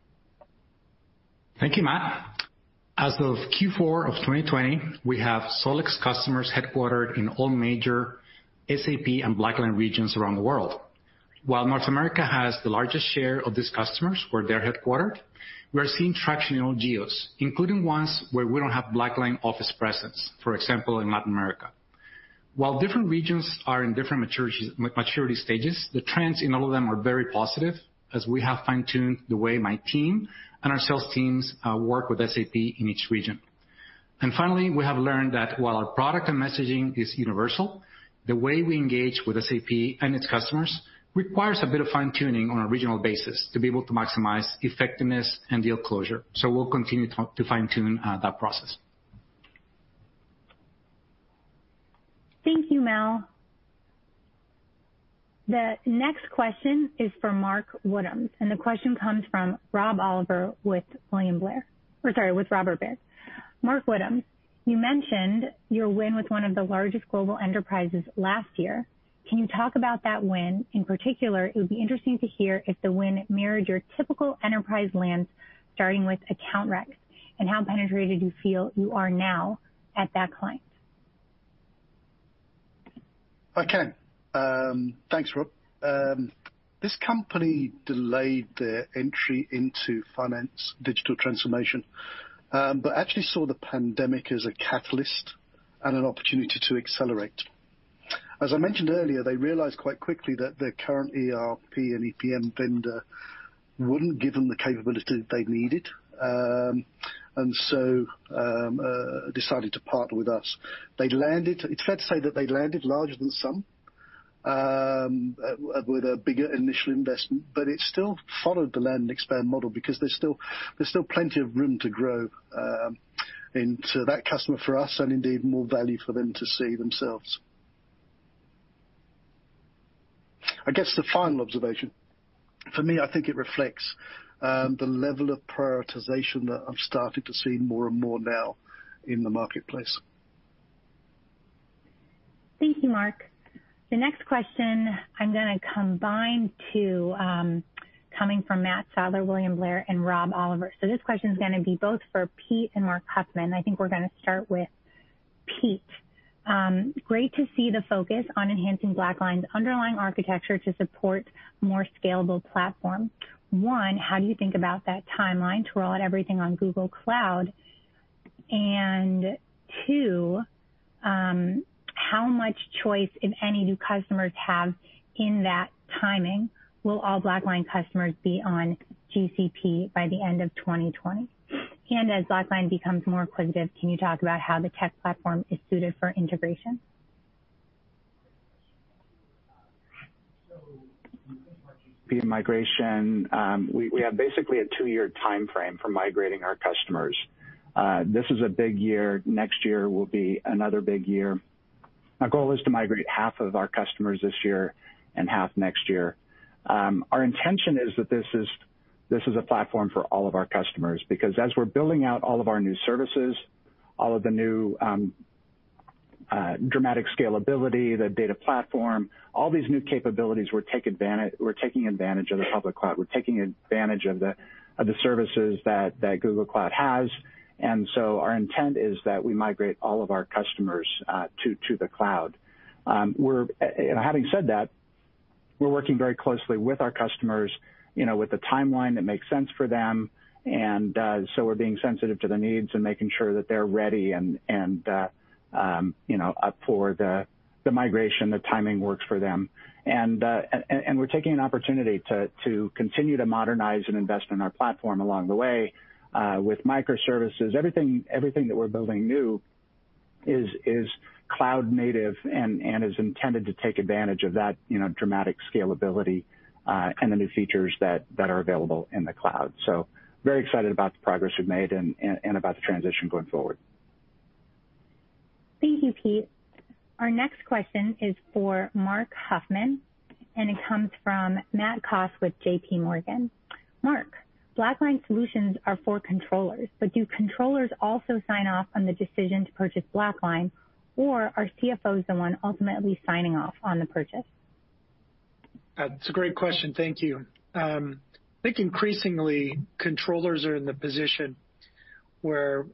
Thank you, Mark. As of Q4 of 2020, we have Solex customers headquartered in all major SAP and BlackLine regions around the world. While North America has the largest share of these customers where they're headquartered, we are seeing traction in all geos, including ones where we don't have BlackLine office presence, for example, in Latin America. While different regions are in different maturity stages, the trends in all of them are very positive as we have fine-tuned the way my team and our sales teams work with SAP in each region. Finally, we have learned that while our product and messaging is universal, the way we engage with SAP and its customers requires a bit of fine-tuning on a regional basis to be able to maximize effectiveness and deal closure. We will continue to fine-tune that process. Thank you, Mel. The next question is for Mark Woodhams, and the question comes from Rob Oliver with William Blair, or sorry, with Robert Baird. Mark Woodhams, you mentioned your win with one of the largest global enterprises last year. Can you talk about that win? In particular, it would be interesting to hear if the win mirrored your typical enterprise land starting with Account Analysis and how penetrated you feel you are now at that client. Okay, thanks, Rob. This company delayed their entry into finance digital transformation, but actually saw the pandemic as a catalyst and an opportunity to accelerate. As I mentioned earlier, they realized quite quickly that their current ERP and EPM vendor would not give them the capability they needed, and so decided to partner with us. It's fair to say that they landed larger than some with a bigger initial investment, but it still followed the land and expand model because there's still plenty of room to grow into that customer for us and indeed more value for them to see themselves. I guess the final observation for me, I think it reflects the level of prioritization that I'm starting to see more and more now in the marketplace. Thank you, Mark. The next question I'm going to combine two coming from Matt Stotler, William Blair, and Rob Oliver. This question is going to be both for Pete and Mark Huffman. I think we're going to start with Pete. Great to see the focus on enhancing BlackLine's underlying architecture to support more scalable platform. One, how do you think about that timeline to roll out everything on Google Cloud? Two, how much choice, if any, do customers have in that timing? Will all BlackLine customers be on GCP by the end of 2020? As BlackLine becomes more acquisitive, can you talk about how the tech platform is suited for integration? The migration, we have basically a two-year timeframe for migrating our customers. This is a big year. Next year will be another big year. Our goal is to migrate half of our customers this year and half next year. Our intention is that this is a platform for all of our customers because as we're building out all of our new services, all of the new dramatic scalability, the data platform, all these new capabilities, we're taking advantage of the public cloud. We're taking advantage of the services that Google Cloud has. Our intent is that we migrate all of our customers to the cloud. Having said that, we're working very closely with our customers with the timeline that makes sense for them. We're being sensitive to their needs and making sure that they're ready and up for the migration, the timing works for them. We're taking an opportunity to continue to modernize and invest in our platform along the way with microservices. Everything that we're building new is cloud-native and is intended to take advantage of that dramatic scalability and the new features that are available in the cloud. Very excited about the progress we've made and about the transition going forward. Thank you, Pete. Our next question is for Mark Huffman, and it comes from Matt Kos with JPMorgan. Mark, BlackLine solutions are for controllers, but do controllers also sign off on the decision to purchase BlackLine, or are CFOs the one ultimately signing off on the purchase? That's a great question. Thank you. I think increasingly controllers are in the position where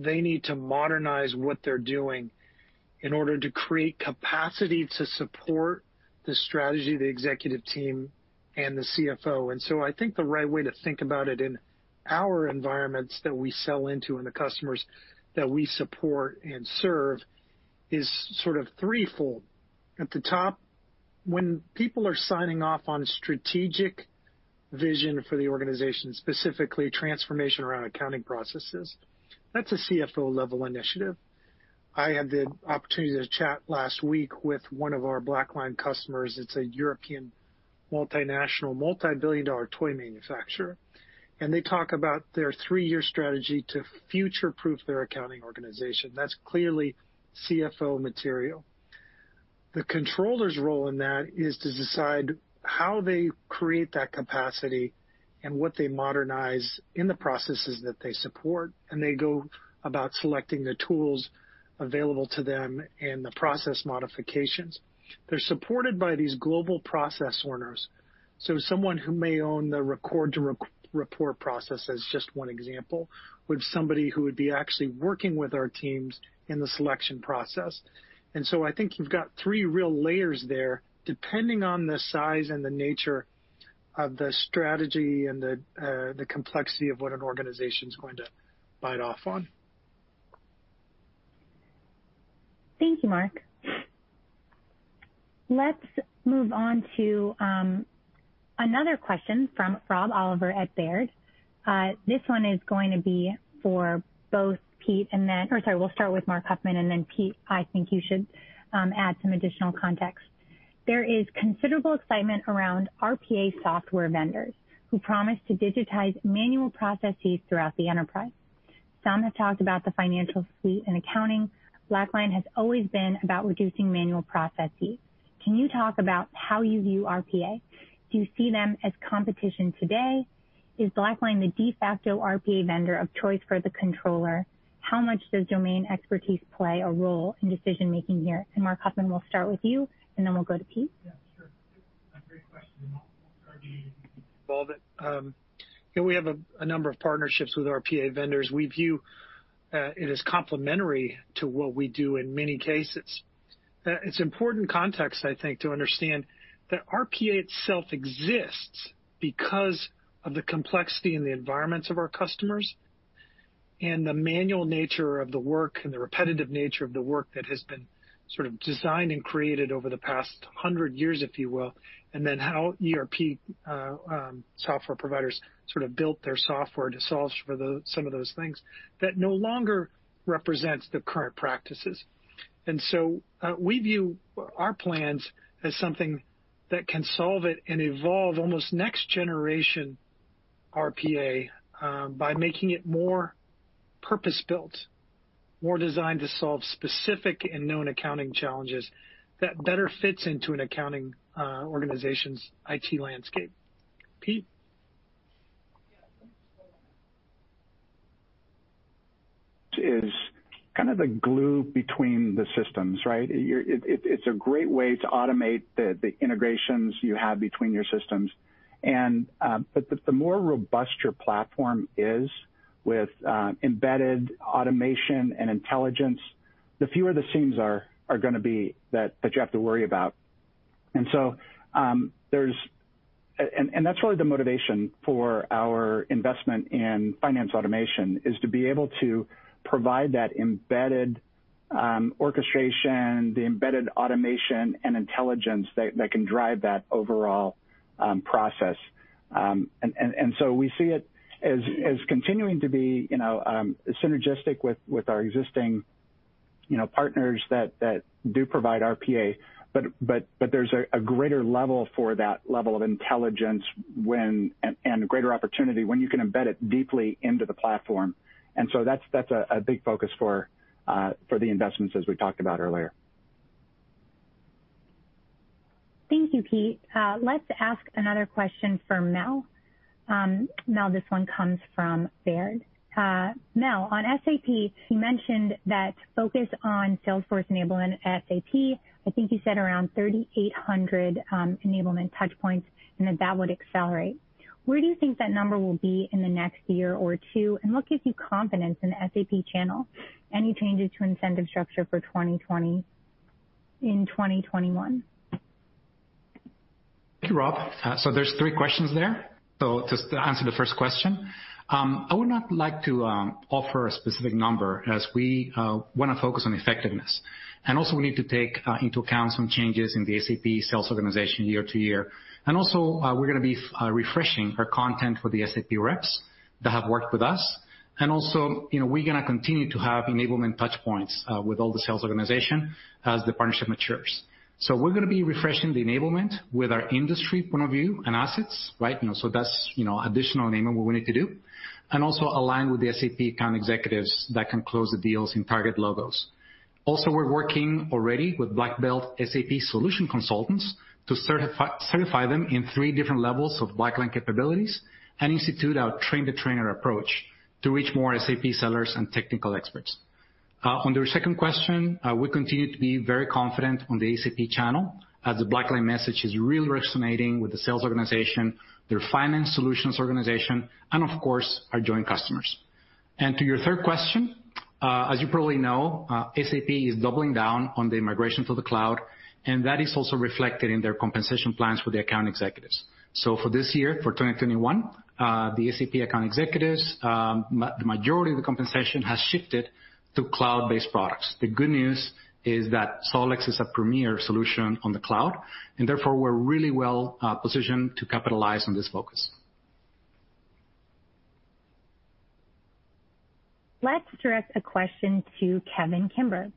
they need to modernize what they're doing in order to create capacity to support the strategy, the executive team, and the CFO. I think the right way to think about it in our environments that we sell into and the customers that we support and serve is sort of threefold. At the top, when people are signing off on strategic vision for the organization, specifically transformation around accounting processes, that's a CFO-level initiative. I had the opportunity to chat last week with one of our BlackLine customers. It's a European multinational, multi-billion-dollar toy manufacturer. They talk about their three-year strategy to future-proof their accounting organization. That's clearly CFO material. The controller's role in that is to decide how they create that capacity and what they modernize in the processes that they support. They go about selecting the tools available to them and the process modifications. They are supported by these global process owners. Someone who may own the record-to-report process is just one example of somebody who would be actually working with our teams in the selection process. I think you have three real layers there depending on the size and the nature of the strategy and the complexity of what an organization is going to bite off on. Thank you, Marc. Let's move on to another question from Rob Oliver at Baird. This one is going to be for both Pete and Marc, or sorry, we will start with Marc Huffman, and then Pete, I think you should add some additional context. There is considerable excitement around RPA software vendors who promise to digitize manual processes throughout the enterprise. Some have talked about the financial suite and accounting. BlackLine has always been about reducing manual processes. Can you talk about how you view RPA? Do you see them as competition today? Is BlackLine the de facto RPA vendor of choice for the controller? How much does domain expertise play a role in decision-making here? Marc Huffman, we'll start with you, and then we'll go to Pete. Yeah, sure. Great question. We'll start with you. We have a number of partnerships with RPA vendors. We view it as complementary to what we do in many cases. It's important context, I think, to understand that RPA itself exists because of the complexity and the environments of our customers and the manual nature of the work and the repetitive nature of the work that has been sort of designed and created over the past hundred years, if you will, and then how ERP software providers sort of built their software to solve for some of those things that no longer represents the current practices. We view our plans as something that can solve it and evolve almost next-generation RPA by making it more purpose-built, more designed to solve specific and known accounting challenges that better fits into an accounting organization's IT landscape. Pete. It's kind of the glue between the systems, right? It's a great way to automate the integrations you have between your systems. The more robust your platform is with embedded automation and intelligence, the fewer the seams are going to be that you have to worry about. That is really the motivation for our investment in finance automation, to be able to provide that embedded orchestration, the embedded automation and intelligence that can drive that overall process. We see it as continuing to be synergistic with our existing partners that do provide RPA, but there is a greater level for that level of intelligence and greater opportunity when you can embed it deeply into the platform. That is a big focus for the investments, as we talked about earlier. Thank you, Pete. Let's ask another question for Mel. Mel, this one comes from Baird. Mel, on SAP, you mentioned that focus on Salesforce enablement at SAP. I think you said around 3,800 enablement touchpoints and that that would accelerate. Where do you think that number will be in the next year or two, and what gives you confidence in the SAP channel? Any changes to incentive structure for 2020 in 2021? Thank you, Rob. There are three questions there. Just to answer the first question, I would not like to offer a specific number as we want to focus on effectiveness. Also, we need to take into account some changes in the SAP sales organization year to year. Also, we are going to be refreshing our content for the SAP reps that have worked with us. Also, we are going to continue to have enablement touchpoints with all the sales organization as the partnership matures. We are going to be refreshing the enablement with our industry point of view and assets, right? That's additional enablement we need to do. We also align with the SAP account executives that can close the deals and target logos. We're working already with BlackBelt SAP solution consultants to certify them in three different levels of BlackLine capabilities and institute our train-the-trainer approach to reach more SAP sellers and technical experts. On the second question, we continue to be very confident on the SAP channel as the BlackLine message is really resonating with the sales organization, their finance solutions organization, and of course, our joint customers. To your third question, as you probably know, SAP is doubling down on the migration to the cloud, and that is also reflected in their compensation plans for the account executives. For this year, for 2021, the SAP account executives, the majority of the compensation has shifted to cloud-based products. The good news is that Solex is a premier solution on the cloud, and therefore we're really well positioned to capitalize on this focus. Let's direct a question to Kevin Kimber.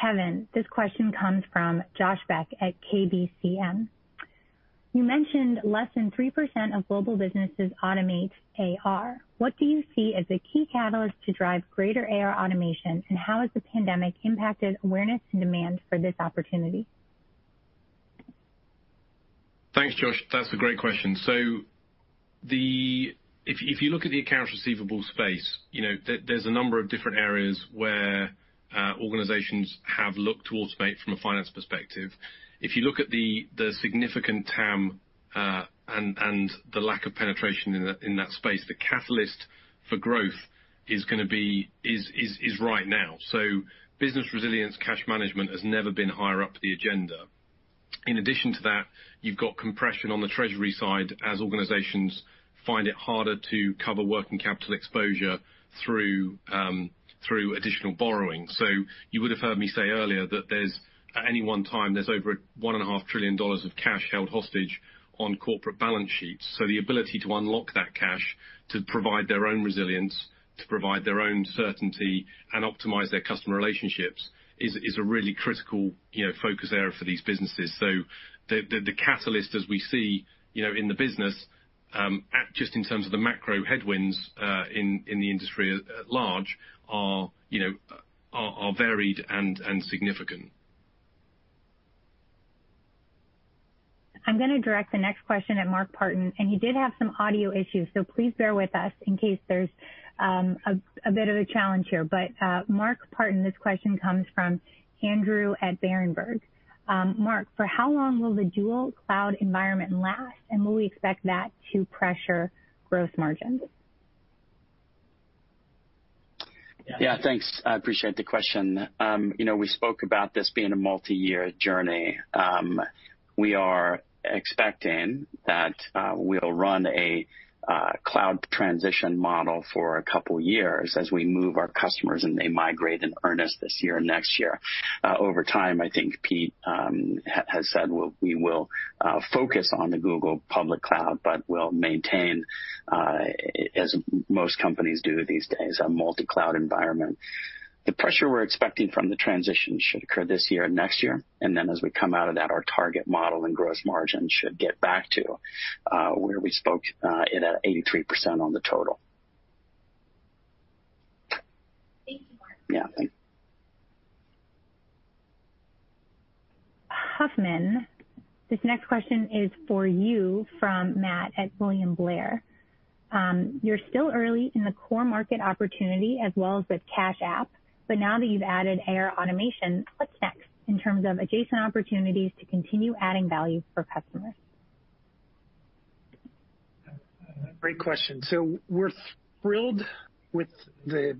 Kevin, this question comes from Josh Beck at KBCM. You mentioned less than 3% of global businesses automate AR. What do you see as the key catalyst to drive greater AR automation, and how has the pandemic impacted awareness and demand for this opportunity? Thanks, Josh. That's a great question. If you look at the accounts receivable space, there's a number of different areas where organizations have looked to automate from a finance perspective. If you look at the significant TAM and the lack of penetration in that space, the catalyst for growth is going to be right now. Business resilience, cash management has never been higher up the agenda. In addition to that, you've got compression on the treasury side as organizations find it harder to cover working capital exposure through additional borrowing. You would have heard me say earlier that at any one time, there's over $1.5 trillion of cash held hostage on corporate balance sheets. The ability to unlock that cash to provide their own resilience, to provide their own certainty, and optimize their customer relationships is a really critical focus area for these businesses. The catalyst, as we see in the business, just in terms of the macro headwinds in the industry at large, are varied and significant. I'm going to direct the next question at Mark Partin, and he did have some audio issues, so please bear with us in case there's a bit of a challenge here. Mark Partin, this question comes from Andrew at Barenberg. Mark, for how long will the dual cloud environment last, and will we expect that to pressure gross margins? Yeah, thanks. I appreciate the question. We spoke about this being a multi-year journey. We are expecting that we'll run a cloud transition model for a couple of years as we move our customers, and they migrate in earnest this year and next year. Over time, I think Pete has said we will focus on the Google public cloud, but we'll maintain, as most companies do these days, a multi-cloud environment. The pressure we're expecting from the transition should occur this year and next year. As we come out of that, our target model and gross margin should get back to where we spoke at 83% on the total. [inaudible] Huffman, this next question is for you from Matt at William Blair. You're still early in the core market opportunity as well as the cash app, but now that you've added AR automation, what's next in terms of adjacent opportunities to continue adding value for customers? Great question. We're thrilled with the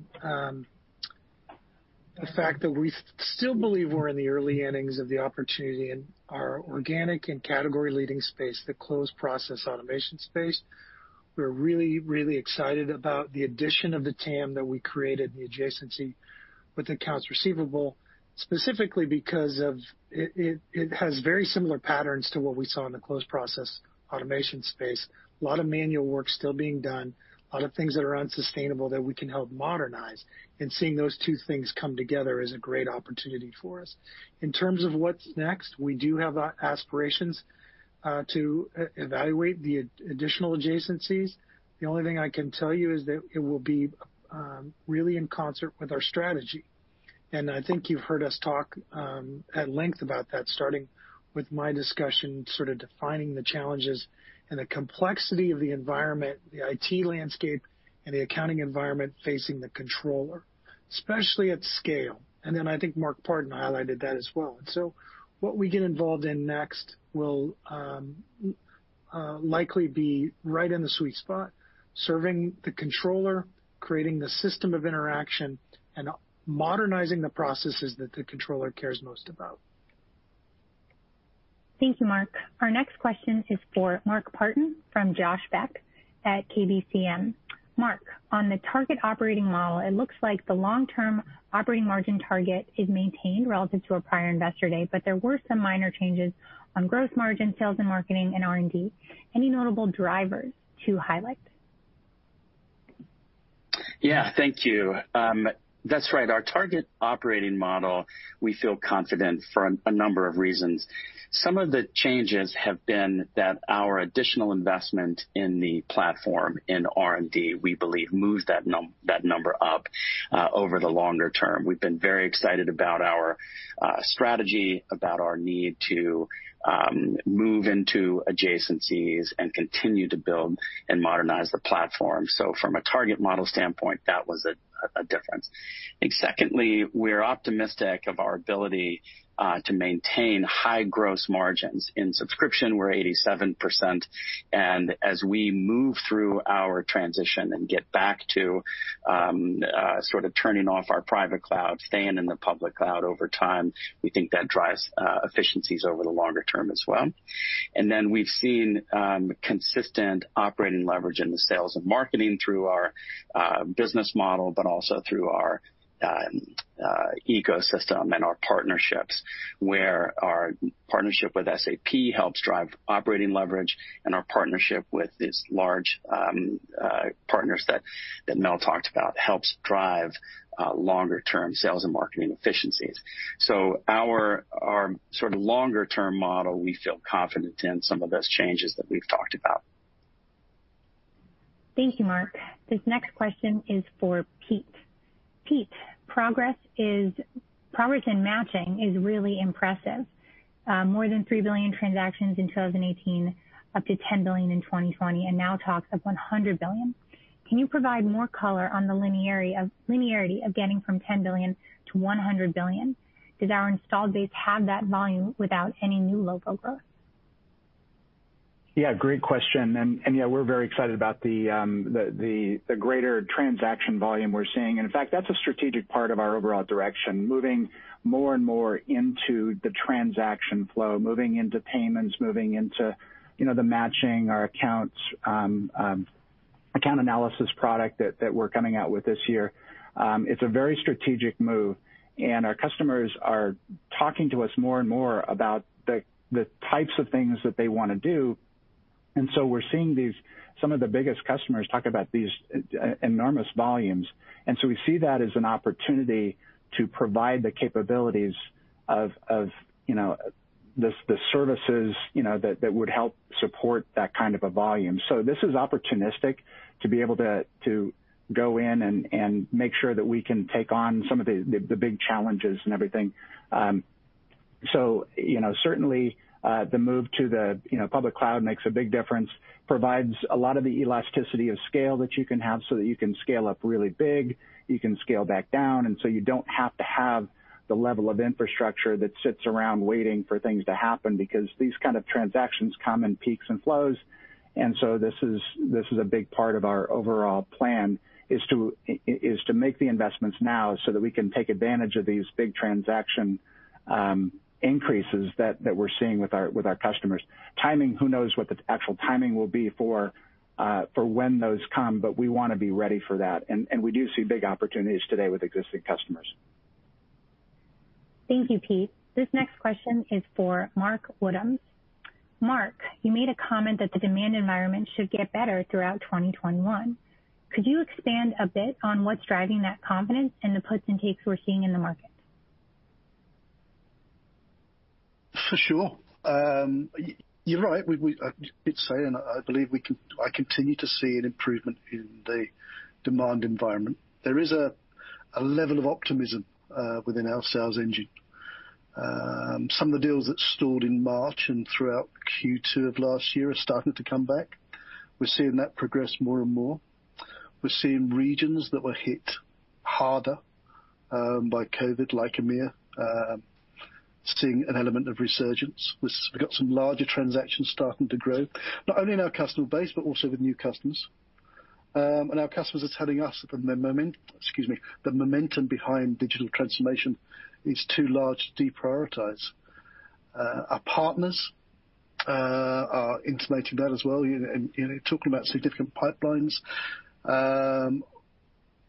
fact that we still believe we're in the early innings of the opportunity in our organic and category-leading space, the close process automation space. We're really, really excited about the addition of the TAM that we created, the adjacency with accounts receivable, specifically because it has very similar patterns to what we saw in the close process automation space. A lot of manual work still being done, a lot of things that are unsustainable that we can help modernize. Seeing those two things come together is a great opportunity for us. In terms of what's next, we do have aspirations to evaluate the additional adjacencies. The only thing I can tell you is that it will be really in concert with our strategy. I think you've heard us talk at length about that, starting with my discussion, sort of defining the challenges and the complexity of the environment, the IT landscape, and the accounting environment facing the controller, especially at scale. I think Mark Partin highlighted that as well. What we get involved in next will likely be right in the sweet spot, serving the controller, creating the system of interaction, and modernizing the processes that the controller cares most about. Thank you, Marc. Our next question is for Mark Partin from Josh Beck at KBCM. Mark, on the target operating model, it looks like the long-term operating margin target is maintained relative to a prior investor day, but there were some minor changes on gross margin, sales and marketing, and R&D. Any notable drivers to highlight? Yeah, thank you. That's right. Our target operating model, we feel confident for a number of reasons. Some of the changes have been that our additional investment in the platform in R&D, we believe, moved that number up over the longer term. We've been very excited about our strategy, about our need to move into adjacencies and continue to build and modernize the platform. From a target model standpoint, that was a difference. I think secondly, we're optimistic of our ability to maintain high gross margins in subscription. We're 87%. As we move through our transition and get back to sort of turning off our private cloud, staying in the public cloud over time, we think that drives efficiencies over the longer term as well. We have seen consistent operating leverage in the sales and marketing through our business model, but also through our ecosystem and our partnerships, where our partnership with SAP helps drive operating leverage, and our partnership with these large partners that Mel talked about helps drive longer-term sales and marketing efficiencies. Our sort of longer-term model, we feel confident in some of those changes that we've talked about. Thank you, Mark. This next question is for Pete. Pete, progress in matching is really impressive. More than 3 billion transactions in 2018, up to 10 billion in 2020, and now talk of 100 billion. Can you provide more color on the linearity of getting from $10 billion to $100 billion? Does our installed base have that volume without any new local growth? Yeah, great question. Yeah, we're very excited about the greater transaction volume we're seeing. In fact, that's a strategic part of our overall direction, moving more and more into the transaction flow, moving into payments, moving into the matching, our Account Analysis product that we're coming out with this year. It's a very strategic move, and our customers are talking to us more and more about the types of things that they want to do. We're seeing some of the biggest customers talk about these enormous volumes. We see that as an opportunity to provide the capabilities of the services that would help support that kind of a volume. This is opportunistic to be able to go in and make sure that we can take on some of the big challenges and everything. Certainly, the move to the public cloud makes a big difference, provides a lot of the elasticity of scale that you can have so that you can scale up really big, you can scale back down, and you do not have to have the level of infrastructure that sits around waiting for things to happen because these kind of transactions come in peaks and flows. This is a big part of our overall plan, to make the investments now so that we can take advantage of these big transaction increases that we are seeing with our customers. Timing, who knows what the actual timing will be for when those come, but we want to be ready for that. We do see big opportunities today with existing customers. Thank you, Pete. This next question is for Mark Woodhams. Mark, you made a comment that the demand environment should get better throughout 2021. Could you expand a bit on what's driving that confidence and the puts and takes we're seeing in the market? Sure. You're right. I keep saying, I believe I continue to see an improvement in the demand environment. There is a level of optimism within our sales engine. Some of the deals that stalled in March and throughout Q2 of last year are starting to come back. We're seeing that progress more and more. We're seeing regions that were hit harder by COVID, like EMEA, seeing an element of resurgence. We've got some larger transactions starting to grow, not only in our customer base, but also with new customers. Our customers are telling us at the moment, excuse me, the momentum behind digital transformation is too large to deprioritize. Our partners are intimating that as well, talking about significant pipelines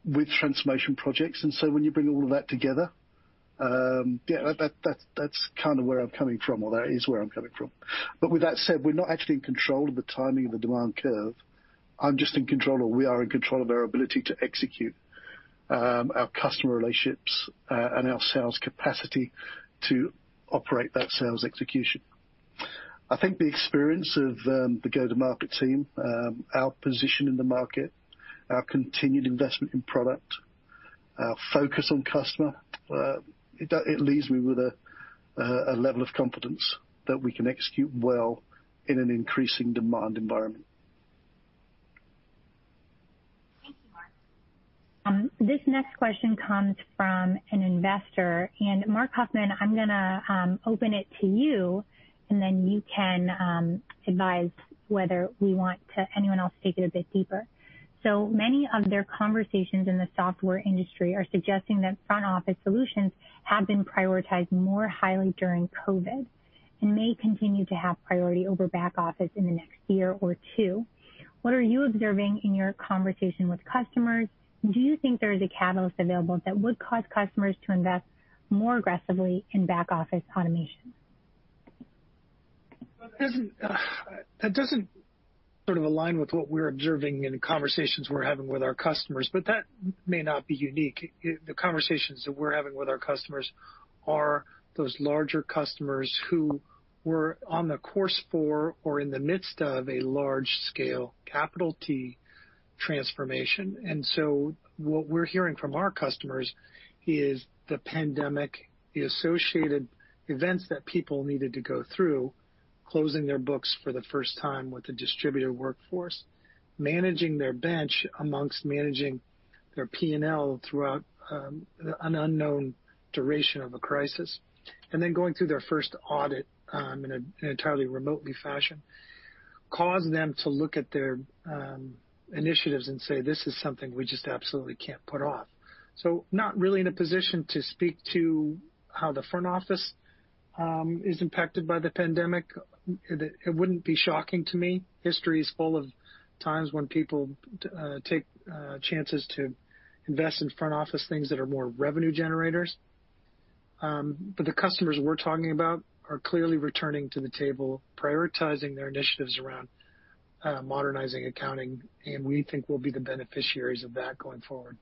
with transformation projects. When you bring all of that together, yeah, that's kind of where I'm coming from, or that is where I'm coming from. With that said, we're not actually in control of the timing of the demand curve. I'm just in control, or we are in control of our ability to execute our customer relationships and our sales capacity to operate that sales execution. I think the experience of the go-to-market team, our position in the market, our continued investment in product, our focus on customer, it leaves me with a level of confidence that we can execute well in an increasing demand environment. Thank you, Mark. This next question comes from an investor. Marc Huffman, I'm going to open it to you, and then you can advise whether we want anyone else to dig a bit deeper. So many of their conversations in the software industry are suggesting that front-office solutions have been prioritized more highly during COVID and may continue to have priority over back-office in the next year or two. What are you observing in your conversation with customers? Do you think there is a catalyst available that would cause customers to invest more aggressively in back-office automation? That doesn't sort of align with what we're observing in conversations we're having with our customers, but that may not be unique. The conversations that we're having with our customers are those larger customers who were on the course for or in the midst of a large-scale capital T transformation. What we're hearing from our customers is the pandemic, the associated events that people needed to go through, closing their books for the first time with the distributed workforce, managing their bench amongst managing their P&L throughout an unknown duration of a crisis, and then going through their first audit in an entirely remote fashion, caused them to look at their initiatives and say, "This is something we just absolutely can't put off." Not really in a position to speak to how the front office is impacted by the pandemic. It wouldn't be shocking to me. History is full of times when people take chances to invest in front office things that are more revenue generators. The customers we're talking about are clearly returning to the table, prioritizing their initiatives around modernizing accounting, and we think we'll be the beneficiaries of that going forward.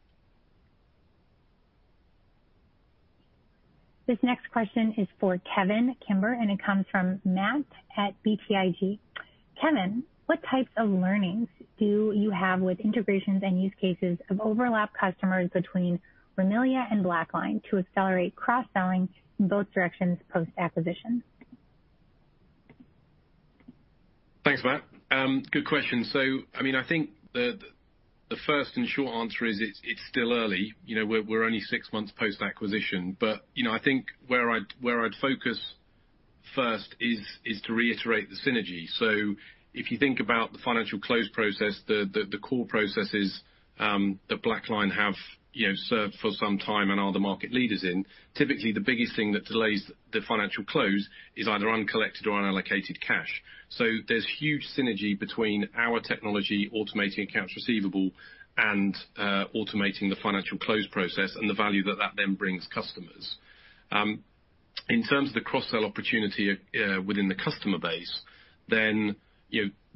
This next question is for Kevin Kimber, and it comes from Matt at BTIG. Kevin, what types of learnings do you have with integrations and use cases of overlap customers between Remilia and BlackLine to accelerate cross-selling in both directions post-acquisition? Thanks, Matt. Good question. I mean, I think the first and short answer is it's still early. We're only six months post-acquisition. I think where I'd focus first is to reiterate the synergy. If you think about the financial close process, the core processes that BlackLine have served for some time and are the market leaders in, typically the biggest thing that delays the financial close is either uncollected or unallocated cash. There's huge synergy between our technology automating accounts receivable and automating the financial close process and the value that that then brings customers. In terms of the cross-sell opportunity within the customer base, then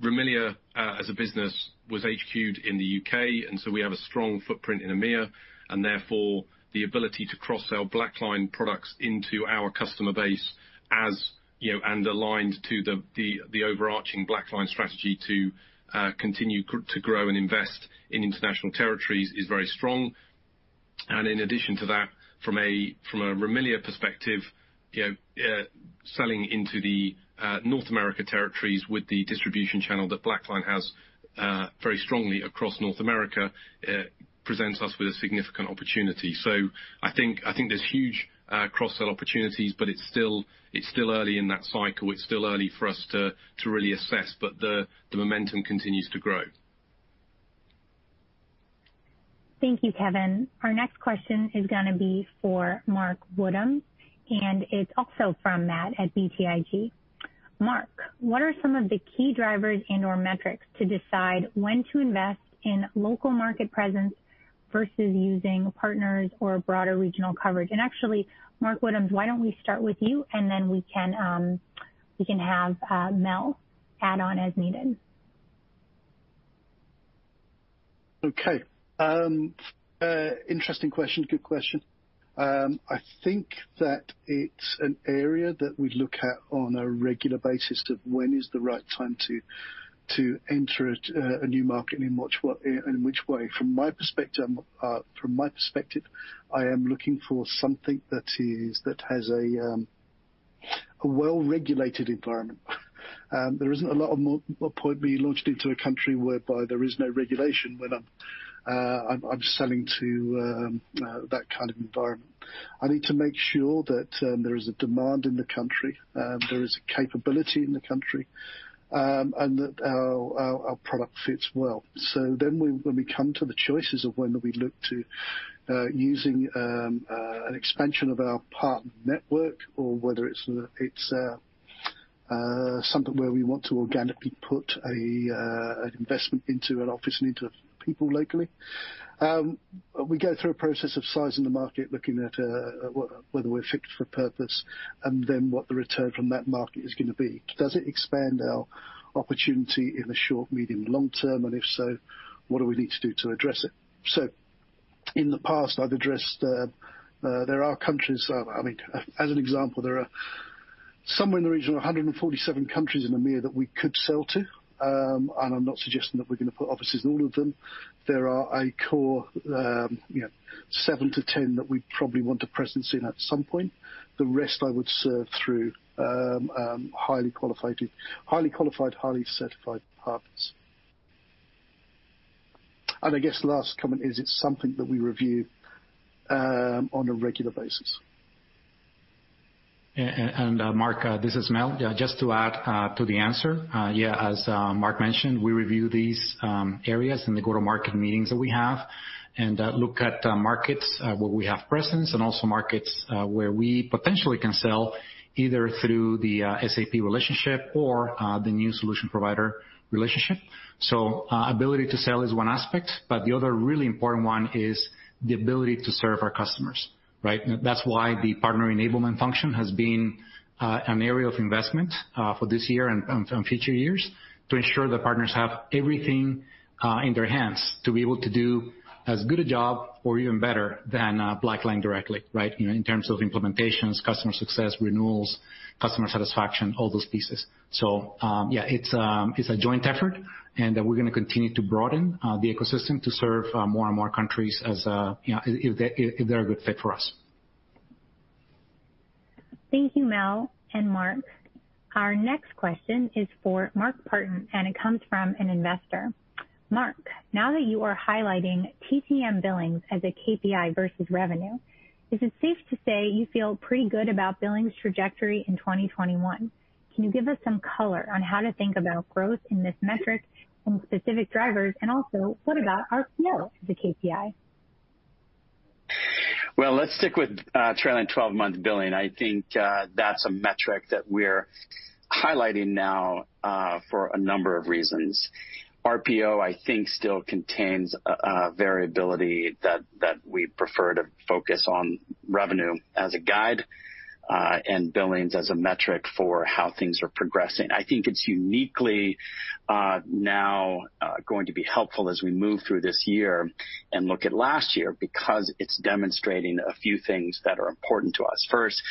Remilia as a business was HQ'd in the U.K., and we have a strong footprint in EMEA, and therefore the ability to cross-sell BlackLine products into our customer base as underlined to the overarching BlackLine strategy to continue to grow and invest in international territories is very strong. In addition to that, from a Remilia perspective, selling into the North America territories with the distribution channel that BlackLine has very strongly across North America presents us with a significant opportunity. I think there's huge cross-sell opportunities, but it's still early in that cycle. It's still early for us to really assess, but the momentum continues to grow. Thank you, Kevin. Our next question is going to be for Mark Woodhams, and it's also from Matt at BTIG. Mark, what are some of the key drivers and/or metrics to decide when to invest in local market presence versus using partners or broader regional coverage? Actually, Mark Woodhams, why don't we start with you, and then we can have Mel add on as needed? Okay. Interesting question, good question. I think that it's an area that we look at on a regular basis of when is the right time to enter a new market and in which way. From my perspective, I am looking for something that has a well-regulated environment. There isn't a lot of point being launched into a country whereby there is no regulation when I'm selling to that kind of environment. I need to make sure that there is a demand in the country, there is a capability in the country, and that our product fits well. Then when we come to the choices of when we look to using an expansion of our partner network, or whether it's something where we want to organically put an investment into an office and into people locally, we go through a process of sizing the market, looking at whether we're fit for purpose, and then what the return from that market is going to be. Does it expand our opportunity in the short, medium, long term, and if so, what do we need to do to address it? In the past, I've addressed there are countries, I mean, as an example, there are somewhere in the region of 147 countries in EMEA that we could sell to, and I'm not suggesting that we're going to put offices in all of them. There are a core 7 to 10 that we probably want a presence in at some point. The rest, I would serve through highly qualified, highly certified partners. I guess the last comment is it's something that we review on a regular basis. Mark, this is Mel. Just to add to the answer, yeah, as Mark mentioned, we review these areas in the go-to-market meetings that we have and look at markets where we have presence and also markets where we potentially can sell either through the SAP relationship or the new solution provider relationship. Ability to sell is one aspect, but the other really important one is the ability to serve our customers, right? That's why the partner enablement function has been an area of investment for this year and future years to ensure the partners have everything in their hands to be able to do as good a job or even better than BlackLine directly, right, in terms of implementations, customer success, renewals, customer satisfaction, all those pieces. Yeah, it's a joint effort, and we're going to continue to broaden the ecosystem to serve more and more countries if they're a good fit for us. Thank you, Mel and Mark. Our next question is for Mark Partin, and it comes from an investor. Mark, now that you are highlighting TTM billings as a KPI versus revenue, is it safe to say you feel pretty good about billings trajectory in 2021? Can you give us some color on how to think about growth in this metric and specific drivers, and also what about RPO as a KPI? Let's stick with trailing 12-month billing. I think that's a metric that we're highlighting now for a number of reasons. RPO, I think, still contains a variability that we prefer to focus on revenue as a guide and billings as a metric for how things are progressing. I think it's uniquely now going to be helpful as we move through this year and look at last year because it's demonstrating a few things that are important to us. First,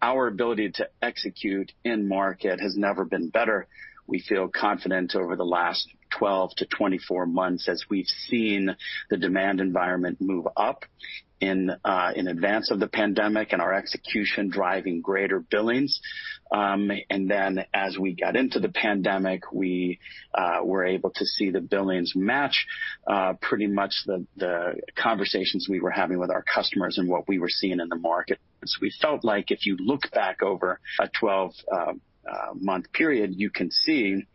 our ability to execute in market has never been better. We feel confident over the last 12 to 24 months as we've seen the demand environment move up in advance of the pandemic and our execution driving greater billings. As we got into the pandemic, we were able to see the billings match pretty much the conversations we were having with our customers and what we were seeing in the market. We felt like if you look back over a 12-month period, you can see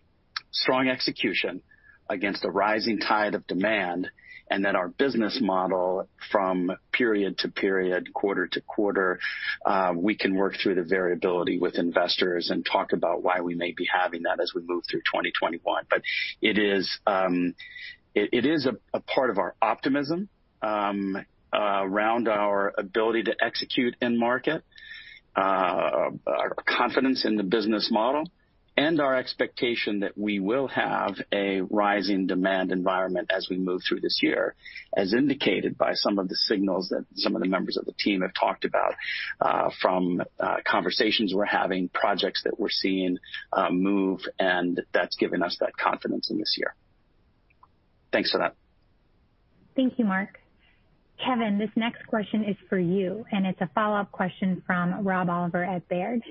strong execution against a rising tide of demand, and then our business model from period to period, quarter-to-quarter, we can work through the variability with investors and talk about why we may be having that as we move through 2021. It is a part of our optimism around our ability to execute in market, our confidence in the business model, and our expectation that we will have a rising demand environment as we move through this year, as indicated by some of the signals that some of the members of the team have talked about from conversations we're having, projects that we're seeing move, and that's given us that confidence in this year. Thanks for that. Thank you, Mark. Kevin, this next question is for you, and it's a follow-up question from Rob Oliver at Baird.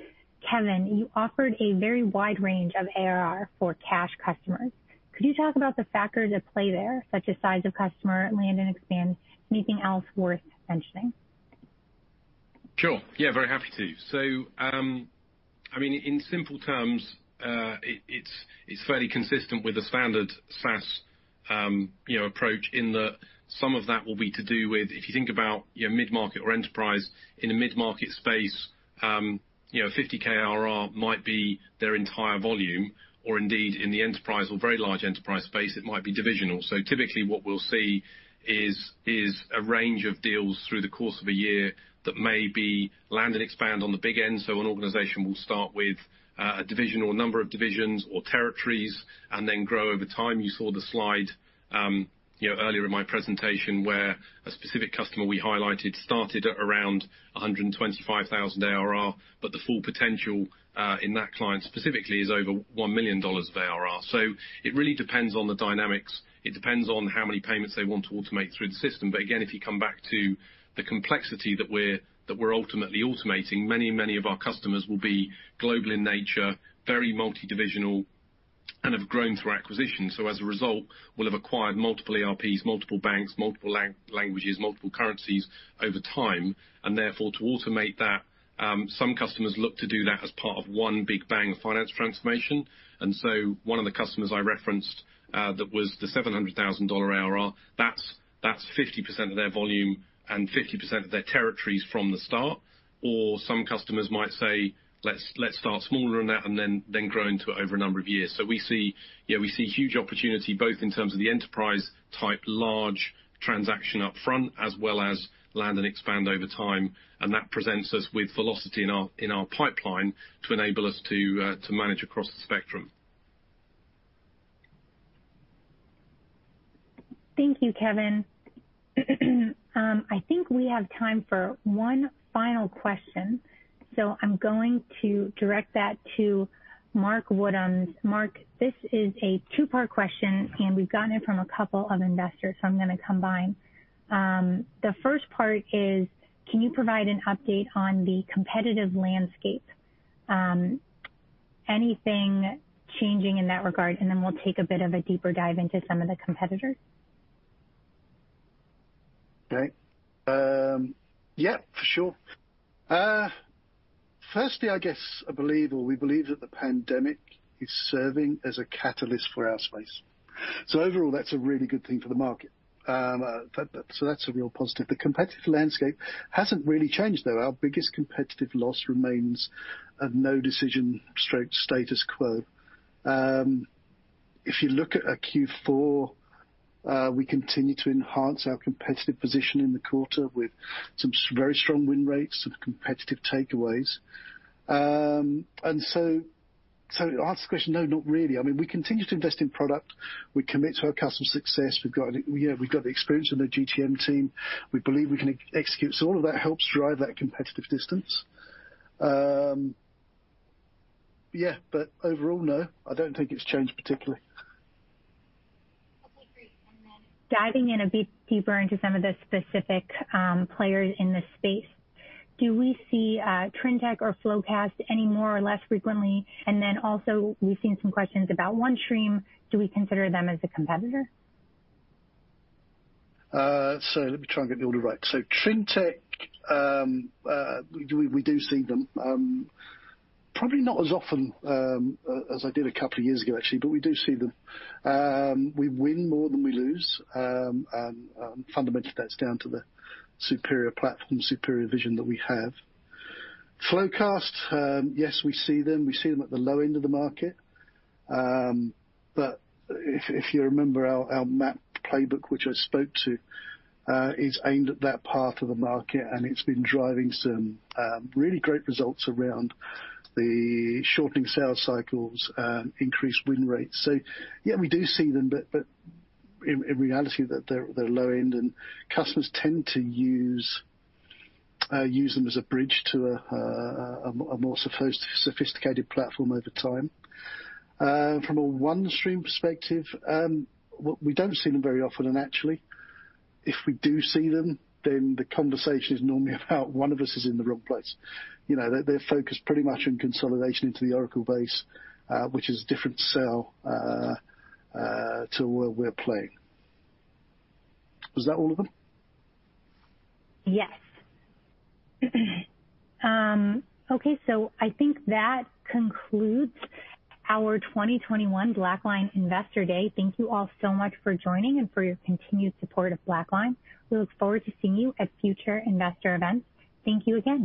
Kevin, you offered a very wide range of ARR for cash customers. Could you talk about the factors at play there, such as size of customer, land and expand? Anything else worth mentioning? Sure. Yeah, very happy to. I mean, in simple terms, it's fairly consistent with the standard SaaS approach in that some of that will be to do with, if you think about mid-market or enterprise, in a mid-market space, $50,000 ARR might be their entire volume, or indeed in the enterprise or very large enterprise space, it might be divisional. Typically what we'll see is a range of deals through the course of a year that may be land and expand on the big end. An organization will start with a division or a number of divisions or territories and then grow over time. You saw the slide earlier in my presentation where a specific customer we highlighted started at around $125,000 ARR, but the full potential in that client specifically is over $1 million of ARR. It really depends on the dynamics. It depends on how many payments they want to automate through the system. Again, if you come back to the complexity that we're ultimately automating, many, many of our customers will be global in nature, very multi-divisional, and have grown through acquisition. As a result, we'll have acquired multiple ERPs, multiple banks, multiple languages, multiple currencies over time. Therefore, to automate that, some customers look to do that as part of one big bang of finance transformation. One of the customers I referenced that was the $700,000 ARR, that's 50% of their volume and 50% of their territories from the start. Some customers might say, "Let's start smaller than that and then grow into it over a number of years." We see huge opportunity both in terms of the enterprise-type large transaction upfront as well as land and expand over time. That presents us with velocity in our pipeline to enable us to manage across the spectrum. Thank you, Kevin. I think we have time for one final question. I am going to direct that to Mark Woodhams. Mark, this is a two-part question, and we have gotten it from a couple of investors, so I am going to combine. The first part is, can you provide an update on the competitive landscape? Anything changing in that regard? Then we will take a bit of a deeper dive into some of the competitors. Okay. Yeah, for sure. Firstly, I guess I believe, or we believe that the pandemic is serving as a catalyst for our space. Overall, that is a really good thing for the market. That is a real positive. The competitive landscape has not really changed, though. Our biggest competitive loss remains a no decision-state status quo. If you look at Q4, we continue to enhance our competitive position in the quarter with some very strong win rates and competitive takeaways. To answer the question, no, not really. I mean, we continue to invest in product. We commit to our customer success. We've got the experience of the GTM team. We believe we can execute. All of that helps drive that competitive distance. Yeah, but overall, no. I don't think it's changed particularly. Okay, great. Diving in a bit deeper into some of the specific players in the space, do we see TrendTech or Flowcast any more or less frequently? Also, we've seen some questions about OneStream. Do we consider them as a competitor? Let me try and get the order right. TrendTech, we do see them. Probably not as often as I did a couple of years ago, actually, but we do see them. We win more than we lose, and fundamentally, that's down to the superior platform, superior vision that we have. Flowcast, yes, we see them. We see them at the low end of the market. If you remember our map playbook, which I spoke to, is aimed at that part of the market, and it's been driving some really great results around the shortening sales cycles and increased win rates. Yeah, we do see them, but in reality, they're low-end, and customers tend to use them as a bridge to a more sophisticated platform over time. From a OneStream perspective, we don't see them very often, and actually, if we do see them, then the conversation is normally about one of us is in the wrong place. They're focused pretty much on consolidation into the Oracle base, which is a different sell to where we're playing. Was that all of them? Yes. Okay, I think that concludes our 2021 BlackLine Investor Day. Thank you all so much for joining and for your continued support of BlackLine. We look forward to seeing you at future investor events. Thank you again.